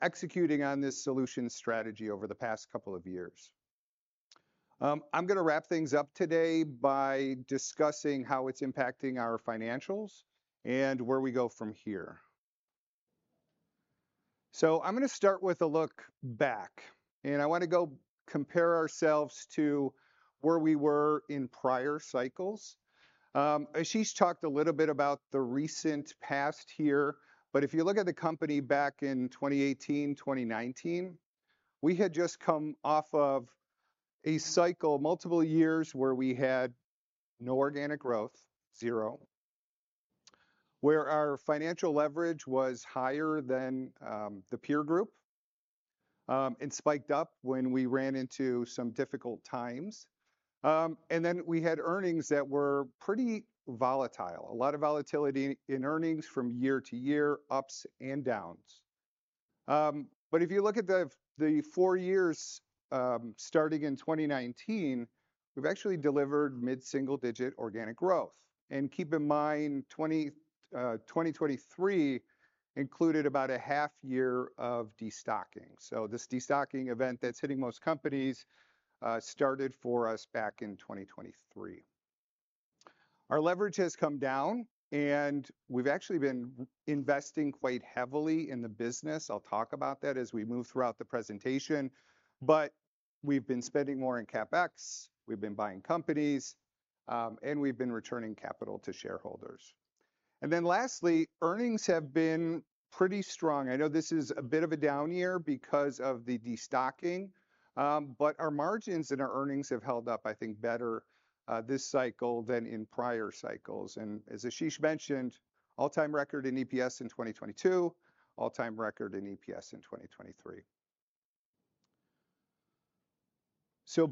executing on this solution strategy over the past couple of years. I'm gonna wrap things up today by discussing how it's impacting our financials and where we go from here. So I'm gonna start with a look back, and I want to go compare ourselves to where we were in prior cycles. Ashish talked a little bit about the recent past here, but if you look at the company back in 2018, 2019, we had just come off of a cycle, multiple years, where we had no organic growth, zero. Where our financial leverage was higher than the peer group, and spiked up when we ran into some difficult times. And then we had earnings that were pretty volatile, a lot of volatility in earnings from year to year, ups and downs. But if you look at the four years starting in 2019, we've actually delivered mid-single-digit organic growth. And keep in mind, 2023 included about a half year of destocking. So this destocking event that's hitting most companies started for us back in 2023. Our leverage has come down, and we've actually been investing quite heavily in the business. I'll talk about that as we move throughout the presentation. But we've been spending more in CapEx, we've been buying companies, and we've been returning capital to shareholders. And then lastly, earnings have been pretty strong. I know this is a bit of a down year because of the destocking, but our margins and our earnings have held up, I think, better this cycle than in prior cycles, and as Ashish mentioned, all-time record in EPS in 2022, all-time record in EPS in 2023.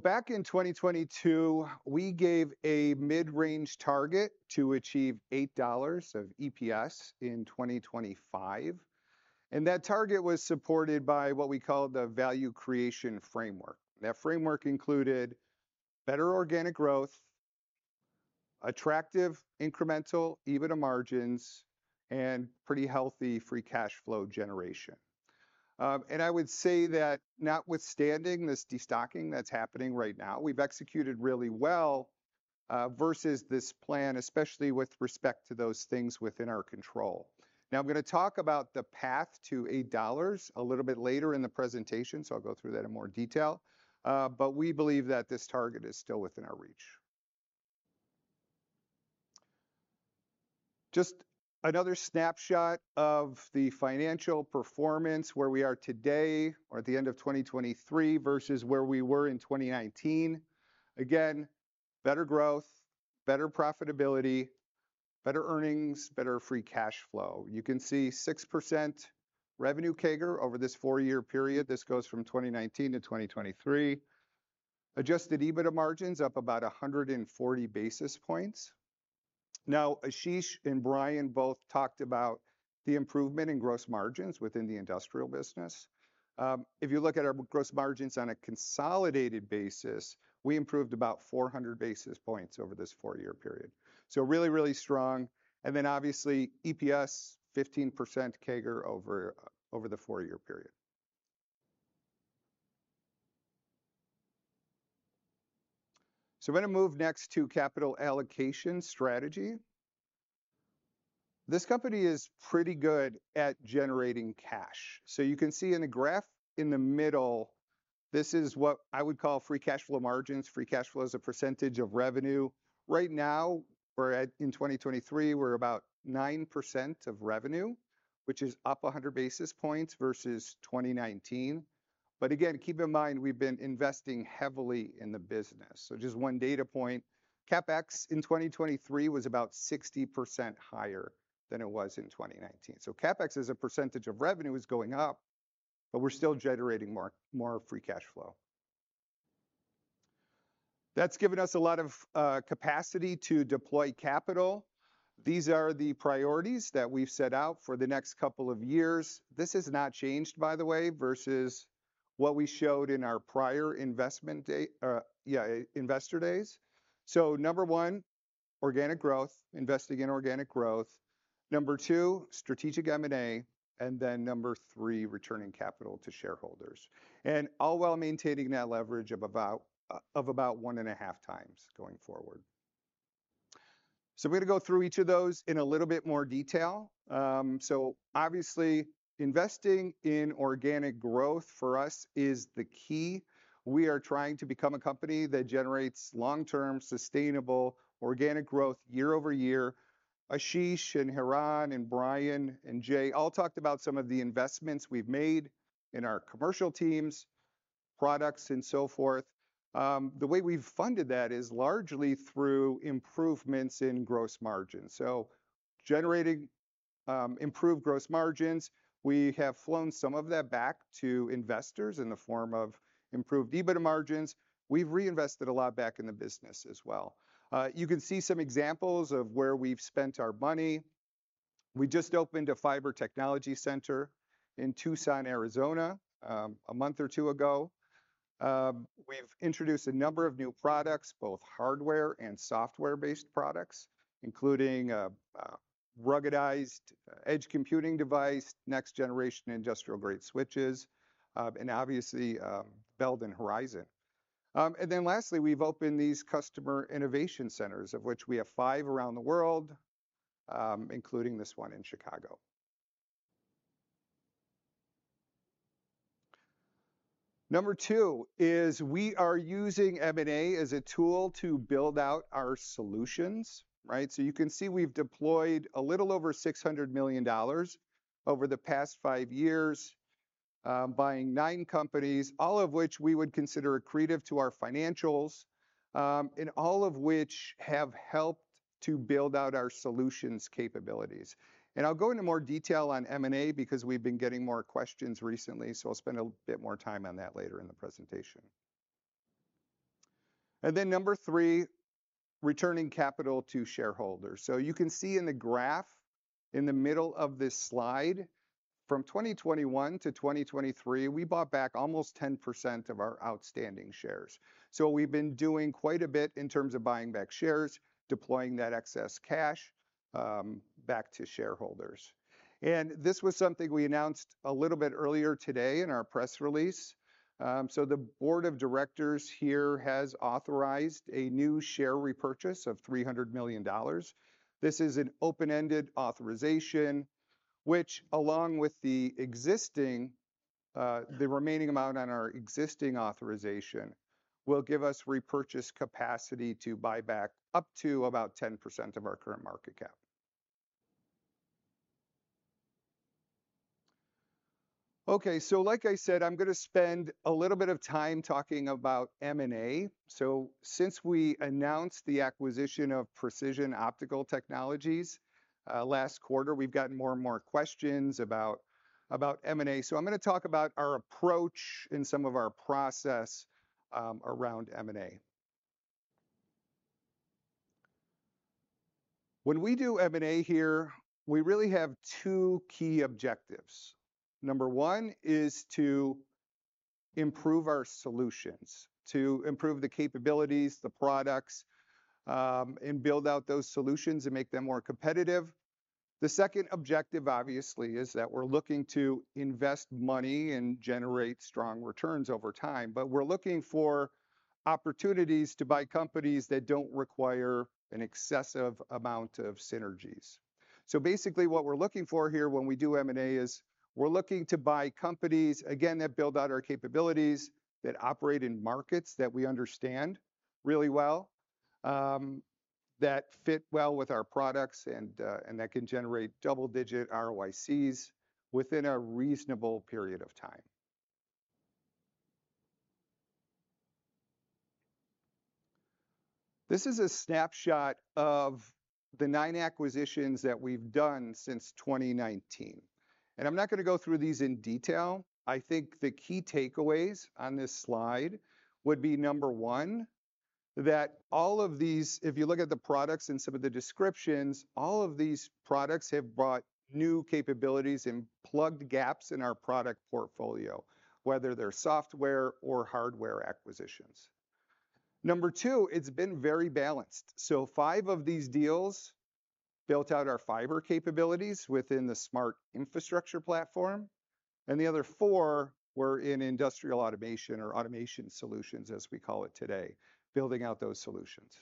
Back in 2022, we gave a mid-range target to achieve $8 of EPS in 2025, and that target was supported by what we call the Value Creation Framework. That framework included better organic growth, attractive incremental EBITDA margins, and pretty healthy free cash flow generation, and I would say that notwithstanding this destocking that's happening right now, we've executed really well versus this plan, especially with respect to those things within our control. Now, I'm gonna talk about the path to $8 a little bit later in the presentation, so I'll go through that in more detail, but we believe that this target is still within our reach. Just another snapshot of the financial performance, where we are today or at the end of 2023 versus where we were in 2019. Again, better growth, better profitability, better earnings, better free cash flow. You can see 6% revenue CAGR over this four-year period. This goes from 2019 to 2023. Adjusted EBITDA margins up about 140 basis points. Now, Ashish and Brian both talked about the improvement in gross margins within the industrial business. If you look at our gross margins on a consolidated basis, we improved about 400 basis points over this four-year period. So really, really strong, and then obviously, EPS 15% CAGR over the four-year period. We're gonna move next to capital allocation strategy. This company is pretty good at generating cash. You can see in the graph in the middle, this is what I would call free cash flow margins, free cash flow as a percentage of revenue. Right now, in 2023, we're about 9% of revenue, which is up 100 basis points versus 2019. But again, keep in mind, we've been investing heavily in the business. Just one data point, CapEx in 2023 was about 60% higher than it was in 2019. CapEx as a percentage of revenue is going up, but we're still generating more free cash flow. That's given us a lot of capacity to deploy capital. These are the priorities that we've set out for the next couple of years. This has not changed, by the way, versus what we showed in our prior investment day, yeah, investor days. So number one, organic growth, investing in organic growth. Number two, strategic M&A, and then number three, returning capital to shareholders. And all while maintaining that leverage of about, of about one and a half times going forward. So we're gonna go through each of those in a little bit more detail. So obviously, investing in organic growth, for us, is the key. We are trying to become a company that generates long-term, sustainable, organic growth year-over-year. Ashish and Hiran and Brian and Jay all talked about some of the investments we've made in our commercial teams, products and so forth. The way we've funded that is largely through improvements in gross margins. So generating, improved gross margins, we have flown some of that back to investors in the form of improved EBITDA margins. We've reinvested a lot back in the business as well. You can see some examples of where we've spent our money. We just opened a Fiber Technology Center in Tucson, Arizona, a month or two ago. We've introduced a number of new products, both hardware and software-based products, including a ruggedized edge computing device, next generation industrial-grade switches, and obviously, Belden Horizon. And then lastly, we've opened these Customer Innovation Centers, of which we have five around the world, including this one in Chicago. Number two is we are using M&A as a tool to build out our solutions, right? You can see we've deployed a little over $600 million over the past five years, buying nine companies, all of which we would consider accretive to our financials, and all of which have helped to build out our solutions capabilities. I'll go into more detail on M&A because we've been getting more questions recently, so I'll spend a bit more time on that later in the presentation. Number three, returning capital to shareholders. You can see in the graph in the middle of this slide, from 2021 to 2023, we bought back almost 10% of our outstanding shares. We've been doing quite a bit in terms of buying back shares, deploying that excess cash back to shareholders. This was something we announced a little bit earlier today in our press release. So the board of directors here has authorized a new share repurchase of $300 million. This is an open-ended authorization, which, along with the existing, the remaining amount on our existing authorization, will give us repurchase capacity to buy back up to about 10% of our current market cap. Okay, so like I said, I'm gonna spend a little bit of time talking about M&A. So since we announced the acquisition of Precision Optical Technologies, last quarter, we've gotten more and more questions about, about M&A. So I'm gonna talk about our approach and some of our process, around M&A. When we do M&A here, we really have two key objectives. Number one is to improve our solutions, to improve the capabilities, the products, and build out those solutions and make them more competitive. The second objective, obviously, is that we're looking to invest money and generate strong returns over time, but we're looking for opportunities to buy companies that don't require an excessive amount of synergies. So basically, what we're looking for here when we do M&A is, we're looking to buy companies, again, that build out our capabilities, that operate in markets that we understand really well, that fit well with our products, and that can generate double-digit ROICs within a reasonable period of time. This is a snapshot of the nine acquisitions that we've done since 2019. And I'm not gonna go through these in detail. I think the key takeaways on this slide would be, number one, that all of these, if you look at the products and some of the descriptions, all of these products have brought new capabilities and plugged gaps in our product portfolio, whether they're software or hardware acquisitions. Number two, it's been very balanced. So five of these deals built out our fiber capabilities within the Smart Infrastructure platform, and the other four were in Industrial Automation or automation solutions, as we call it today, building out those solutions.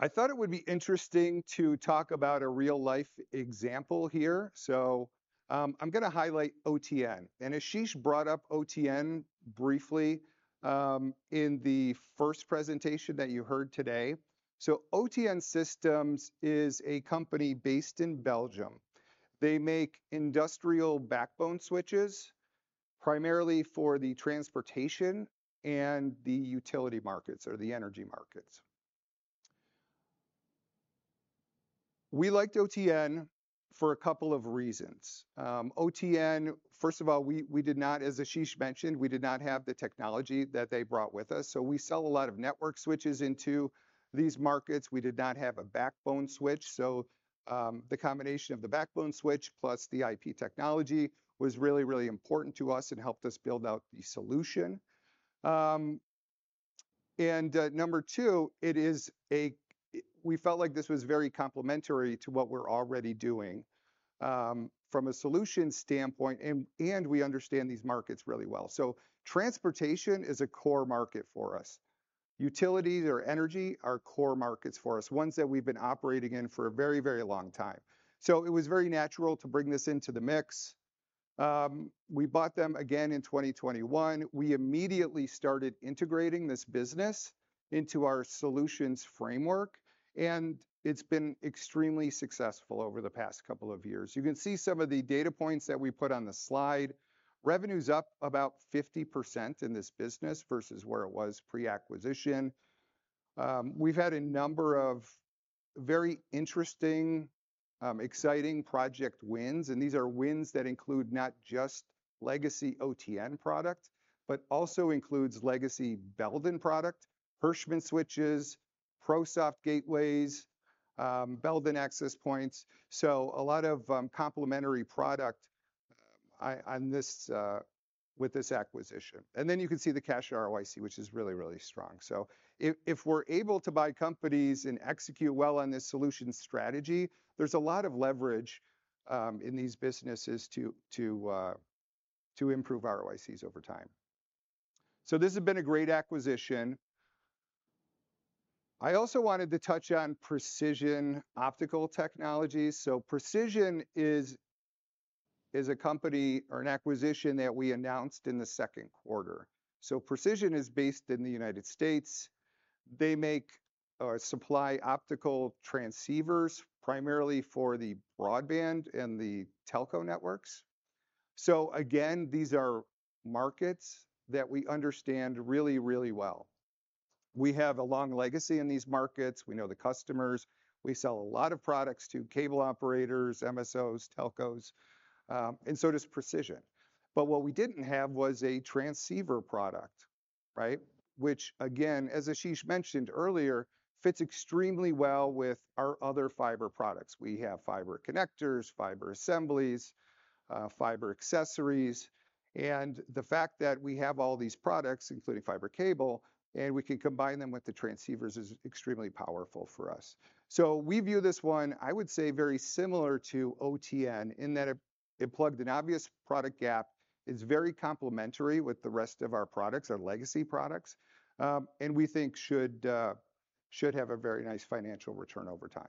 I thought it would be interesting to talk about a real-life example here, so, I'm gonna highlight OTN. And Ashish brought up OTN briefly, in the first presentation that you heard today. So OTN Systems is a company based in Belgium. They make industrial backbone switches, primarily for the transportation and the utility markets or the energy markets. We liked OTN for a couple of reasons. OTN, first of all, we did not, as Ashish mentioned, have the technology that they brought with us. So we sell a lot of network switches into these markets. We did not have a backbone switch, so the combination of the backbone switch plus the IP technology was really, really important to us and helped us build out the solution. Number two, we felt like this was very complementary to what we're already doing, from a solution standpoint, and we understand these markets really well. So transportation is a core market for us. Utilities or energy are core markets for us, ones that we've been operating in for a very, very long time. So it was very natural to bring this into the mix. We bought them again in 2021. We immediately started integrating this business into our solutions framework, and it's been extremely successful over the past couple of years. You can see some of the data points that we put on the slide. Revenue's up about 50% in this business versus where it was pre-acquisition. We've had a number of very interesting, exciting project wins, and these are wins that include not just legacy OTN product, but also includes legacy Belden product, Hirschmann switches, ProSoft gateways, Belden access points, so a lot of complementary product on this with this acquisition. And then you can see the cash ROIC, which is really, really strong. If we're able to buy companies and execute well on this solution strategy, there's a lot of leverage in these businesses to improve ROICs over time. This has been a great acquisition. I also wanted to touch on Precision Optical Technologies. Precision is a company or an acquisition that we announced in the second quarter. Precision is based in the United States. They make or supply optical transceivers, primarily for the broadband and the telco networks. Again, these are markets that we understand really, really well. We have a long legacy in these markets. We know the customers. We sell a lot of products to cable operators, MSOs, telcos, and so does Precision. But what we didn't have was a transceiver product, right? Which, again, as Ashish mentioned earlier, fits extremely well with our other fiber products. We have fiber connectors, fiber assemblies, fiber accessories, and the fact that we have all these products, including fiber cable, and we can combine them with the transceivers, is extremely powerful for us. So we view this one, I would say, very similar to OTN in that it plugged an obvious product gap, is very complementary with the rest of our products, our legacy products, and we think should have a very nice financial return over time.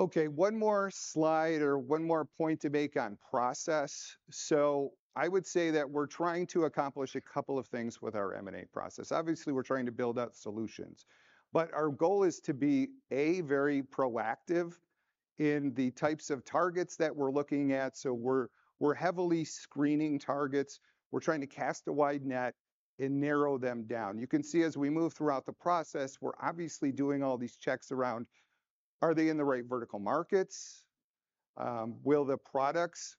Okay, one more slide or one more point to make on process. So I would say that we're trying to accomplish a couple of things with our M&A process. Obviously, we're trying to build out solutions, but our goal is to be, A, very proactive in the types of targets that we're looking at, so we're heavily screening targets. We're trying to cast a wide net and narrow them down. You can see as we move throughout the process, we're obviously doing all these checks around: Are they in the right vertical markets? Will the products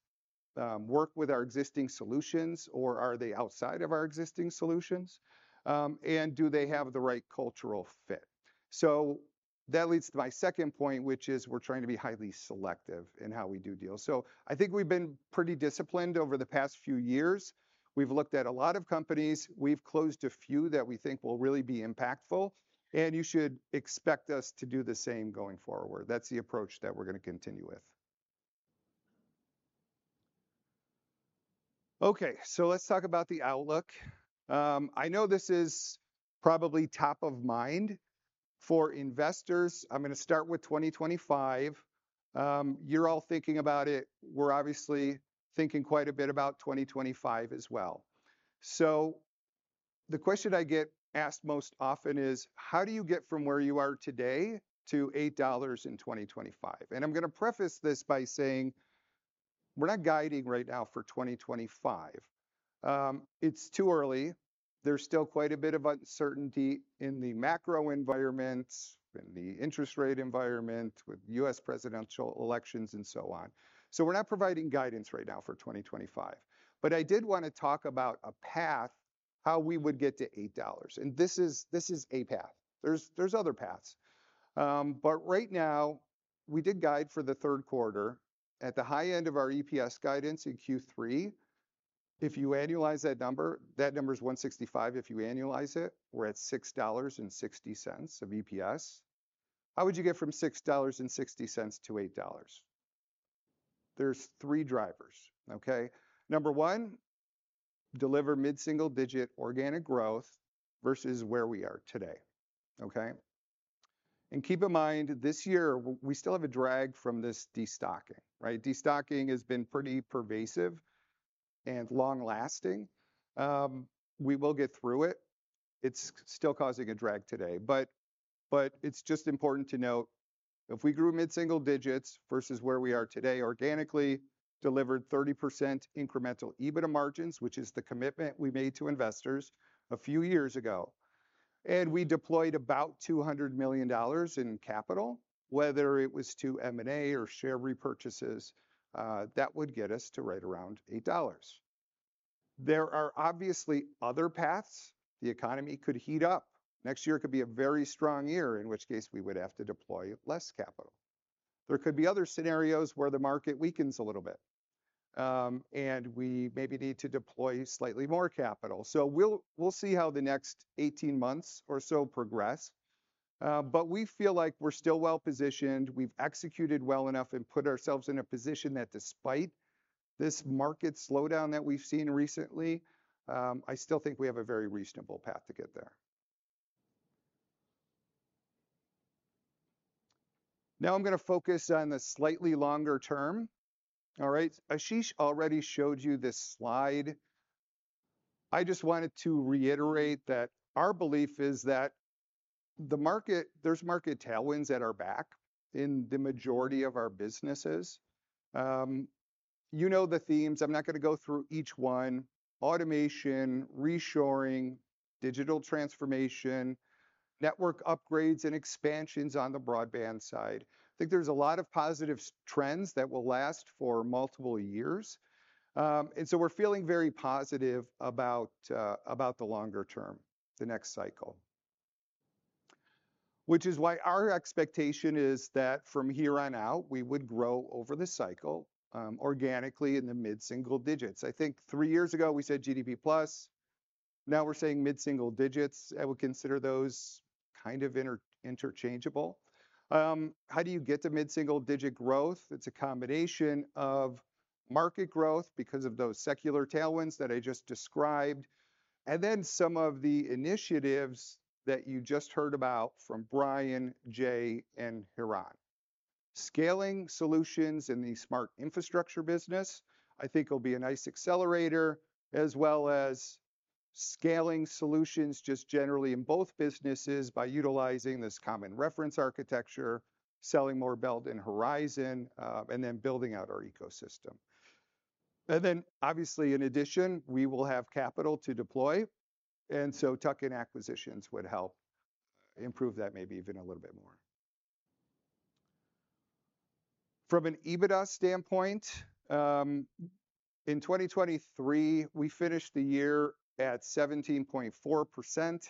work with our existing solutions, or are they outside of our existing solutions? And do they have the right cultural fit? So that leads to my second point, which is we're trying to be highly selective in how we do deals. So I think we've been pretty disciplined over the past few years. We've looked at a lot of companies. We've closed a few that we think will really be impactful, and you should expect us to do the same going forward. That's the approach that we're gonna continue with. Okay, so let's talk about the outlook. I know this is probably top of mind for investors. I'm gonna start with 2025. You're all thinking about it. We're obviously thinking quite a bit about 2025 as well. The question I get asked most often is: how do you get from where you are today to $8 in 2025? And I'm gonna preface this by saying we're not guiding right now for 2025. It's too early. There's still quite a bit of uncertainty in the macro environment, in the interest rate environment, with U.S. presidential elections, and so on. So we're not providing guidance right now for 2025. But I did wanna talk about a path, how we would get to $8, and this is a path. There's other paths. But right now, we did guide for the third quarter at the high end of our EPS guidance in Q3. If you annualize that number, that number is 1.65. If you annualize it, we're at $6.60 of EPS. How would you get from $6.60 to $8? There are three drivers, okay? Number one, deliver mid-single-digit organic growth versus where we are today, okay? And keep in mind, this year, we still have a drag from this destocking, right? Destocking has been pretty pervasive and long-lasting. We will get through it. It's still causing a drag today, but it's just important to note, if we grew mid-single digits versus where we are today, organically delivered 30% incremental EBITDA margins, which is the commitment we made to investors a few years ago, and we deployed about $200 million in capital, whether it was to M&A or share repurchases, that would get us to right around $8. There are obviously other paths. The economy could heat up. Next year could be a very strong year, in which case we would have to deploy less capital. There could be other scenarios where the market weakens a little bit, and we maybe need to deploy slightly more capital. So we'll see how the next eighteen months or so progress, but we feel like we're still well-positioned. We've executed well enough and put ourselves in a position that despite this market slowdown that we've seen recently, I still think we have a very reasonable path to get there. Now I'm gonna focus on the slightly longer term. All right? Ashish already showed you this slide. I just wanted to reiterate that our belief is that the market, there's market tailwinds at our back in the majority of our businesses. You know, the themes. I'm not gonna go through each one. Automation, reshoring, digital transformation, network upgrades and expansions on the broadband side. I think there's a lot of positive trends that will last for multiple years, and so we're feeling very positive about the longer term, the next cycle. Which is why our expectation is that from here on out, we would grow over the cycle organically in the mid-single digits. I think three years ago we said GDP plus; now we're saying mid-single digits. I would consider those kind of interchangeable. How do you get to mid-single digit growth? It's a combination of market growth because of those secular tailwinds that I just described, and then some of the initiatives that you just heard about from Brian, Jay, and Hiran. Scaling solutions in the Smart Infrastructure business, I think, will be a nice accelerator, as well as scaling solutions just generally in both businesses by utilizing this Common Reference Architecture, selling more Belden Horizon, and then building out our ecosystem. Then obviously, in addition, we will have capital to deploy, and so tuck-in acquisitions would help improve that, maybe even a little bit more. From an EBITDA standpoint, in 2023, we finished the year at 17.4%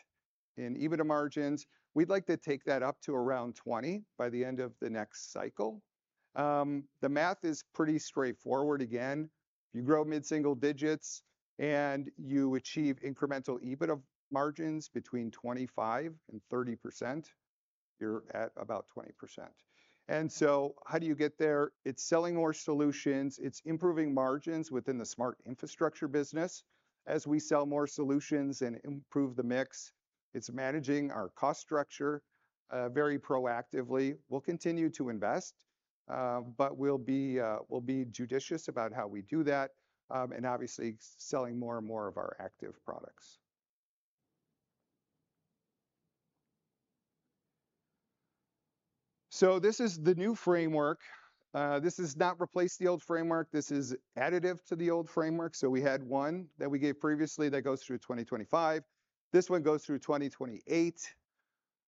in EBITDA margins. We'd like to take that up to around 20% by the end of the next cycle. The math is pretty straightforward. Again, if you grow mid-single digits, and you achieve incremental EBITDA margins between 25%-30%, you're at about 20%. And so how do you get there? It's selling more solutions. It's improving margins within the Smart Infrastructure business as we sell more solutions and improve the mix. It's managing our cost structure very proactively. We'll continue to invest, but we'll be judicious about how we do that, and obviously selling more and more of our Active Products. So this is the new framework. This does not replace the old framework. This is additive to the old framework. So we had one that we gave previously. That goes through 2025. This one goes through 2028.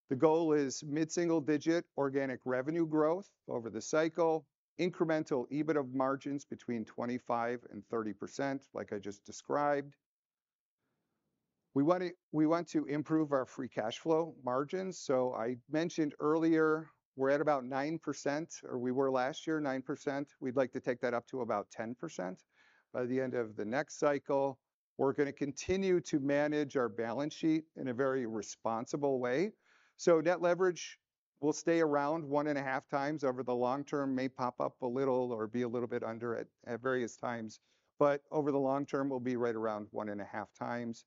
The goal is mid-single-digit organic revenue growth over the cycle, incremental EBITDA margins between 25% and 30%, like I just described. We want to improve our free cash flow margins. So I mentioned earlier, we're at about 9%, or we were last year, 9%. We'd like to take that up to about 10% by the end of the next cycle. We're gonna continue to manage our balance sheet in a very responsible way. So net leverage will stay around one and a half times over the long term, may pop up a little or be a little bit under at various times, but over the long term, we'll be right around one and a half times.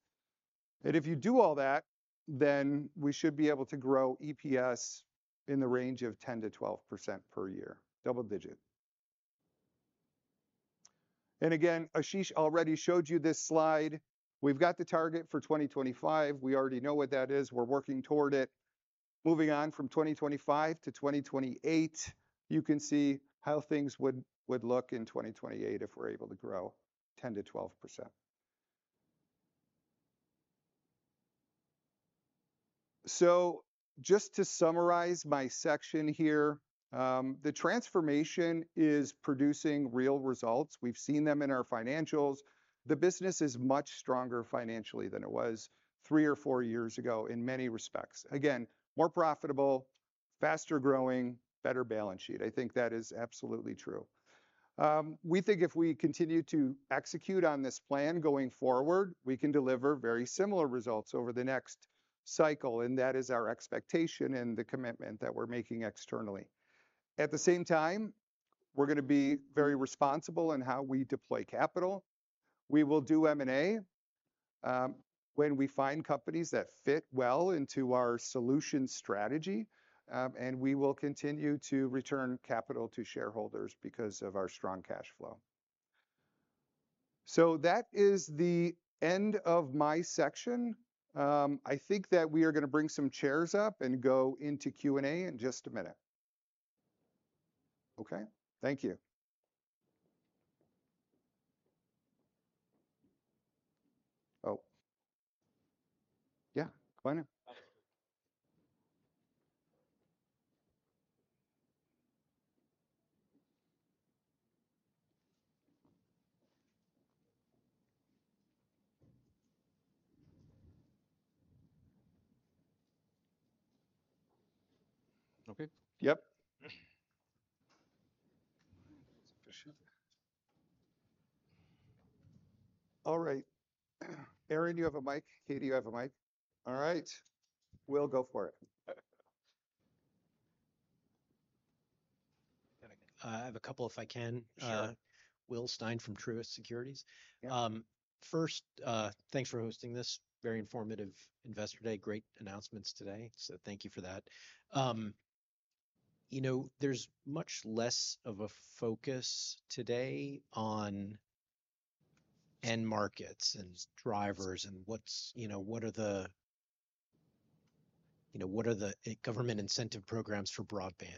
And if you do all that, then we should be able to grow EPS in the range of 10%-12% per year, double-digit.... And again, Ashish already showed you this slide. We've got the target for 2025. We already know what that is. We're working toward it. Moving on from 2025 to 2028, you can see how things would look in 2028 if we're able to grow 10%-12%. So just to summarize my section here, the transformation is producing real results. We've seen them in our financials. The business is much stronger financially than it was three or four years ago in many respects. Again, more profitable, faster growing, better balance sheet. I think that is absolutely true. We think if we continue to execute on this plan going forward, we can deliver very similar results over the next cycle, and that is our expectation and the commitment that we're making externally. At the same time, we're gonna be very responsible in how we deploy capital. We will do M&A, when we find companies that fit well into our solution strategy, and we will continue to return capital to shareholders because of our strong cash flow. So that is the end of my section. I think that we are gonna bring some chairs up and go into Q&A in just a minute. Okay? Thank you. Oh, yeah, come on in. Okay. Yep. Ashish. All right. Aaron, you have a mic? Katie, you have a mic? All right, Will, go for it. I have a couple, if I can. Sure. Will Stein from Truist Securities. Yeah. First, thanks for hosting this very informative investor day. Great announcements today, so thank you for that. You know, there's much less of a focus today on end markets and drivers and what are the government incentive programs for broadband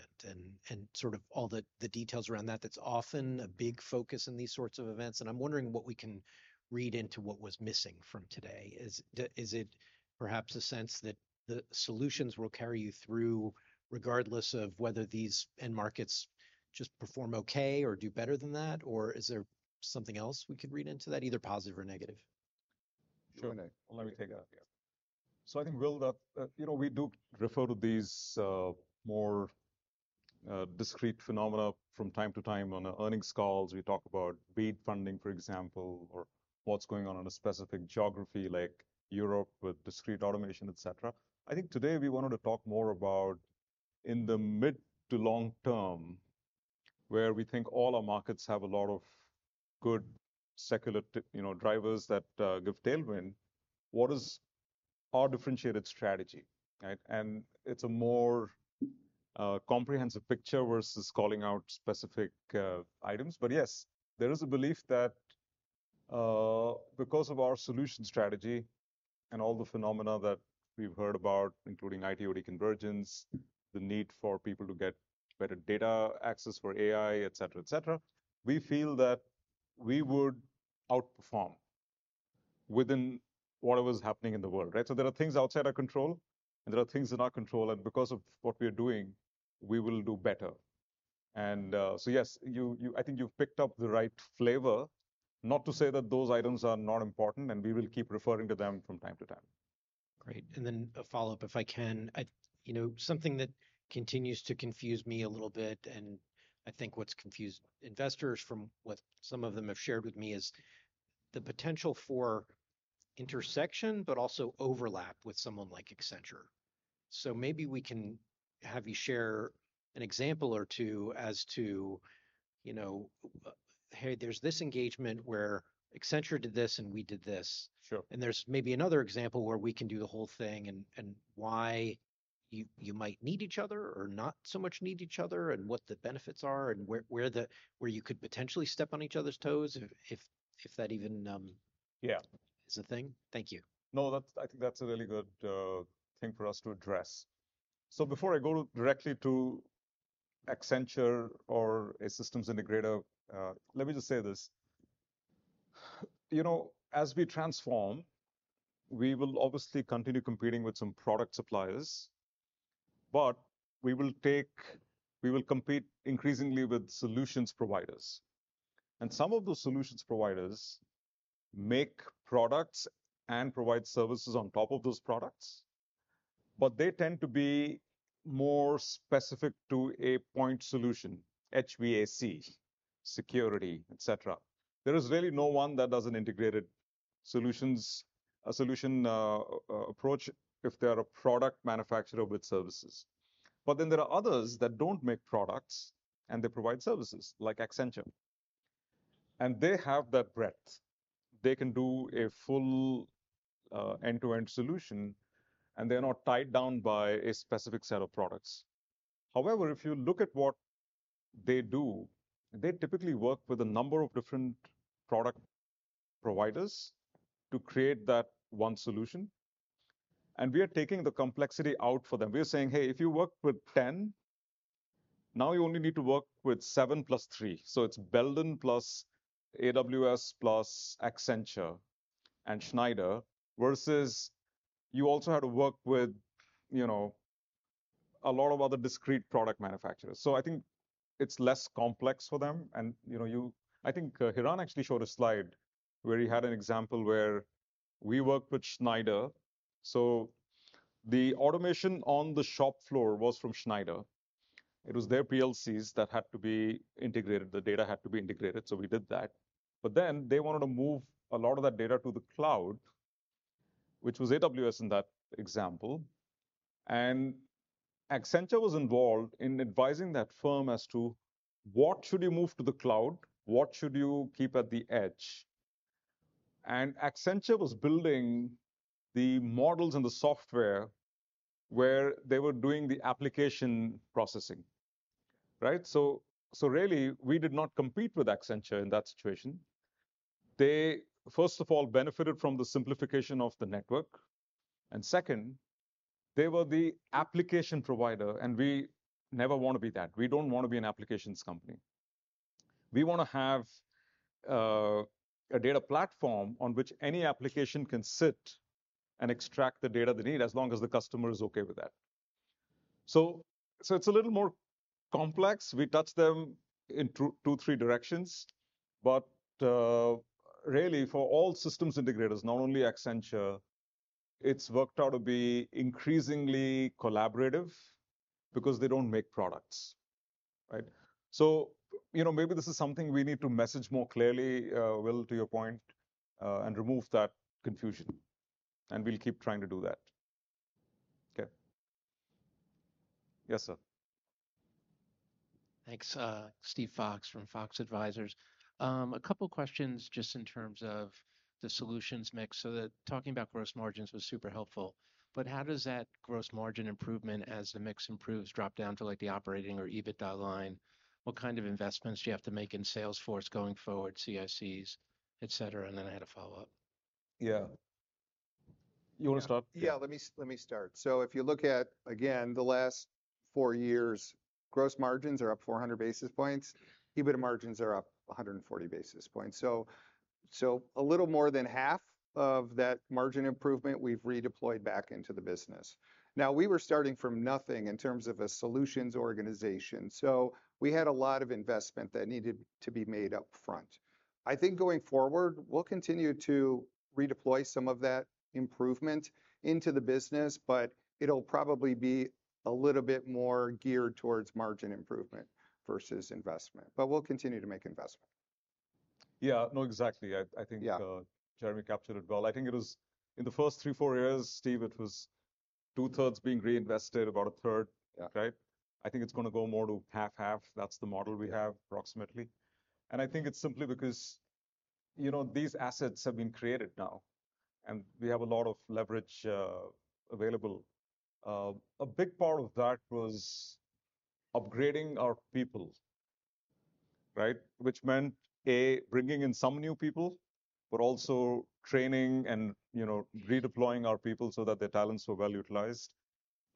and sort of all the details around that. That's often a big focus in these sorts of events, and I'm wondering what we can read into what was missing from today. Is it perhaps a sense that the solutions will carry you through, regardless of whether these end markets just perform okay or do better than that? Or is there something else we could read into that, either positive or negative? Sure, let me take that. So I think, Will, that, you know, we do refer to these, more, discrete phenomena from time to time. On the earnings calls, we talk about BEAD funding, for example, or what's going on in a specific geography like Europe with discrete automation, et cetera. I think today we wanted to talk more about in the mid to long term, where we think all our markets have a lot of good secular tailwinds, you know, drivers that give tailwind. What is our differentiated strategy, right? And it's a more comprehensive picture versus calling out specific items. But yes, there is a belief that because of our solution strategy and all the phenomena that we've heard about, including IT/OT convergence, the need for people to get better data access for AI, et cetera, et cetera, we feel that we would outperform within what was happening in the world, right? So there are things outside our control, and there are things in our control, and because of what we are doing, we will do better. And so yes, you I think you've picked up the right flavor. Not to say that those items are not important, and we will keep referring to them from time to time. Great. And then a follow-up, if I can. You know, something that continues to confuse me a little bit, and I think what's confused investors from what some of them have shared with me, is the potential for intersection, but also overlap with someone like Accenture. So maybe we can have you share an example or two as to, you know, "Hey, there's this engagement where Accenture did this, and we did this. Sure. There's maybe another example where we can do the whole thing," and why you might need each other or not so much need each other, and what the benefits are and where you could potentially step on each other's toes, if that even. Yeah... is a thing. Thank you. No, I think that's a really good thing for us to address. So before I go directly to Accenture or a systems integrator, let me just say this: You know, as we transform, we will obviously continue competing with some product suppliers, but we will compete increasingly with solutions providers. And some of those solutions providers make products and provide services on top of those products, but they tend to be more specific to a point solution, HVAC, security, et cetera. There is really no one that does an integrated solutions, a solution, approach if they are a product manufacturer with services. But then there are others that don't make products, and they provide services, like Accenture, and they have that breadth. They can do a full, end-to-end solution, and they're not tied down by a specific set of products.... However, if you look at what they do, they typically work with a number of different product providers to create that one solution, and we are taking the complexity out for them. We are saying: Hey, if you work with ten, now you only need to work with 7 + 3. So it's Belden plus AWS plus Accenture and Schneider, versus you also had to work with, you know, a lot of other discrete product manufacturers. So I think it's less complex for them, and, you know, I think Hiran actually showed a slide where he had an example where we worked with Schneider. So the automation on the shop floor was from Schneider. It was their PLCs that had to be integrated. The data had to be integrated, so we did that. But then they wanted to move a lot of that data to the cloud, which was AWS in that example, and Accenture was involved in advising that firm as to what should you move to the cloud, what should you keep at the edge? And Accenture was building the models and the software where they were doing the application processing, right? So, so really, we did not compete with Accenture in that situation. They, first of all, benefited from the simplification of the network, and second, they were the application provider, and we never want to be that. We don't want to be an applications company. We want to have a data platform on which any application can sit and extract the data they need, as long as the customer is okay with that. So, so it's a little more complex. We touch them in two to three directions, but really, for all systems integrators, not only Accenture, it's worked out to be increasingly collaborative because they don't make products, right? So, you know, maybe this is something we need to message more clearly, Will, to your point, and remove that confusion, and we'll keep trying to do that. Okay. Yes, sir. Thanks. Steve Fox from Fox Advisors. A couple questions just in terms of the solutions mix, so that talking about gross margins was super helpful. But how does that gross margin improvement as the mix improves, drop down to, like, the operating or EBITDA line? What kind of investments do you have to make in sales force going forward, CICs, et cetera? And then I had a follow-up. Yeah. You want to start? Yeah, let me start. So if you look at, again, the last four years, gross margins are up 400 basis points. EBITDA margins are up 140 basis points. So a little more than half of that margin improvement, we've redeployed back into the business. Now, we were starting from nothing in terms of a solutions organization, so we had a lot of investment that needed to be made up front. I think going forward, we'll continue to redeploy some of that improvement into the business, but it'll probably be a little bit more geared towards margin improvement versus investment. But we'll continue to make investment. Yeah. No, exactly. I think- Yeah... Jeremy captured it well. I think it was in the first three, four years, Steve, it was two-thirds being reinvested, about a third. Yeah. Right? I think it's gonna go more to half-half. That's the model we have, approximately. And I think it's simply because, you know, these assets have been created now, and we have a lot of leverage available. A big part of that was upgrading our people, right? Which meant, A, bringing in some new people, but also training and, you know, redeploying our people so that their talents were well utilized.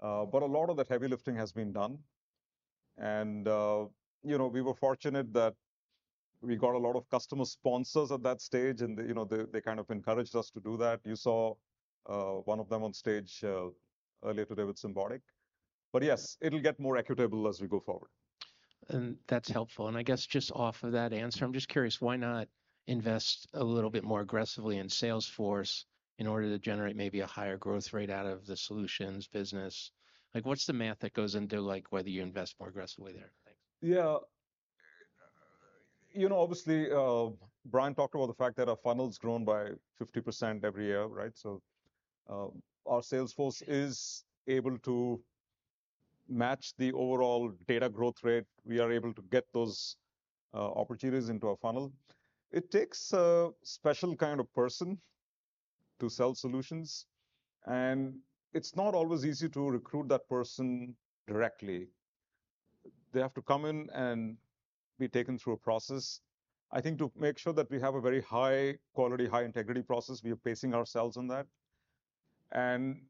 But a lot of that heavy lifting has been done, and, you know, we were fortunate that we got a lot of customer sponsors at that stage, and, you know, they, they kind of encouraged us to do that. You saw one of them on stage earlier today with Symbotic. But yes, it'll get more equitable as we go forward. And that's helpful. And I guess just off of that answer, I'm just curious, why not invest a little bit more aggressively in Salesforce in order to generate maybe a higher growth rate out of the solutions business? Like, what's the math that goes into, like, whether you invest more aggressively there? Thanks. Yeah. You know, obviously, Brian talked about the fact that our funnel's grown by 50% every year, right? So, our sales force is able to match the overall data growth rate. We are able to get those opportunities into our funnel. It takes a special kind of person to sell solutions, and it's not always easy to recruit that person directly. They have to come in and be taken through a process. I think to make sure that we have a very high quality, high integrity process, we are pacing ourselves on that. And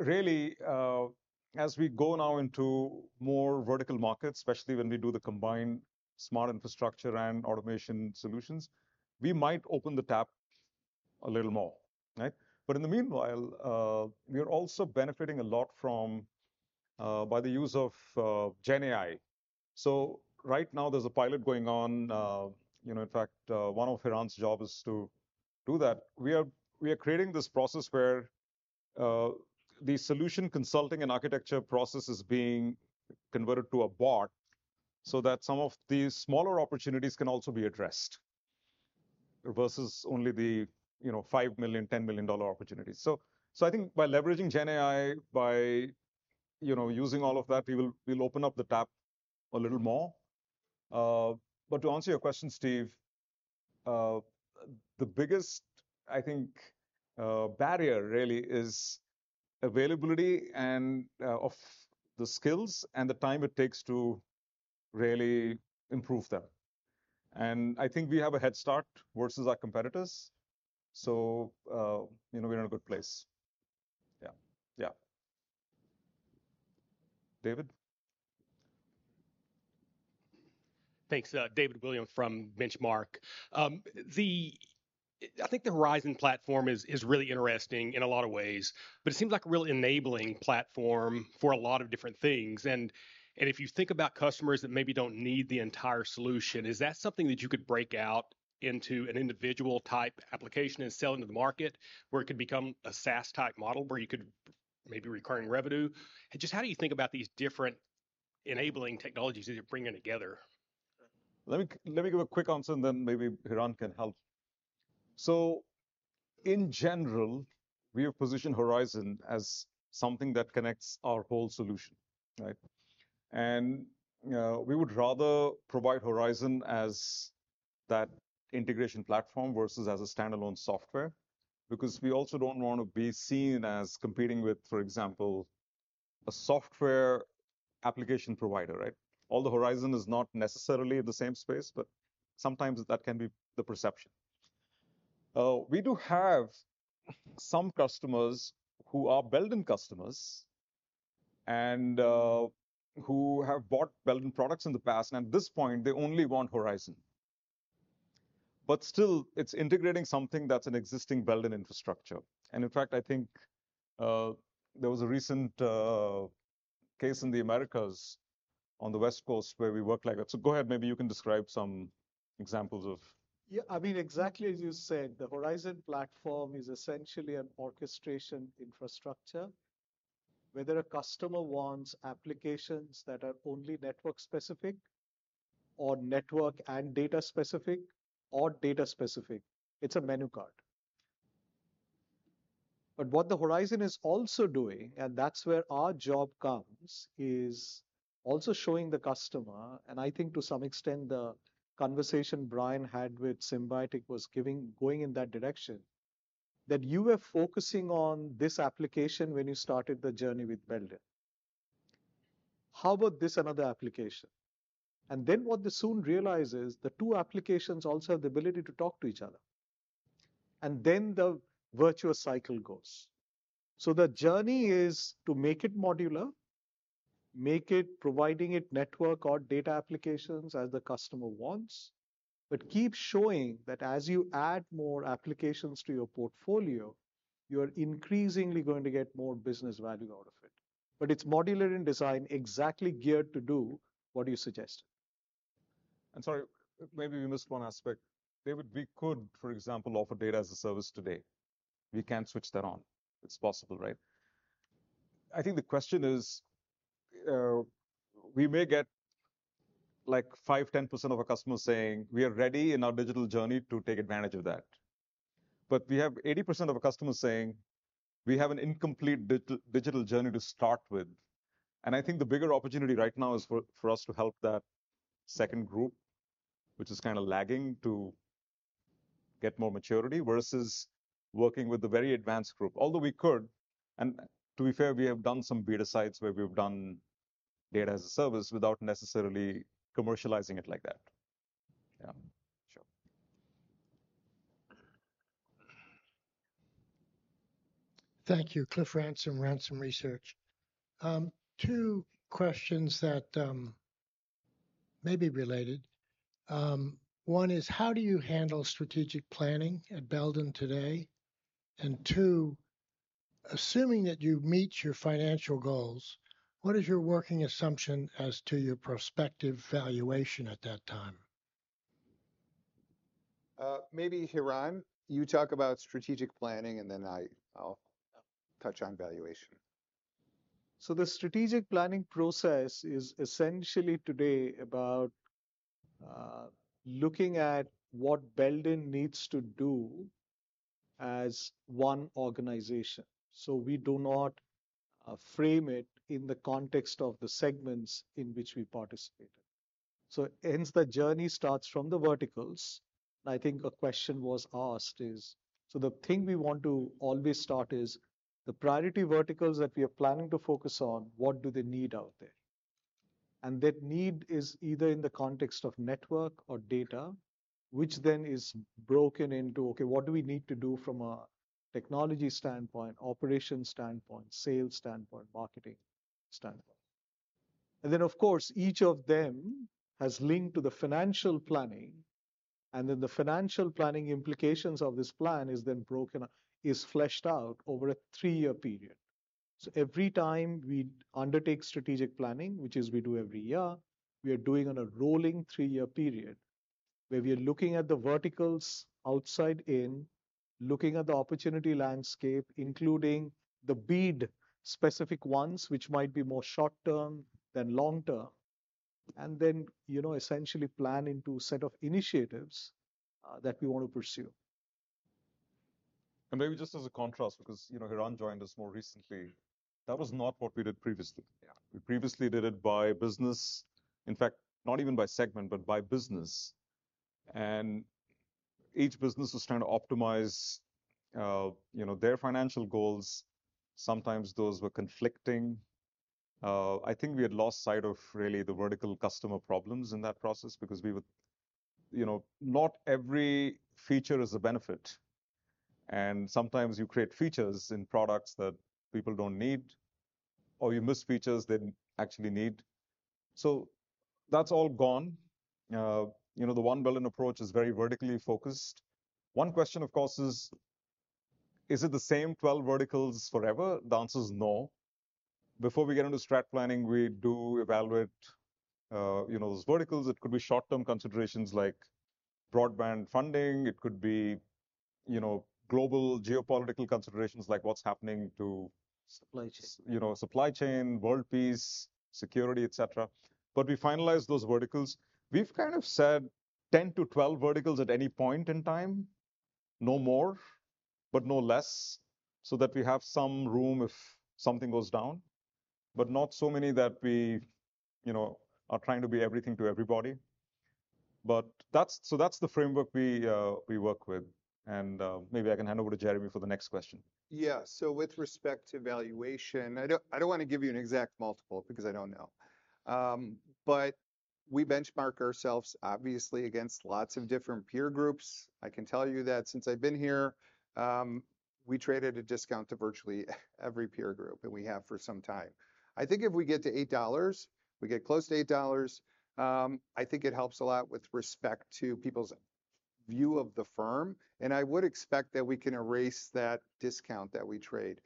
really, as we go now into more vertical markets, especially when we do the combined Smart Infrastructure Solutions and Automation Solutions, we might open the tap a little more. Right? But in the meanwhile, we are also benefiting a lot from the use of GenAI. Right now, there's a pilot going on. You know, in fact, one of Hiran's job is to do that. We are creating this process where the solution consulting and architecture process is being converted to a bot so that some of these smaller opportunities can also be addressed, versus only the $5 million, $10 million dollar opportunities. So I think by leveraging GenAI, by using all of that, we will, we'll open up the tap a little more. But to answer your question, Steve, the biggest, I think, barrier really is availability and of the skills and the time it takes to really improve them. And I think we have a head start versus our competitors, so you know, we're in a good place. Yeah. Yeah. David? Thanks. David Williams from Benchmark. I think the Horizon platform is really interesting in a lot of ways, but it seems like a really enabling platform for a lot of different things. And if you think about customers that maybe don't need the entire solution, is that something that you could break out into an individual type application and sell into the market, where it could become a SaaS-type model, where you could maybe recurring revenue? Just how do you think about these different enabling technologies that you're bringing together? Let me give a quick answer, and then maybe Hiran can help. So in general, we have positioned Horizon as something that connects our whole solution, right? And we would rather provide Horizon as that integration platform versus as a standalone software, because we also don't want to be seen as competing with, for example, a software application provider, right? Although Horizon is not necessarily in the same space, but sometimes that can be the perception. We do have some customers who are Belden customers and who have bought Belden products in the past, and at this point, they only want Horizon. But still, it's integrating something that's an existing Belden infrastructure. And in fact, I think there was a recent case in the Americas, on the West Coast, where we worked like that. So go ahead, maybe you can describe some examples of... Yeah, I mean, exactly as you said, the Horizon platform is essentially an orchestration infrastructure. Whether a customer wants applications that are only network specific or network and data specific or data specific, it's a menu card. But what the Horizon is also doing, and that's where our job comes, is also showing the customer, and I think to some extent, the conversation Brian had with Symbotic was going in that direction, that you were focusing on this application when you started the journey with Belden. How about this another application? And then what they soon realize is the two applications also have the ability to talk to each other, and then the virtuous cycle goes. The journey is to make it modular, make it providing the network or data applications as the customer wants, but keep showing that as you add more applications to your portfolio, you're increasingly going to get more business value out of it. It's modular in design, exactly geared to do what you suggested. Sorry, maybe we missed one aspect. David, we could, for example, offer data as a service today. We can switch that on. It's possible, right? I think the question is, we may get like 5, 10% of our customers saying, "We are ready in our digital journey to take advantage of that." But we have 80% of our customers saying, "We have an incomplete digital journey to start with." I think the bigger opportunity right now is for us to help that second group, which is kind of lagging to get more maturity, versus working with the very advanced group. Although we could, and to be fair, we have done some beta sites where we've done data as a service without necessarily commercializing it like that. Yeah, sure. Thank you. Cliff Ransom, Ransom Research. Two questions that may be related. One is, how do you handle strategic planning at Belden today? And two, assuming that you meet your financial goals, what is your working assumption as to your prospective valuation at that time? Maybe, Hiran, you talk about strategic planning, and then I'll touch on valuation. So the strategic planning process is essentially today about looking at what Belden needs to do as one organization. We do not frame it in the context of the segments in which we participate. Hence, the journey starts from the verticals. I think a question was asked... The thing we want to always start is the priority verticals that we are planning to focus on, what do they need out there? And that need is either in the context of network or data, which then is broken into, okay, what do we need to do from a technology standpoint, operation standpoint, sales standpoint, marketing standpoint? And then, of course, each of them has linked to the financial planning, and then the financial planning implications of this plan is then broken, is fleshed out over a three-year period. Every time we undertake strategic planning, which we do every year on a rolling three-year period, where we are looking at the verticals outside in, looking at the opportunity landscape, including the bid-specific ones, which might be more short term than long term, and then, you know, essentially plan into a set of initiatives that we want to pursue.… And maybe just as a contrast, because, you know, Hiran joined us more recently. That was not what we did previously. Yeah. We previously did it by business, in fact, not even by segment, but by business. And each business was trying to optimize, you know, their financial goals. Sometimes those were conflicting. I think we had lost sight of really the vertical customer problems in that process because we would, you know, not every feature is a benefit, and sometimes you create features in products that people don't need, or you miss features they actually need. So that's all gone. You know, the One Belden approach is very vertically focused. One question, of course, is: Is it the same 12 verticals forever? The answer is no. Before we get into strat planning, we do evaluate, you know, those verticals. It could be short-term considerations like broadband funding, it could be, you know, global geopolitical considerations like what's happening to- Supply chain... you know, supply chain, world peace, security, et cetera. But we finalize those verticals. We've kind of said 10-12 verticals at any point in time, no more, but no less, so that we have some room if something goes down, but not so many that we, you know, are trying to be everything to everybody. But that's so that's the framework we work with. And maybe I can hand over to Jeremy for the next question. Yeah. So with respect to valuation, I don't want to give you an exact multiple because I don't know. But we benchmark ourselves, obviously, against lots of different peer groups. I can tell you that since I've been here, we traded a discount to virtually every peer group, and we have for some time. I think if we get to $8, we get close to $8. I think it helps a lot with respect to people's view of the firm, and I would expect that we can erase that discount that we trade.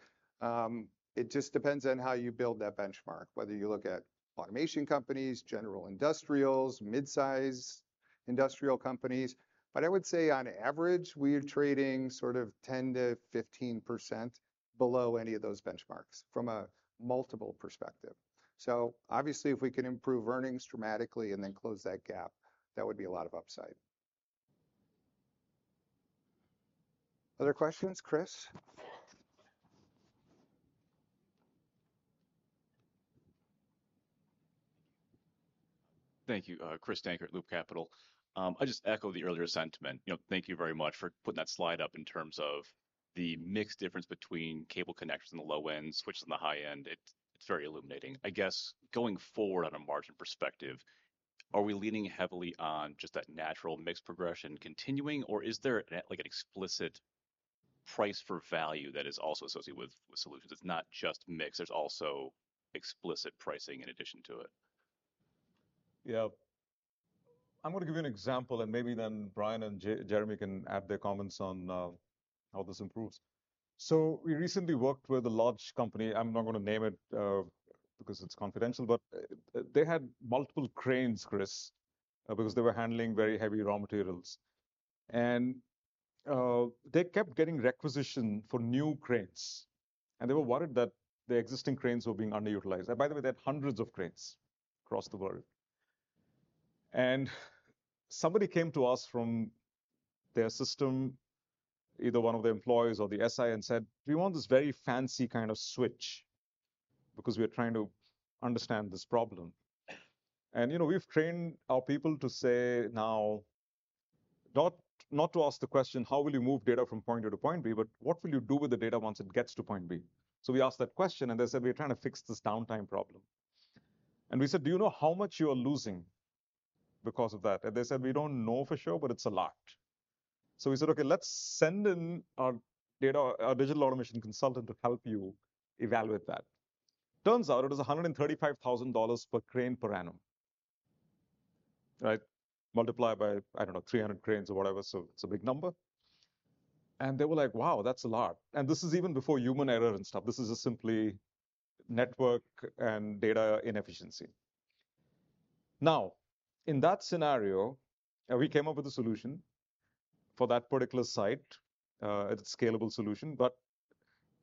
It just depends on how you build that benchmark, whether you look at automation companies, general industrials, mid-size industrial companies. But I would say on average, we are trading sort of 10%-15% below any of those benchmarks from a multiple perspective. So obviously, if we can improve earnings dramatically and then close that gap, that would be a lot of upside. Other questions, Chris? Thank you. Chris Dankert, Loop Capital. I just echo the earlier sentiment. You know, thank you very much for putting that slide up in terms of the mix difference between cable connectors on the low end, switches on the high end. It's very illuminating. I guess, going forward on a margin perspective, are we leaning heavily on just that natural mix progression continuing, or is there, like, an explicit price for value that is also associated with solutions? It's not just mix, there's also explicit pricing in addition to it. Yeah. I'm gonna give you an example, and maybe then Brian and Jeremy can add their comments on how this improves. We recently worked with a large company. I'm not gonna name it because it's confidential, but they had multiple cranes, Chris, because they were handling very heavy raw materials. They kept getting requisition for new cranes, and they were worried that their existing cranes were being underutilized. By the way, they had hundreds of cranes across the world. Somebody came to us from their system, either one of the employees or the SI, and said, "We want this very fancy kind of switch because we are trying to understand this problem." You know, we've trained our people to say now not to ask the question: How will you move data from point A to point B? What will you do with the data once it gets to point B? So we asked that question, and they said, "We are trying to fix this downtime problem." We said, Do you know how much you are losing because of that? They said, "We don't know for sure, but it's a lot, so we said, "Okay, let's send in our DAC, our Digital Automation Consultant, to help you evaluate that." Turns out it was $135,000 per crane per annum, right? Multiply by, I don't know, 300 cranes or whatever, so it's a big number, and they were like, "Wow, that's a lot," and this is even before human error and stuff. This is simply network and data inefficiency. Now, in that scenario, we came up with a solution for that particular site. It's a scalable solution, but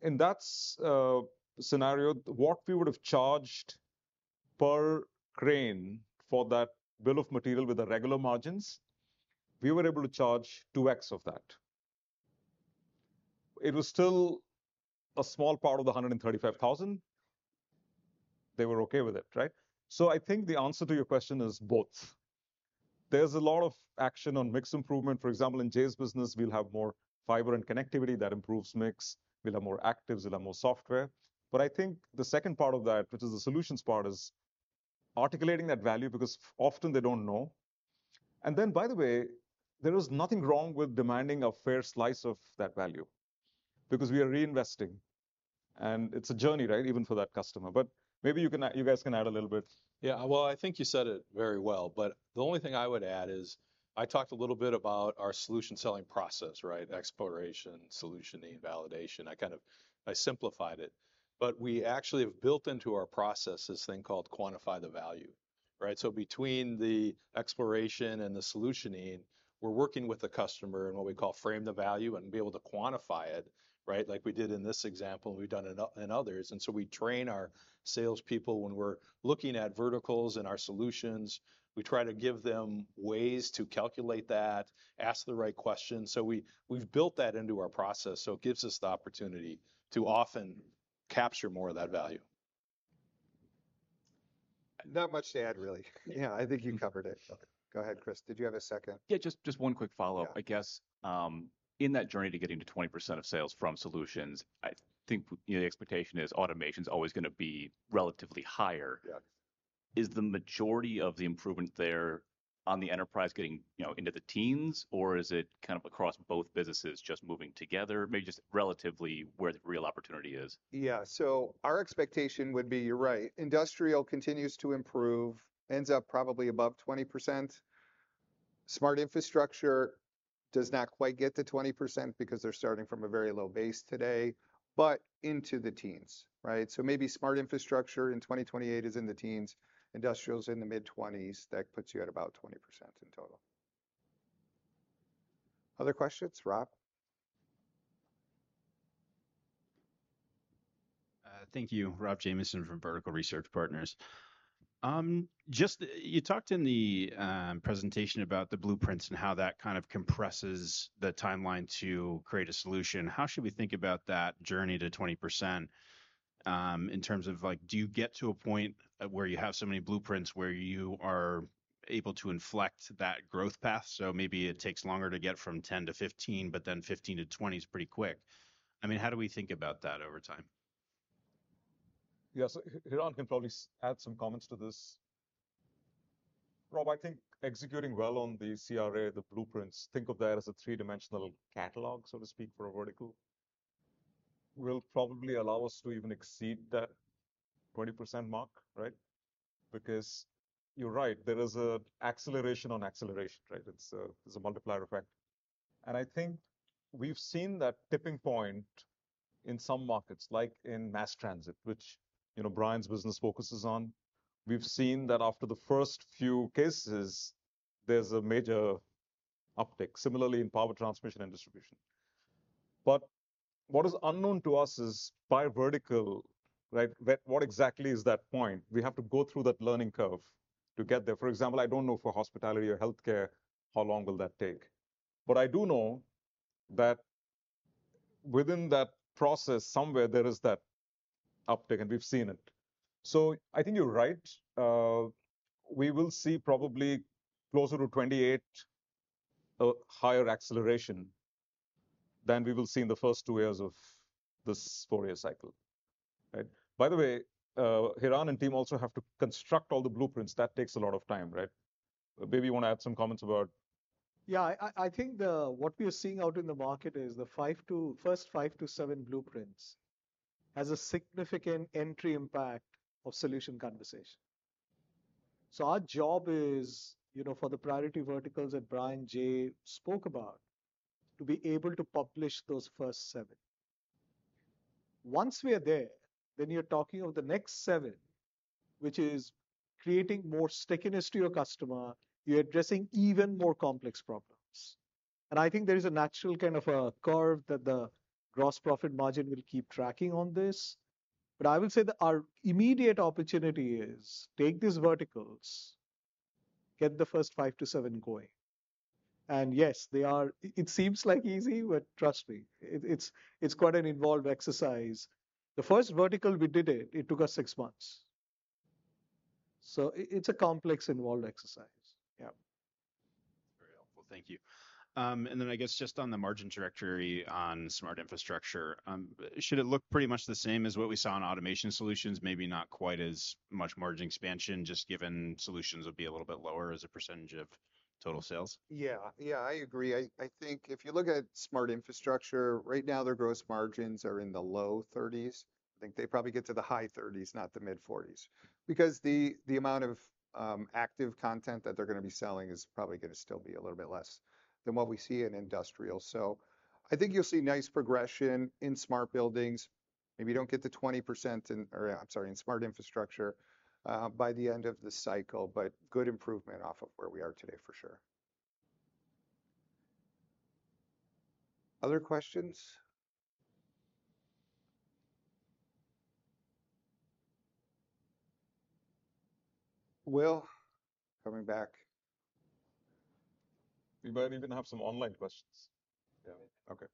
in that scenario, what we would have charged per crane for that bill of material with the regular margins, we were able to charge two X of that. It was still a small part of the $135,000. They were okay with it, right? So I think the answer to your question is both. There's a lot of action on mix improvement. For example, in Jay's business, we'll have more fiber and connectivity that improves mix. We'll have more actives, we'll have more software. But I think the second part of that, which is the solutions part, is articulating that value, because often they don't know. And then, by the way, there is nothing wrong with demanding a fair slice of that value, because we are reinvesting, and it's a journey, right? Even for that customer. But maybe you can, you guys can add a little bit. Yeah, well, I think you said it very well, but the only thing I would add is, I talked a little bit about our solution selling process, right? Exploration, solutioning, validation. I kind of, I simplified it, but we actually have built into our process this thing called quantify the value, right? So between the exploration and the solutioning, we're working with the customer in what we call frame the value and be able to quantify it, right? Like we did in this example, and we've done in others. And so we train our salespeople when we're looking at verticals and our solutions, we try to give them ways to calculate that, ask the right questions. So we've built that into our process, so it gives us the opportunity to often capture more of that value... Not much to add, really. Yeah, I think you covered it. Go ahead, Chris. Did you have a second? Yeah, just, just one quick follow-up. Yeah. I guess, in that journey to getting to 20% of sales from solutions, I think, you know, the expectation is automation's always gonna be relatively higher. Yes. Is the majority of the improvement there on the enterprise getting, you know, into the teens, or is it kind of across both businesses just moving together? Maybe just relatively where the real opportunity is. Yeah. So our expectation would be, you're right, industrial continues to improve, ends up probably above 20%. Smart infrastructure does not quite get to 20% because they're starting from a very low base today, but into the teens, right? So maybe Smart Infrastructure in 2028 is in the teens, industrial's in the mid-20s. That puts you at about 20% in total. Other questions, Rob? Thank you. Rob Jamieson from Vertical Research Partners. Just you talked in the presentation about the blueprints and how that kind of compresses the timeline to create a solution. How should we think about that journey to 20%, in terms of, like, do you get to a point where you have so many blueprints where you are able to inflect that growth path? So maybe it takes longer to get from 10% to 15%, but then 15% to 20% is pretty quick. I mean, how do we think about that over time? Yeah, so Hiran can probably add some comments to this. Rob, I think executing well on the CRA, the blueprints, think of that as a three-dimensional catalog, so to speak, for a vertical, will probably allow us to even exceed that 20% mark, right? Because you're right, there is a acceleration on acceleration, right? It's a, it's a multiplier effect. And I think we've seen that tipping point in some markets, like in mass transit, which, you know, Brian's business focuses on. We've seen that after the first few cases, there's a major uptick. Similarly, in power transmission and distribution. But what is unknown to us is by vertical, right, what exactly is that point? We have to go through that learning curve to get there. For example, I don't know for hospitality or healthcare, how long will that take? But I do know that within that process, somewhere there is that uptick, and we've seen it. So I think you're right. We will see probably closer to 28, a higher acceleration than we will see in the first two years of this four-year cycle, right? By the way, Hiran and team also have to construct all the blueprints. That takes a lot of time, right? Maybe you wanna add some comments about... Yeah, I think what we are seeing out in the market is the first five-to-seven blueprints has a significant entry impact of solution conversation. So our job is, you know, for the priority verticals that Brian, Jay spoke about, to be able to publish those first seven. Once we are there, then you're talking of the next seven, which is creating more stickiness to your customer. You're addressing even more complex problems. And I think there is a natural kind of a curve that the gross profit margin will keep tracking on this. But I will say that our immediate opportunity is take these verticals, get the first five-to-seven going. And yes, they are it seems like easy, but trust me, it's quite an involved exercise. The first vertical we did it took us six months. It's a complex, involved exercise. Yeah. Very helpful. Thank you. And then I guess just on the margin trajectory on Smart Infrastructure, should it look pretty much the same as what we saw in Automation Solutions? Maybe not quite as much margin expansion, just given solutions would be a little bit lower as a percentage of total sales. Yeah. Yeah, I agree. I think if you look at Smart Infrastructure, right now, their gross margins are in the low 30%s. I think they probably get to the high 30%s, not the mid-40%s. Because the amount of active content that they're gonna be selling is probably gonna still be a little bit less than what we see in industrial. So I think you'll see nice progression in smart buildings. Maybe you don't get the 20% in... or I'm sorry, in Smart Infrastructure, by the end of the cycle, but good improvement off of where we are today, for sure. Other questions? Will, coming back. We might even have some online questions. Yeah. Okay.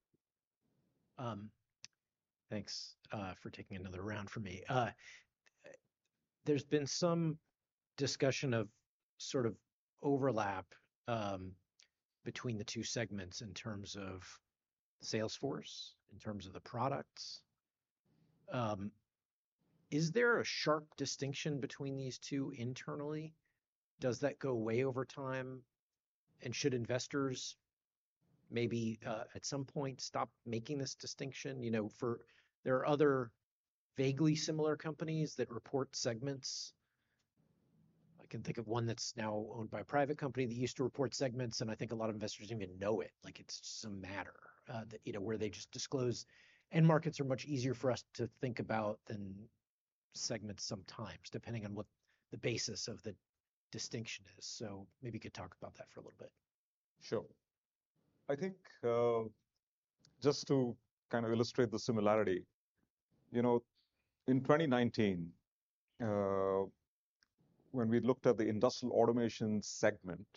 Thanks, for taking another round for me. There's been some discussion of sort of overlap, between the two segments in terms of Salesforce, in terms of the products. Is there a sharp distinction between these two internally? Does that go away over time? And should investors maybe, at some point, stop making this distinction? You know, there are other vaguely similar companies that report segments. I can think of one that's now owned by a private company that used to report segments, and I think a lot of investors even know it, like it's some matter, that, you know, where they just disclose. End markets are much easier for us to think about than segments sometimes, depending on what the basis of the distinction is. So maybe you could talk about that for a little bit. Sure. I think just to kind of illustrate the similarity, you know, in 2019, when we looked at the Industrial Automation segment,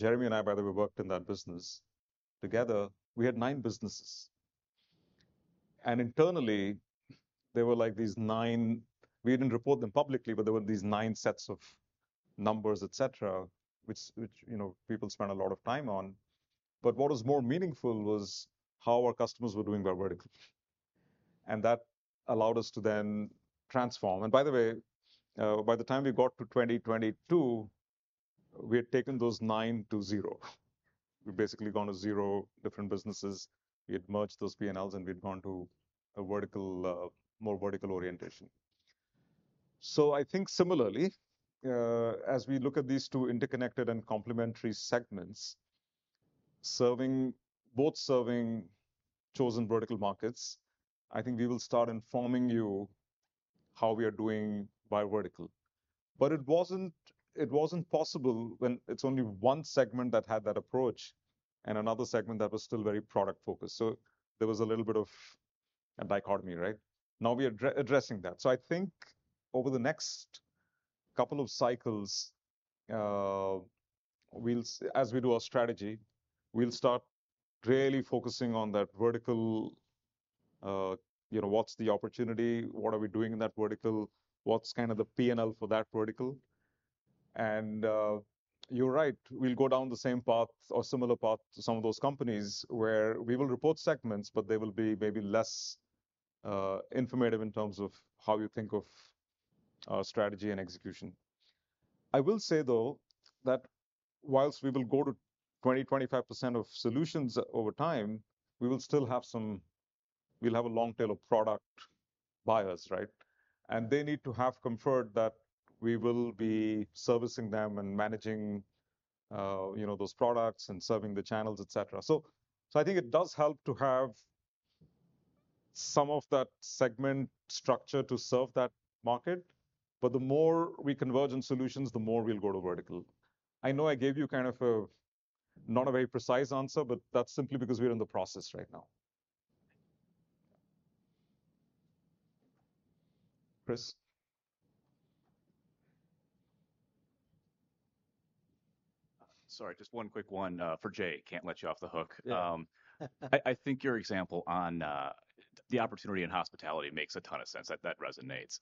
Jeremy and I, by the way, worked in that business together, we had nine businesses. And internally, they were like these nine. We didn't report them publicly, but there were these nine sets of numbers, et cetera, which, you know, people spent a lot of time on. But what was more meaningful was how our customers were doing by vertical, and that allowed us to then transform. And by the way, by the time we got to 2022, we had taken those nine to zero. We'd basically gone to zero different businesses. We had merged those P&Ls, and we'd gone to a vertical, more vertical orientation. So I think similarly, as we look at these two interconnected and complementary segments, serving both chosen vertical markets, I think we will start informing you how we are doing by vertical. But it wasn't possible when it's only one segment that had that approach and another segment that was still very product-focused. So there was a little bit of a dichotomy, right? Now we are addressing that. So I think over the next couple of cycles, we'll. As we do our strategy, we'll start really focusing on that vertical, you know, what's the opportunity? What are we doing in that vertical? What's kind of the P&L for that vertical? You're right. We'll go down the same path or similar path to some of those companies where we will report segments, but they will be maybe less informative in terms of how you think of our strategy and execution. I will say, though, that while we will go to 20%-25% of solutions over time, we will still have some. We'll have a long tail of product buyers, right? And they need to have comfort that we will be servicing them and managing, you know, those products and serving the channels, et cetera. So, so I think it does help to have some of that segment structure to serve that market, but the more we converge in solutions, the more we'll go to vertical. I know I gave you kind of not a very precise answer, but that's simply because we're in the process right now. Chris? Sorry, just one quick one, for Jay. Can't let you off the hook. Yeah. I think your example on the opportunity in hospitality makes a ton of sense. That resonates.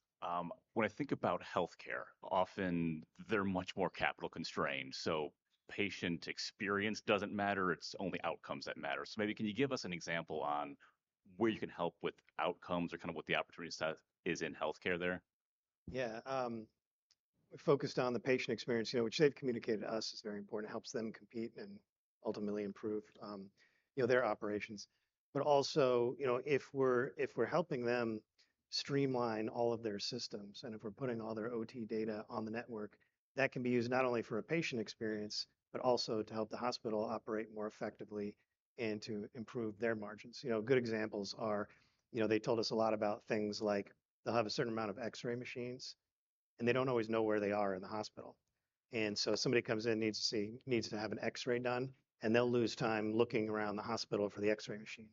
When I think about healthcare, often they're much more capital constrained, so patient experience doesn't matter, it's only outcomes that matter. So maybe can you give us an example on where you can help with outcomes or kind of what the opportunity set is in healthcare there? Yeah, we're focused on the patient experience, you know, which they've communicated to us is very important. It helps them compete and ultimately improve, you know, their operations. But also, you know, if we're helping them streamline all of their systems and if we're putting all their OT data on the network, that can be used not only for a patient experience, but also to help the hospital operate more effectively and to improve their margins. You know, good examples are, you know, they told us a lot about things like they'll have a certain amount of X-ray machines, and they don't always know where they are in the hospital. And so somebody comes in, needs to have an X-ray done, and they'll lose time looking around the hospital for the X-ray machine.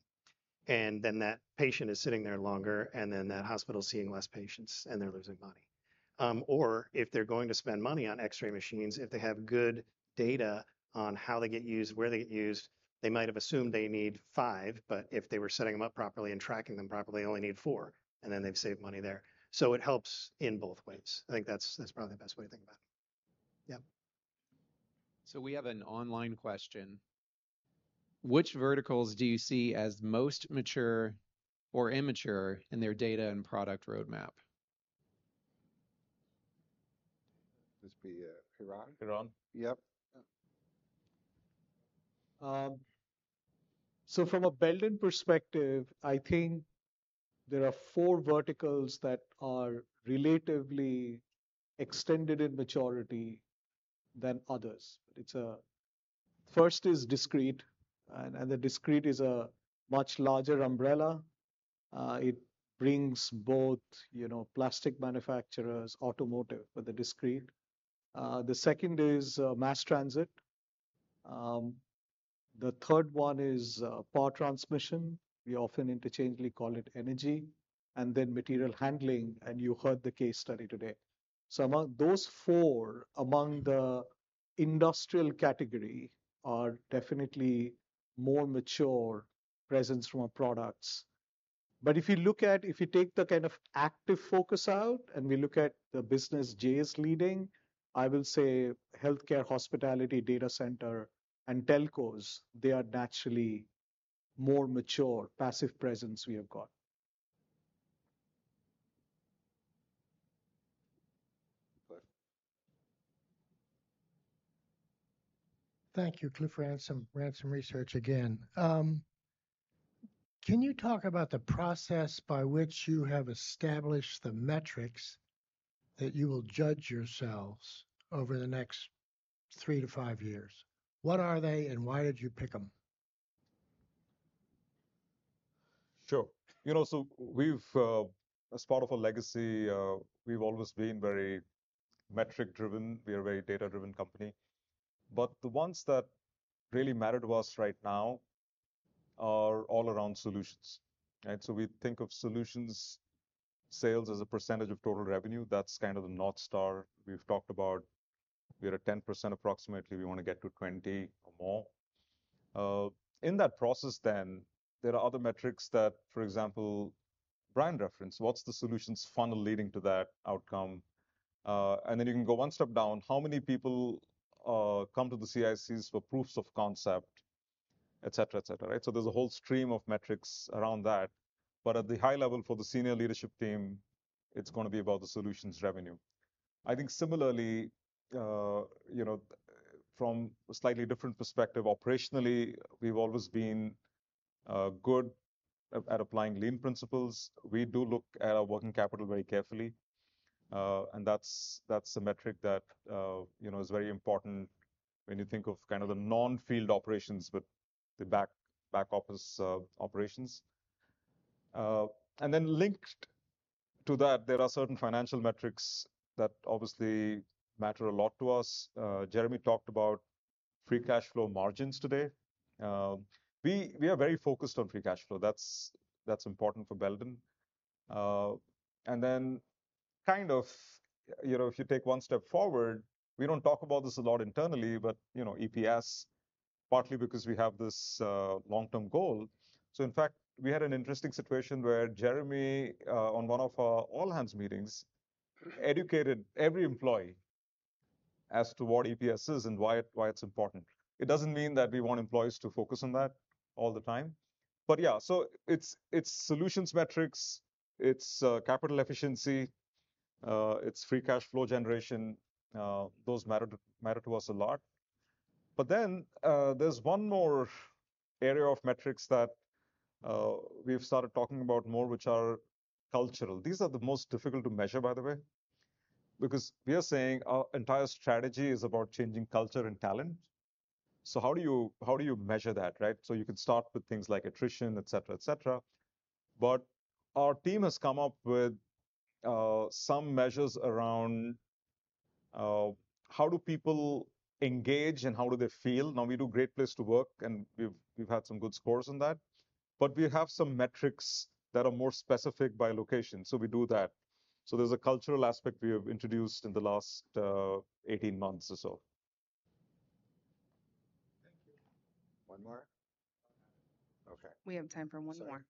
And then that patient is sitting there longer, and then that hospital is seeing less patients, and they're losing money. Or if they're going to spend money on X-ray machines, if they have good data on how they get used, where they get used, they might have assumed they need five, but if they were setting them up properly and tracking them properly, they only need four, and then they've saved money there. So it helps in both ways. I think that's, that's probably the best way to think about it. Yeah. We have an online question: Which verticals do you see as most mature or immature in their data and product roadmap? This be, Hiran? Hiran. Yep. So from a Belden perspective, I think there are four verticals that are relatively extended in maturity than others. It's. First is discrete, and the discrete is a much larger umbrella. It brings both, you know, plastic manufacturers, automotive for the discrete. The second is mass transit. The third one is power transmission. We often interchangeably call it energy, and then material handling, and you heard the case study today. So among those four, among the industrial category, are definitely more mature presence from our products. But if you look at, if you take the kind of active focus out, and we look at the business Jay is leading, I will say healthcare, hospitality, data center, and telcos, they are naturally more mature, passive presence we have got. Go ahead. Thank you. Cliff Ransom, Ransom Research again. Can you talk about the process by which you have established the metrics that you will judge yourselves over the next three to five years? What are they, and why did you pick them? Sure. You know, so we've as part of a legacy, we've always been very metric driven. We are a very data-driven company, but the ones that really matter to us right now are all around solutions, right? So we think of solutions sales as a percentage of total revenue. That's kind of the North Star we've talked about. We are at 10% approximately, we wanna get to 20% or more. In that process then, there are other metrics that, for example, brand reference, what's the solutions funnel leading to that outcome? And then you can go one step down. How many people come to the CICs for proofs of concept, et cetera, et cetera, right? So there's a whole stream of metrics around that, but at the high level, for the senior leadership team, it's gonna be about the solutions revenue. I think similarly, you know, from a slightly different perspective, operationally, we've always been good at applying lean principles. We do look at our working capital very carefully, and that's a metric that you know is very important when you think of kind of the non-field operations, but the back office operations. And then linked to that, there are certain financial metrics that obviously matter a lot to us. Jeremy talked about free cash flow margins today. We are very focused on free cash flow. That's important for Belden. And then kind of, you know, if you take one step forward, we don't talk about this a lot internally, but you know, EPS, partly because we have this long-term goal. So in fact, we had an interesting situation where Jeremy on one of our all-hands meetings educated every employee as to what EPS is and why it's important. It doesn't mean that we want employees to focus on that all the time, but yeah, so it's solutions metrics, it's capital efficiency, it's free cash flow generation. Those matter to us a lot. But then there's one more area of metrics that we've started talking about more, which are cultural. These are the most difficult to measure, by the way, because we are saying our entire strategy is about changing culture and talent. So how do you measure that, right? So you could start with things like attrition, et cetera, et cetera, but our team has come up with some measures around how do people engage and how do they feel? Now, we do Great Place to Work, and we've had some good scores on that, but we have some metrics that are more specific by location, so we do that. So there's a cultural aspect we have introduced in the last eighteen months or so. Thank you. One more? Okay. We have time for one more.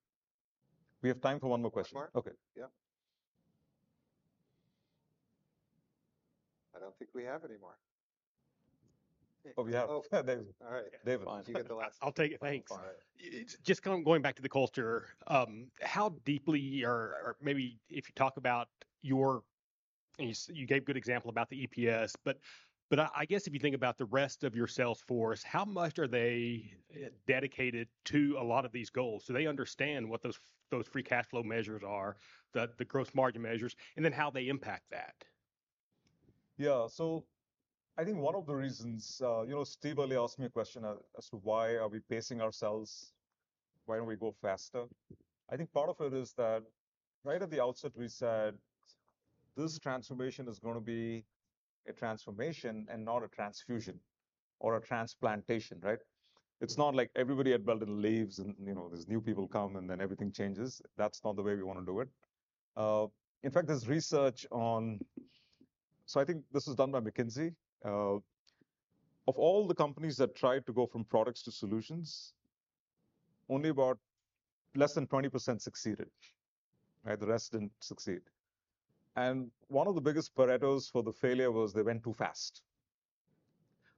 We have time for one more question. One more? Okay. Yep. I don't think we have any more. Oh, we have. All right. David. You get the last- I'll take it. Thanks. All right. Just going back to the culture, how deeply or maybe if you talk about your. You gave a good example about the EPS, but I guess if you think about the rest of your sales force, how much are they dedicated to a lot of these goals? Do they understand what those free cash flow measures are, the gross margin measures, and then how they impact that? Yeah. So I think one of the reasons. You know, Steve earlier asked me a question as to why are we pacing ourselves? Why don't we go faster? I think part of it is that right at the outset, we said this transformation is gonna be a transformation and not a transfusion or a transplantation, right? It's not like everybody at Belden leaves and, you know, these new people come, and then everything changes. That's not the way we wanna do it. In fact, there's research. So I think this is done by McKinsey. Of all the companies that tried to go from products to solutions, only about less than 20% succeeded, right? The rest didn't succeed. And one of the biggest Paretos for the failure was they went too fast.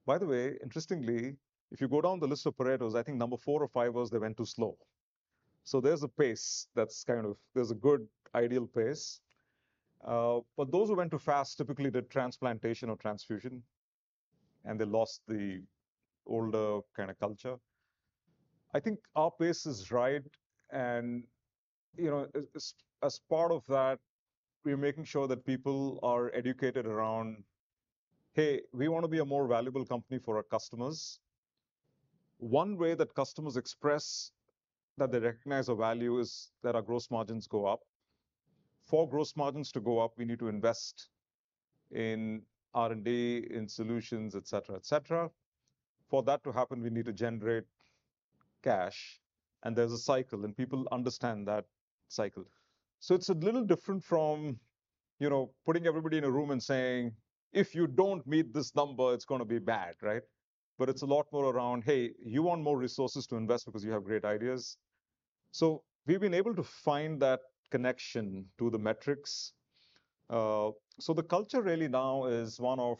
By the way, interestingly, if you go down the list of Paretos, I think number four or five was they went too slow, so there's a pace that's kind of, there's a good ideal pace. But those who went too fast typically did transplantation or transfusion, and they lost the older kind of culture. I think our pace is right, and, you know, as part of that, we're making sure that people are educated around, "Hey, we wanna be a more valuable company for our customers." One way that customers express that they recognize our value is that our gross margins go up. For gross margins to go up, we need to invest in R&D, in solutions, et cetera, et cetera. For that to happen, we need to generate cash, and there's a cycle, and people understand that cycle. So it's a little different from, you know, putting everybody in a room and saying: If you don't meet this number, it's gonna be bad, right? But it's a lot more around, "Hey, you want more resources to invest because you have great ideas." So we've been able to find that connection to the metrics. So the culture really now is one of,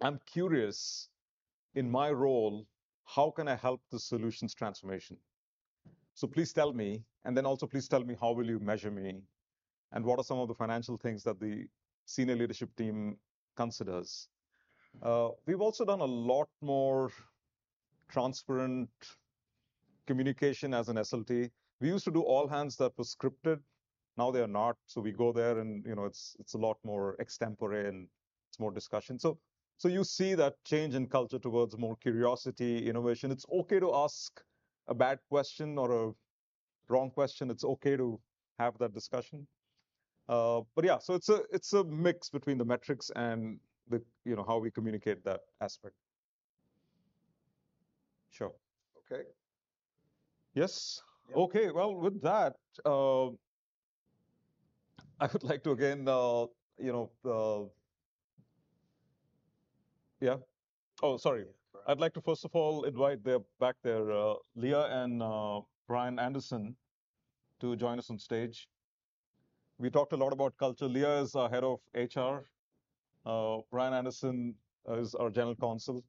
"I'm curious, in my role, how can I help the solutions transformation? So please tell me, and then also please tell me how will you measure me, and what are some of the financial things that the senior leadership team considers?" We've also done a lot more transparent communication as an SLT. We used to do all hands that was scripted. Now they are not. So we go there and, you know, it's, it's a lot more extempore, and it's more discussion. So you see that change in culture towards more curiosity, innovation. It's okay to ask a bad question or a wrong question. It's okay to have that discussion. But yeah, so it's a mix between the metrics and the, you know, how we communicate that aspect. Sure. Okay. Yes. Yeah. Okay. Well, with that, I'd like to first of all invite the folks back there, Leah and Brian Anderson to join us on stage. We talked a lot about culture. Leah is our head of HR. Brian Anderson is our general counsel,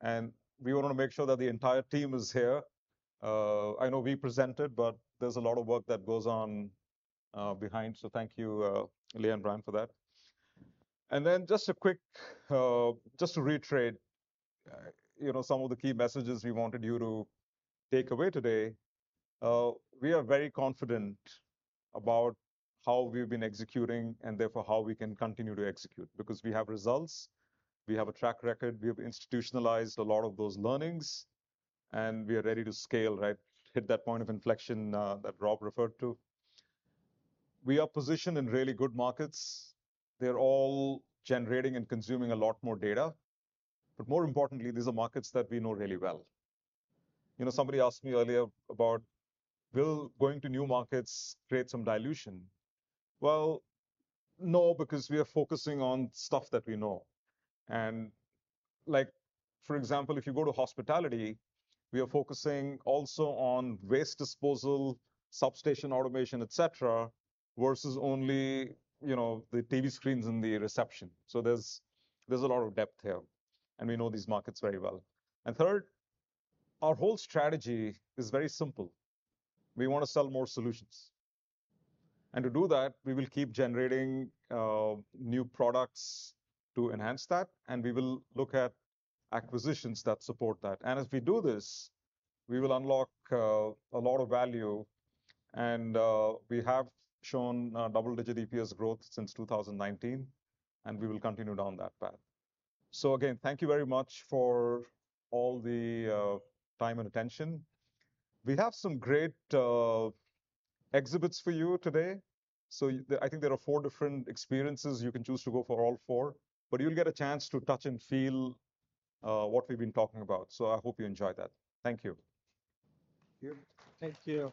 and we wanna make sure that the entire team is here. I know we presented, but there's a lot of work that goes on behind the scenes, so thank you, Leah and Brian for that. And then just to reiterate, you know, some of the key messages we wanted you to take away today. We are very confident about how we've been executing, and therefore how we can continue to execute, because we have results, we have a track record, we have institutionalized a lot of those learnings, and we are ready to scale, right? Hit that point of inflection that Rob referred to. We are positioned in really good markets. They're all generating and consuming a lot more data. but more importantly, these are markets that we know really well. You know, somebody asked me earlier about will going to new markets create some dilution? Well, no, because we are focusing on stuff that we know. and like, for example, if you go to hospitality, we are focusing also on waste disposal, substation automation, et cetera, versus only, you know, the TV screens in the reception. so there's a lot of depth here, and we know these markets very well. And third, our whole strategy is very simple. We wanna sell more solutions. And to do that, we will keep generating new products to enhance that, and we will look at acquisitions that support that. And as we do this, we will unlock a lot of value, and we have shown double-digit EPS growth since two thousand and nineteen, and we will continue down that path. So again, thank you very much for all the time and attention. We have some great exhibits for you today. So I think there are four different experiences. You can choose to go for all four, but you'll get a chance to touch and feel what we've been talking about. So I hope you enjoy that. Thank you. Thank you.